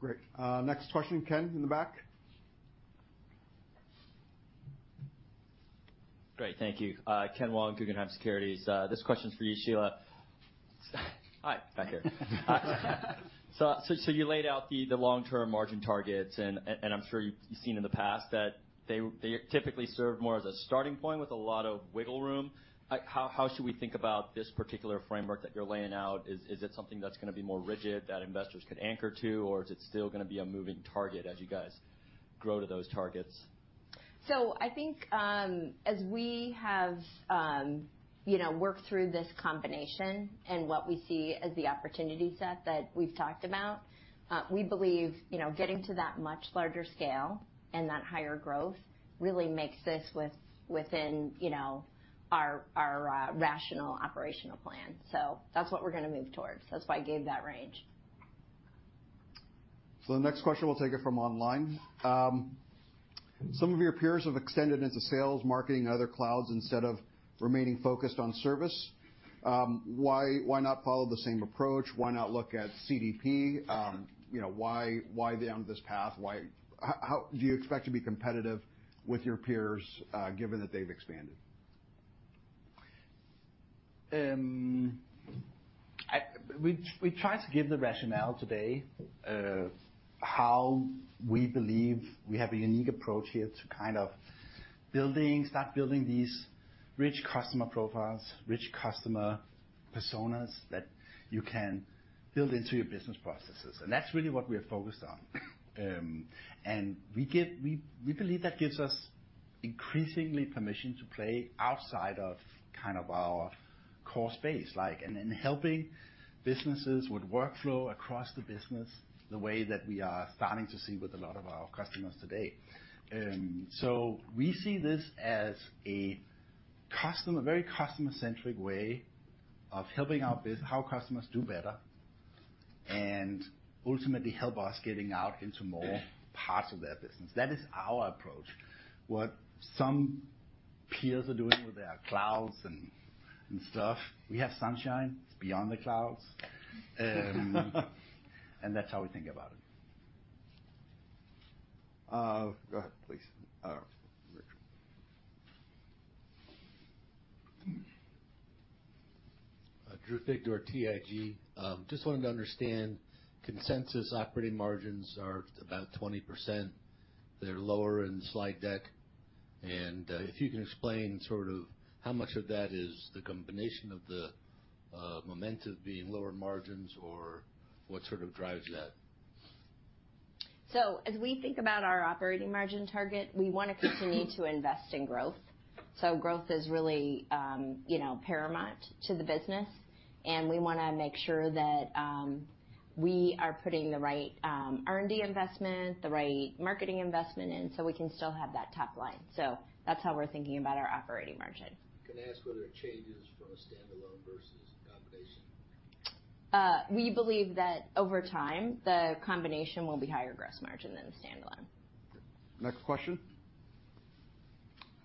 Great. Next question, Ken in the back. Great. Thank you. Ken Wong, Guggenheim Securities. This question's for you, Shelagh. Hi. Back here. You laid out the long-term margin targets, and I'm sure you've seen in the past that they typically serve more as a starting point with a lot of wiggle room. How should we think about this particular framework that you're laying out? Is it something that's gonna be more rigid that investors could anchor to, or is it still gonna be a moving target as you guys grow to those targets? I think, as we have, you know, worked through this combination and what we see as the opportunity set that we've talked about, we believe, you know, getting to that much larger scale and that higher growth really makes this within, you know, our rational operational plan. That's what we're gonna move towards. That's why I gave that range. The next question we'll take it from online. Some of your peers have extended into sales, marketing other clouds instead of remaining focused on service. Why not follow the same approach? Why not look at CDP? You know, why down this path? How do you expect to be competitive with your peers, given that they've expanded? We tried to give the rationale today, how we believe we have a unique approach here to kind of building these rich customer profiles, rich customer personas that you can build into your business processes. That's really what we are focused on. We believe that gives us increasingly permission to play outside of kind of our core space, like, and helping businesses with workflow across the business the way that we are starting to see with a lot of our customers today. We see this as a very customer-centric way of helping our customers do better and ultimately help us getting out into more parts of their business. That is our approach. What some peers are doing with their clouds and stuff, we have Sunshine. It's beyond the clouds. That's how we think about it. Go ahead, please. Richard. Drew Figdor, TIG. Just wanted to understand, consensus operating margins are about 20%. They're lower in the slide deck. If you can explain sort of how much of that is the combination of the Momentive being lower margins or what sort of drives that? As we think about our operating margin target, we wanna continue to invest in growth. Growth is really, you know, paramount to the business, and we wanna make sure that, we are putting the right, R&D investment, the right marketing investment in, so we can still have that top line. That's how we're thinking about our operating margin. Can I ask were there changes from a standalone versus combination? We believe that over time, the combination will be higher gross margin than the standalone. Next question.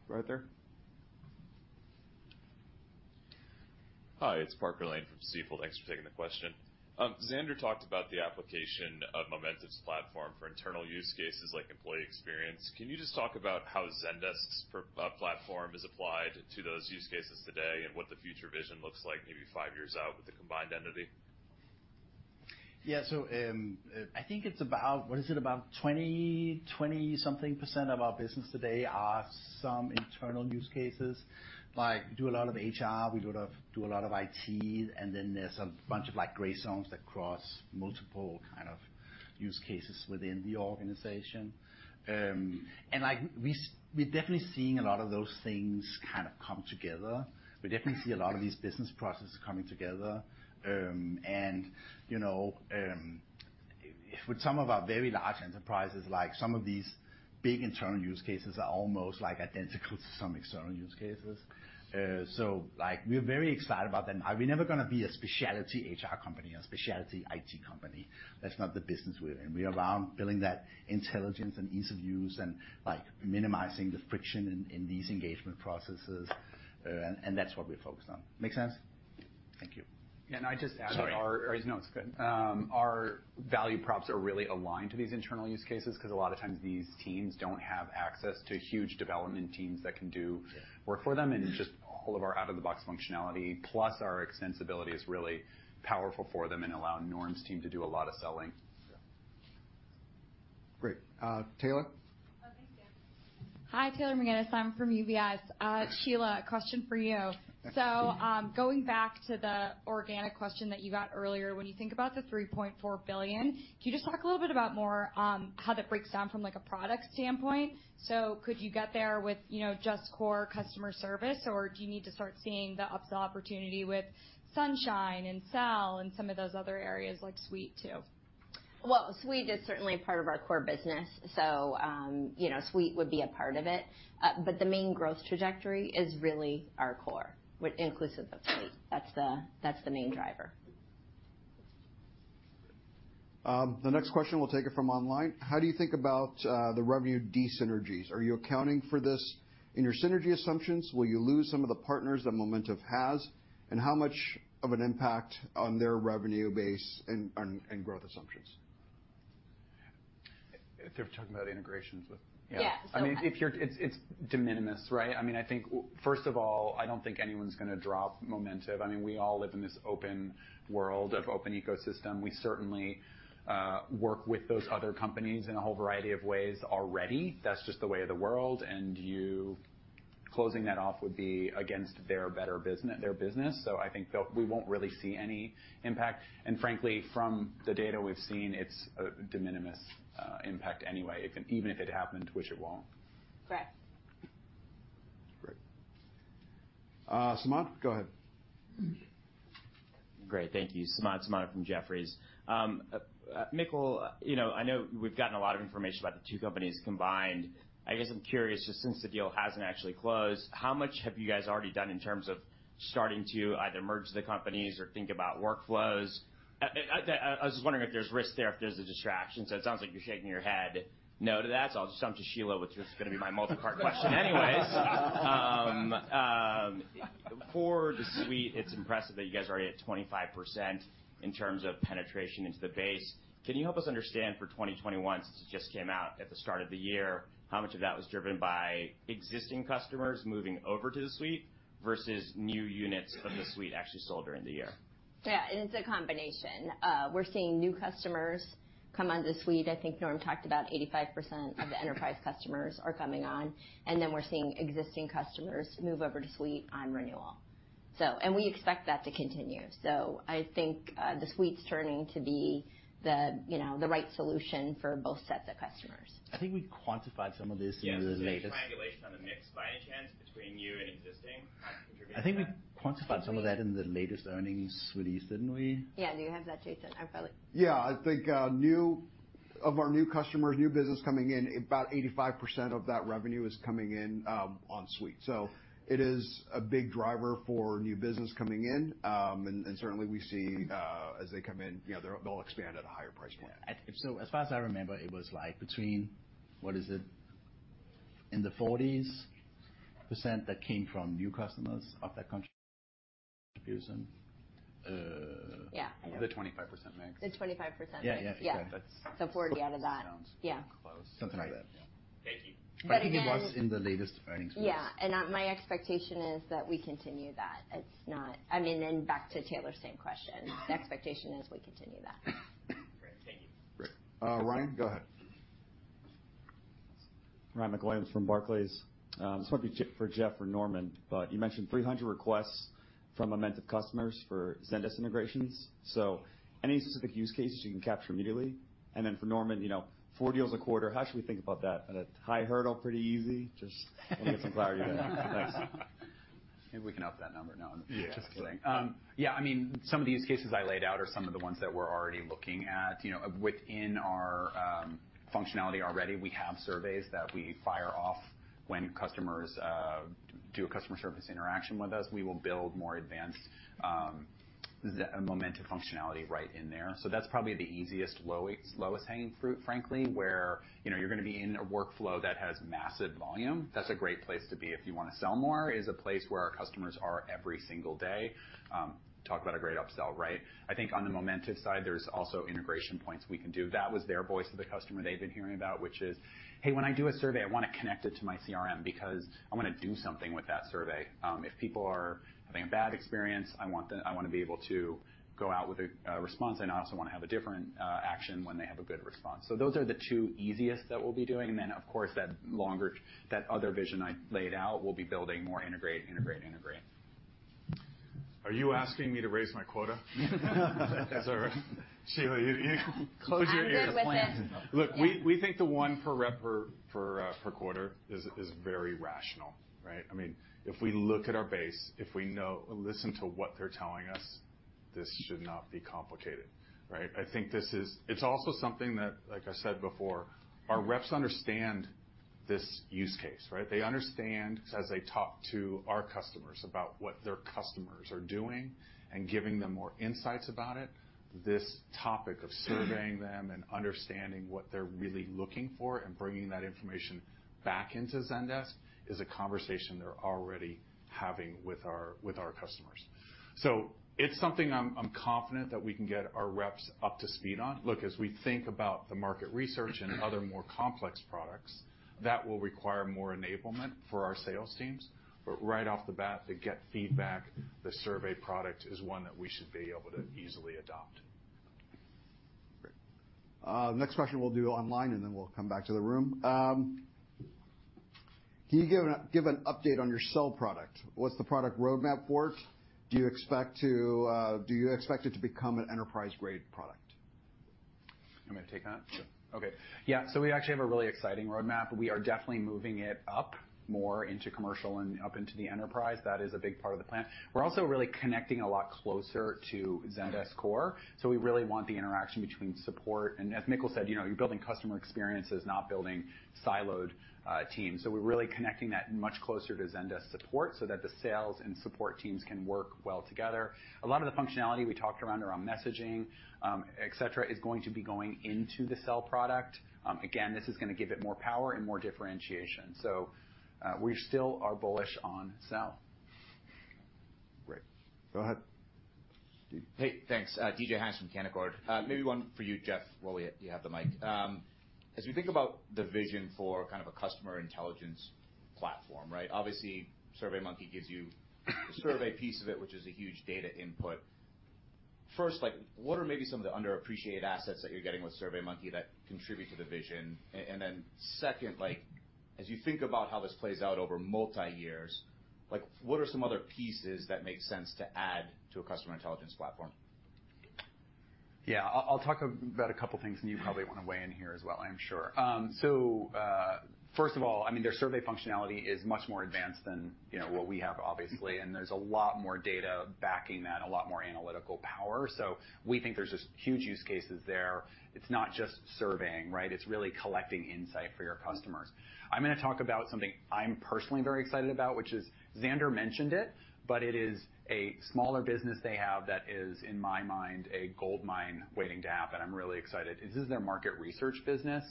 Right there. Hi, it's Parker Lane from Stifel. Thanks for taking the question. Zander talked about the application of Momentive's platform for internal use cases like employee experience. Can you just talk about how Zendesk's platform is applied to those use cases today and what the future vision looks like maybe five years out with the combined entity? Yeah. I think it's about, what is it, about 20-something% of our business today are some internal use cases. Like, we do a lot of HR, we do a lot of IT, and then there's a bunch of, like, gray zones that cross multiple kind of use cases within the organization. We're definitely seeing a lot of those things kind of come together. We definitely see a lot of these business processes coming together. You know, with some of our very large enterprises, like some of these big internal use cases are almost like identical to some external use cases. Like, we're very excited about that. Now we're never gonna be a specialty HR company, a specialty IT company. That's not the business we're in. We're all about building that intelligence and ease of use and, like, minimizing the friction in these engagement processes. That's what we're focused on. Make sense? Thank you. Can I just add our- Sorry. No, it's good. Our value props are really aligned to these internal use cases 'cause a lot of times these teams don't have access to huge development teams that can do work for them, and just all of our out-of-the-box functionality plus our extensibility is really powerful for them and allow Norm's team to do a lot of selling. Great. Taylor? Oh, thank you. Hi, Taylor McGinnis. I'm from UBS. Shelagh, a question for you. Yes. Going back to the organic question that you got earlier, when you think about the $3.4 billion, can you just talk a little bit about more on how that breaks down from, like, a product standpoint? Could you get there with, you know, just core customer service, or do you need to start seeing the upsell opportunity with Sunshine and Sell and some of those other areas like Suite, too? Well, Suite is certainly part of our core business, so, you know, Suite would be a part of it. The main growth trajectory is really our core, which includes the Suite. That's the main driver. The next question, we'll take it from online. How do you think about the revenue dis-synergies? Are you accounting for this in your synergy assumptions? Will you lose some of the partners that Momentive has, and how much of an impact on their revenue base and growth assumptions? If you're talking about integrations with. Yeah. I mean, it's de minimis, right? I mean, I think, first of all, I don't think anyone's gonna drop Momentive. I mean, we all live in this open world of open ecosystem. We certainly work with those other companies in a whole variety of ways already. That's just the way of the world, and you closing that off would be against their better business. So I think we won't really see any impact. Frankly, from the data we've seen, it's a de minimis impact anyway, even if it happened, which it won't. Correct. Great. Samad Samana, go ahead. Great. Thank you. Samad Samana from Jefferies. Mikkel, you know, I know we've gotten a lot of information about the two companies combined. I guess I'm curious, just since the deal hasn't actually closed, how much have you guys already done in terms of starting to either merge the companies or think about workflows? I was just wondering if there's risk there, if there's a distraction. It sounds like you're shaking your head no to that, so I'll just jump to Shelagh, which was gonna be my multi-part question anyways. For the suite, it's impressive that you guys are already at 25% in terms of penetration into the base. Can you help us understand for 2021, since it just came out at the start of the year, how much of that was driven by existing customers moving over to the suite versus new units from the suite actually sold during the year? Yeah, it's a combination. We're seeing new customers come onto the suite. I think Norm talked about 85% of the enterprise customers are coming on, and then we're seeing existing customers move over to suite on renewal. We expect that to continue. I think the suite's turning to be the, you know, the right solution for both sets of customers. I think we quantified some of this in the latest. Yes. Any triangulation on the mix by any chance between new and existing contributing to that? I think we quantified some of that in the latest earnings release, didn't we? Yeah. Do you have that, Jason? I probably- Yeah. I think of our new customers, new business coming in, about 85% of that revenue is coming in on Suite. It is a big driver for new business coming in. Certainly we see as they come in, you know, they'll expand at a higher price point. As far as I remember, it was, like, between, what is it? In the 40s% that came from new customers of that contribution. Yeah. I know. The 25% mix. The 25% mix. Yeah, yeah. Yeah. That's- 40 out of that. Sounds close. Yeah. Something like that. Thank you. But again- I think it was in the latest earnings release. Yeah. My expectation is that we continue that. It's not, I mean, back to Taylor's same question. The expectation is we continue that. Great. Thank you. Great. Ryan, go ahead. Ryan MacWilliams from Barclays. This might be for Jeff or Norman, but you mentioned 300 requests from Momentive customers for Zendesk integrations. Any specific use cases you can capture immediately? Then for Norman, you know, 4 deals a quarter, how should we think about that? At a high hurdle, pretty easy? Just want to get some clarity there. Thanks. Maybe we can up that number. No, I'm just kidding. Yeah. Yeah, I mean, some of the use cases I laid out are some of the ones that we're already looking at. You know, within our functionality already, we have surveys that we fire off when customers do a customer service interaction with us. We will build more advanced Momentive functionality right in there. That's probably the easiest, lowest hanging fruit, frankly, where, you know, you're gonna be in a workflow that has massive volume. That's a great place to be if you want to sell more, is a place where our customers are every single day. Talk about a great upsell, right? I think on the Momentive side, there's also integration points we can do. That was their voice of the customer they've been hearing about, which is, "Hey, when I do a survey, I want to connect it to my CRM because I want to do something with that survey. If people are having a bad experience, I want to be able to go out with a response, and I also want to have a different action when they have a good response." Those are the two easiest that we'll be doing. Of course, that other vision I laid out, we'll be building more integrate. Are you asking me to raise my quota? Shelagh, you close your ears. I'm good with it. Look, we think the one per rep per quarter is very rational, right? I mean, if we look at our base, listen to what they're telling us, this should not be complicated, right? I think this is. It's also something that, like I said before, our reps understand this use case, right? They understand as they talk to our customers about what their customers are doing and giving them more insights about it. This topic of surveying them and understanding what they're really looking for and bringing that information back into Zendesk is a conversation they're already having with our customers. It's something I'm confident that we can get our reps up to speed on. Look, as we think about the market research and other more complex products, that will require more enablement for our sales teams. Right off the bat, to get feedback, the survey product is one that we should be able to easily adopt. Great. Next question we'll do online, and then we'll come back to the room. Can you give an update on your Sell product? What's the product roadmap for it? Do you expect it to become an enterprise-grade product? You want me to take that? Sure. Okay. Yeah, we actually have a really exciting roadmap. We are definitely moving it up more into commercial and up into the enterprise. That is a big part of the plan. We're also really connecting a lot closer to Zendesk core. We really want the interaction between support, as Mikkel said you're building customer experiences, not building siloed teams. We're really connecting that much closer to Zendesk support so that the sales and support teams can work well together. A lot of the functionality we talked around messaging, et cetera, is going to be going into the Sell product. Again, this is gonna give it more power and more differentiation. We still are bullish on Sell. Great. Go ahead, DJ. Hey, thanks. DJ Hynes from Canaccord. Maybe one for you, Jeff, while you have the mic. As we think about the vision for kind of a customer intelligence platform, right? Obviously, SurveyMonkey gives you the survey piece of it, which is a huge data input. First, like, what are maybe some of the underappreciated assets that you're getting with SurveyMonkey that contribute to the vision? And then second, like, as you think about how this plays out over multi years, like, what are some other pieces that make sense to add to a customer intelligence platform? Yeah, I'll talk about a couple things, and you probably want to weigh in here as well, I'm sure. First of all, I mean, their survey functionality is much more advanced than, you know, what we have, obviously, and there's a lot more data backing that, a lot more analytical power. We think there's just huge use cases there. It's not just surveying, right? It's really collecting insight for your customers. I'm gonna talk about something I'm personally very excited about, which is Zander mentioned it, but it is a smaller business they have that is, in my mind, a goldmine waiting to happen. I'm really excited. This is their market research business.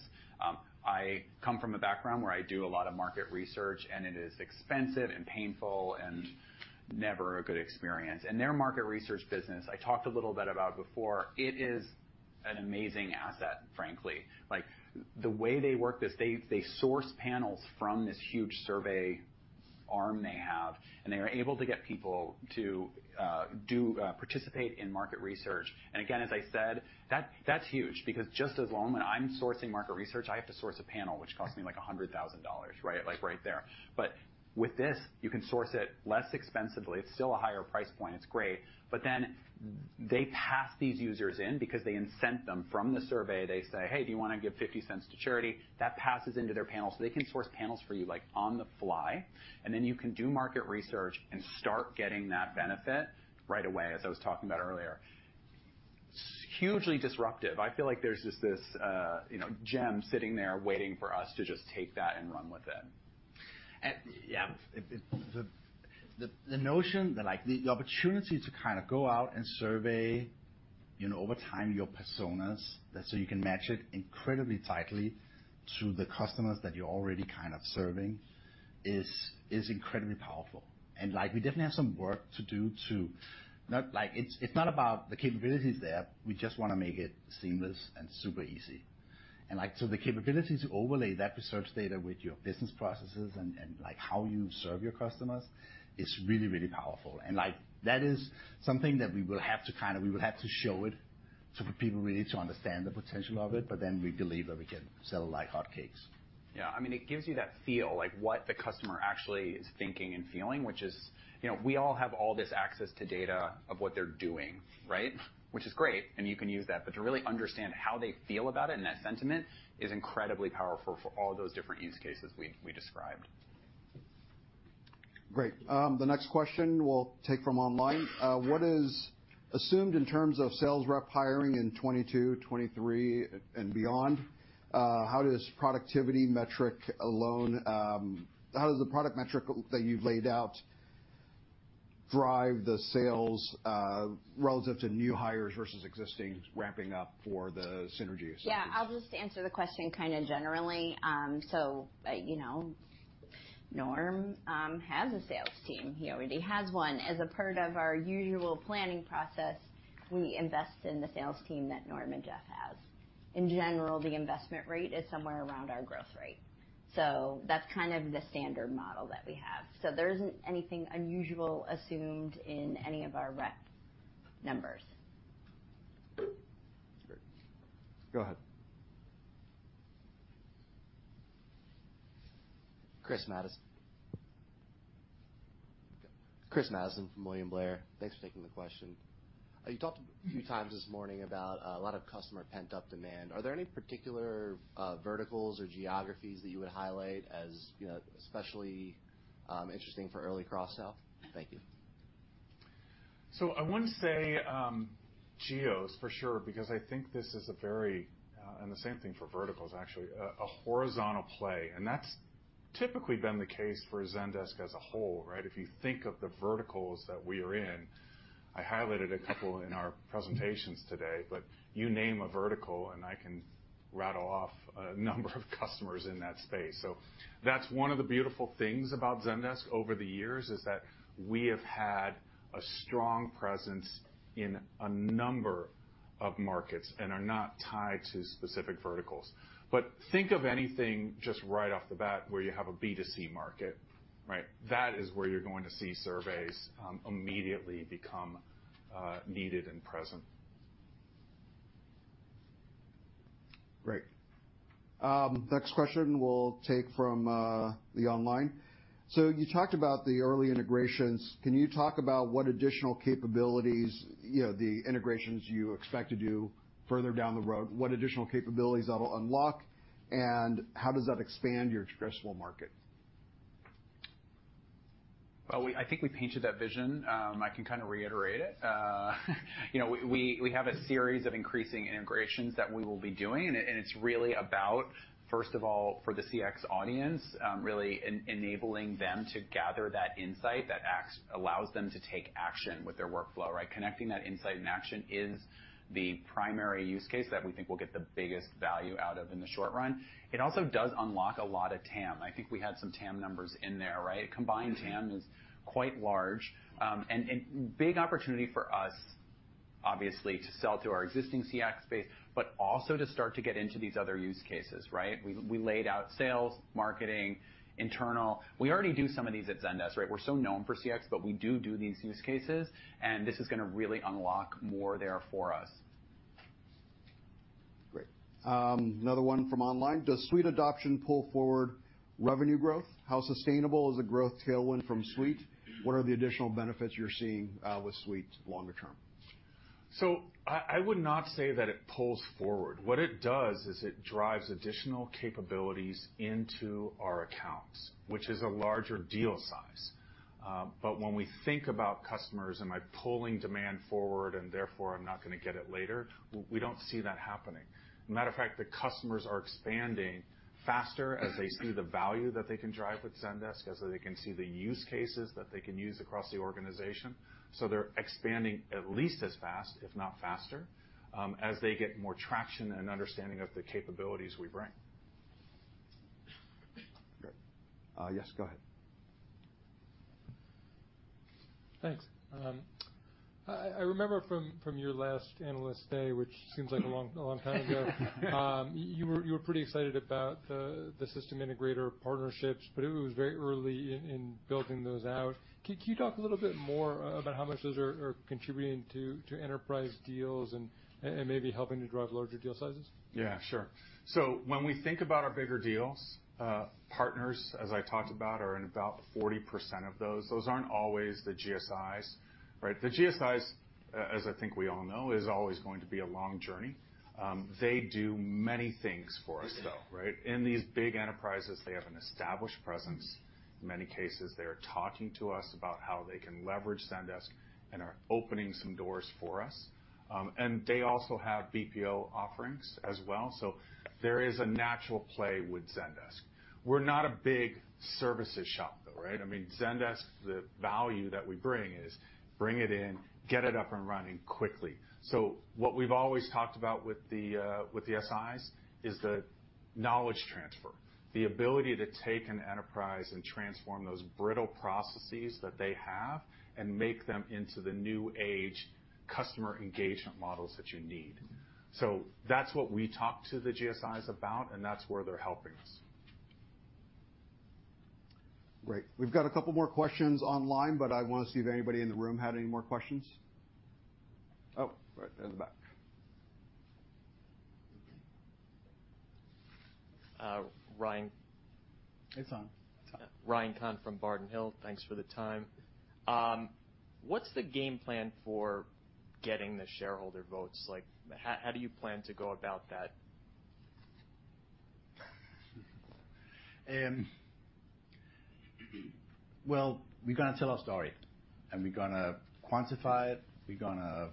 I come from a background where I do a lot of market research, and it is expensive and painful and never a good experience. Their market research business, I talked a little bit about before, it is an amazing asset, frankly. Like, the way they work this, they source panels from this huge survey arm they have, and they are able to get people to participate in market research. Again, as I said, that's huge because just as long as I'm sourcing market research, I have to source a panel which costs me, like, $100,000, right? Like, right there. With this, you can source it less expensively. It's still a higher price point. It's great. They pass these users in because they incent them from the survey. They say, "Hey, do you wanna give $0.50 to charity?" That passes into their panel, so they can source panels for you, like, on the fly. Then you can do market research and start getting that benefit right away, as I was talking about earlier. Hugely disruptive. I feel like there's just this, you know, gem sitting there waiting for us to just take that and run with it. Yeah. The notion that, like, the opportunity to kind of go out and survey, you know, over time, your personas so you can match it incredibly tightly to the customers that you're already kind of serving is incredibly powerful. Like, we definitely have some work to do. It's not about the capabilities there. We just wanna make it seamless and super easy. The capability to overlay that research data with your business processes and, like, how you serve your customers is really powerful. That is something that we will have to show it so for people really to understand the potential of it, but we believe that we can sell like hotcakes. Yeah. I mean, it gives you that feel, like what the customer actually is thinking and feeling, which is, you know, we all have all this access to data of what they're doing, right? Which is great, and you can use that. But to really understand how they feel about it and that sentiment is incredibly powerful for all those different use cases we described. Great. The next question we'll take from online. What is assumed in terms of sales rep hiring in 2022, 2023 and beyond? How does the product metric that you've laid out drive the sales, relative to new hires versus existing ramping up for the synergy assessments? Yeah. I'll just answer the question kinda generally. You know, Norm has a sales team. He already has one. As a part of our usual planning process, we invest in the sales team that Norm and Jeff has. In general, the investment rate is somewhere around our growth rate. That's kind of the standard model that we have. There isn't anything unusual assumed in any of our rep numbers. That's great. Go ahead. Chris Madsens from William Blair. Thanks for taking the question. You talked a few times this morning about a lot of customer pent-up demand. Are there any particular verticals or geographies that you would highlight as, you know, especially interesting for early cross-sell? Thank you. I wouldn't say geos for sure, because I think this is a very and the same thing for verticals, actually a horizontal play, and that's typically been the case for Zendesk as a whole, right? If you think of the verticals that we are in, I highlighted a couple in our presentations today, but you name a vertical, and I can rattle off a number of customers in that space. That's one of the beautiful things about Zendesk over the years is that we have had a strong presence in a number of markets and are not tied to specific verticals. But think of anything just right off the bat where you have a B2C market, right? That is where you're going to see surveys immediately become needed and present. Great. Next question we'll take from the online. You talked about the early integrations. Can you talk about what additional capabilities, you know, the integrations you expect to do further down the road? What additional capabilities that'll unlock, and how does that expand your addressable market? Well, I think we painted that vision. I can kind of reiterate it. You know, we have a series of increasing integrations that we will be doing, and it's really about, first of all, for the CX audience, really enabling them to gather that insight that allows them to take action with their workflow, right? Connecting that insight and action is the primary use case that we think will get the biggest value out of in the short run. It also does unlock a lot of TAM. I think we had some TAM numbers in there, right? Combined TAM is quite large, and big opportunity for us, obviously, to sell to our existing CX space, but also to start to get into these other use cases, right? We laid out sales, marketing, internal. We already do some of these at Zendesk, right? We're so known for CX, but we do do these use cases, and this is gonna really unlock more there for us. Great. Another one from online. Does Suite adoption pull forward revenue growth? How sustainable is the growth tailwind from Suite? What are the additional benefits you're seeing, with Suite longer term? I would not say that it pulls forward. What it does is it drives additional capabilities into our accounts, which is a larger deal size. When we think about customers, am I pulling demand forward and therefore I'm not gonna get it later? We don't see that happening. Matter of fact, the customers are expanding faster as they see the value that they can drive with Zendesk, as they can see the use cases that they can use across the organization. They're expanding at least as fast, if not faster, as they get more traction and understanding of the capabilities we bring. Great. Yes, go ahead. Thanks. I remember from your last analyst day, which seems like a long time ago, you were pretty excited about the system integrator partnerships, but it was very early in building those out. Can you talk a little bit more about how much those are contributing to enterprise deals and maybe helping to drive larger deal sizes? Yeah. Sure. When we think about our bigger deals, partners, as I talked about, are in about 40% of those. Those aren't always the GSIs, right? The GSIs, as I think we all know, is always going to be a long journey. They do many things for us, though, right? In these big enterprises, they have an established presence. In many cases, they are talking to us about how they can leverage Zendesk and are opening some doors for us. And they also have BPO offerings as well. There is a natural play with Zendesk. We're not a big services shop, though, right? I mean, Zendesk, the value that we bring is bring it in, get it up and running quickly. What we've always talked about with the SIs is the knowledge transfer, the ability to take an enterprise and transform those brittle processes that they have and make them into the new age customer engagement models that you need. That's what we talk to the GSIs about, and that's where they're helping us. Great. We've got a couple more questions online, but I wanna see if anybody in the room had any more questions. Oh, right in the back. Ryan. It's on. It's on. Ryan MacWilliams from Barclays. Thanks for the time. What's the game plan for getting the shareholder votes? Like, how do you plan to go about that? Well, we're gonna tell our story, and we're gonna quantify it, we're gonna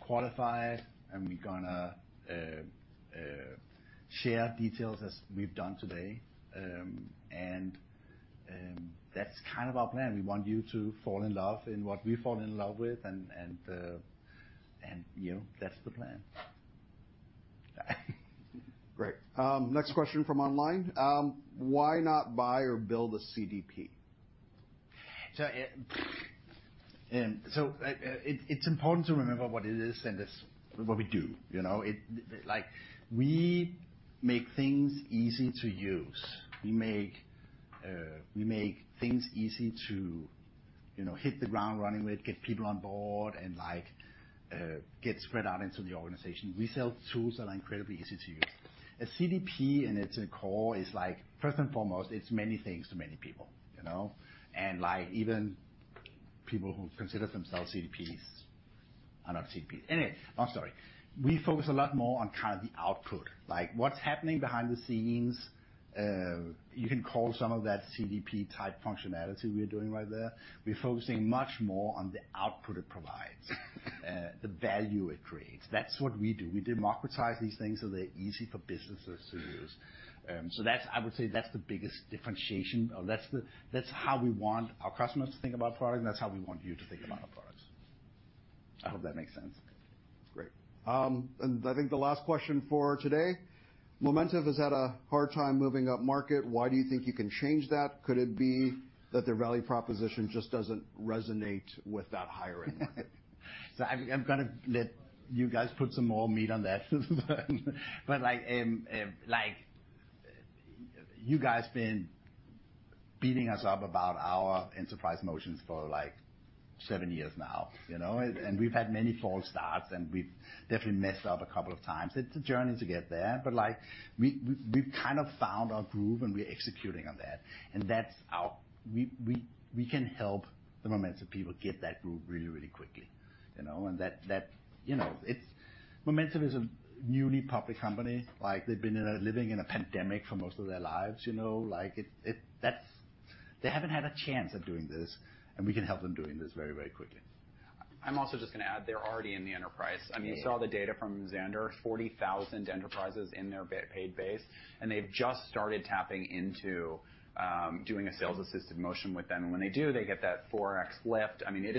qualify it, and we're gonna share details as we've done today. That's kind of our plan. We want you to fall in love in what we've fallen in love with, and you know, that's the plan. Great. Next question from online. Why not buy or build a CDP? It's important to remember what it is Zendesk what we do, you know? It's like we make things easy to use. We make things easy to, you know, hit the ground running with, get people on board, and like get spread out into the organization. We sell tools that are incredibly easy to use. A CDP in its core is like, first and foremost, it's many things to many people, you know? Like, even people who consider themselves CDPs are not CDPs. Anyway, I'm sorry. We focus a lot more on kind of the output, like what's happening behind the scenes. You can call some of that CDP-type functionality we're doing right there. We're focusing much more on the output it provides, the value it creates. That's what we do. We democratize these things so they're easy for businesses to use. That's, I would say, that's the biggest differentiation. That's how we want our customers to think about product, and that's how we want you to think about our products. I hope that makes sense. Great. I think the last question for today, Momentive has had a hard time moving upmarket. Why do you think you can change that? Could it be that their value proposition just doesn't resonate with that hiring market? I'm gonna let you guys put some more meat on that. Like, you guys been beating us up about our enterprise motions for, like, seven years now, you know? We've had many false starts, and we've definitely messed up a couple of times. It's a journey to get there, like, we've kind of found our groove and we're executing on that. That's our. We can help the Momentive people get that groove really, really quickly, you know? That, you know, it's. Momentive is a newly public company. Like, they've been living in a pandemic for most of their lives, you know? Like, it, that's. They haven't had a chance of doing this, and we can help them doing this very, very quickly. I'm also just gonna add, they're already in the enterprise. I mean, you saw the data from Zander, 40,000 enterprises in their B2B paid base, and they've just started tapping into doing a sales-assisted motion with them. When they do, they get that 4x lift. I mean, it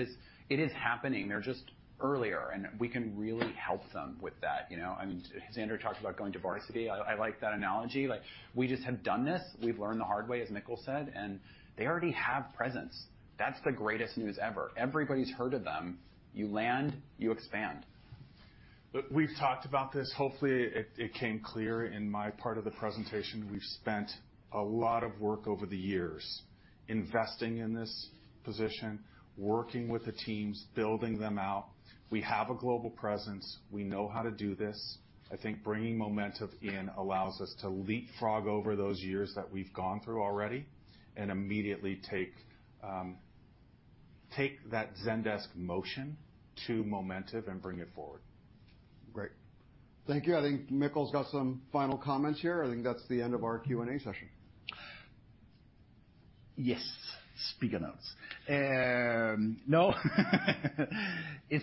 is happening. They're just earlier, and we can really help them with that, you know? I mean, Zander talked about going to varsity. I like that analogy. Like, we just have done this. We've learned the hard way, as Mikkel said, and they already have presence. That's the greatest news ever. Everybody's heard of them. You land, you expand. Look, we've talked about this. Hopefully it came clear in my part of the presentation. We've spent a lot of work over the years investing in this position, working with the teams, building them out. We have a global presence. We know how to do this. I think bringing Momentive in allows us to leapfrog over those years that we've gone through already and immediately take that Zendesk motion to Momentive and bring it forward. Great. Thank you. I think Mikkel's got some final comments here. I think that's the end of our Q&A session. It's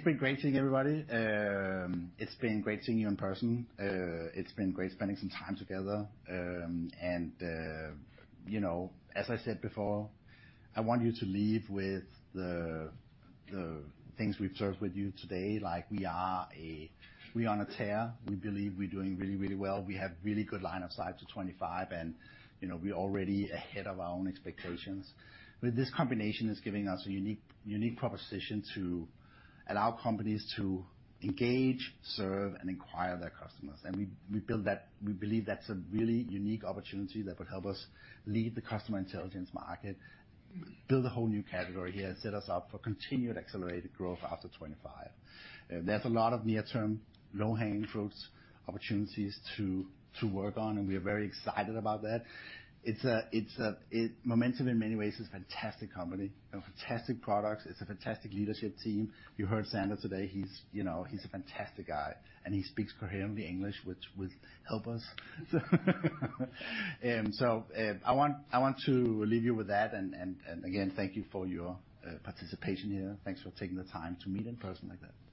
been great seeing everybody. It's been great seeing you in person. It's been great spending some time together. You know, as I said before, I want you to leave with the things we've shared with you today. Like, we're on a tear. We believe we're doing really, really well. We have really good line of sight to 2025, and, you know, we're already ahead of our own expectations. This combination is giving us a unique proposition to allow companies to engage, serve, and inspire their customers. We build that. We believe that's a really unique opportunity that would help us lead the customer intelligence market, build a whole new category here, and set us up for continued accelerated growth after 2025. There's a lot of near-term, low-hanging fruits, opportunities to work on, and we are very excited about that. Momentive in many ways is a fantastic company and fantastic products. It's a fantastic leadership team. You heard Zander today. He's, you know, he's a fantastic guy, and he speaks coherent English, which will help us. I want to leave you with that, and again, thank you for your participation here. Thanks for taking the time to meet in person like that.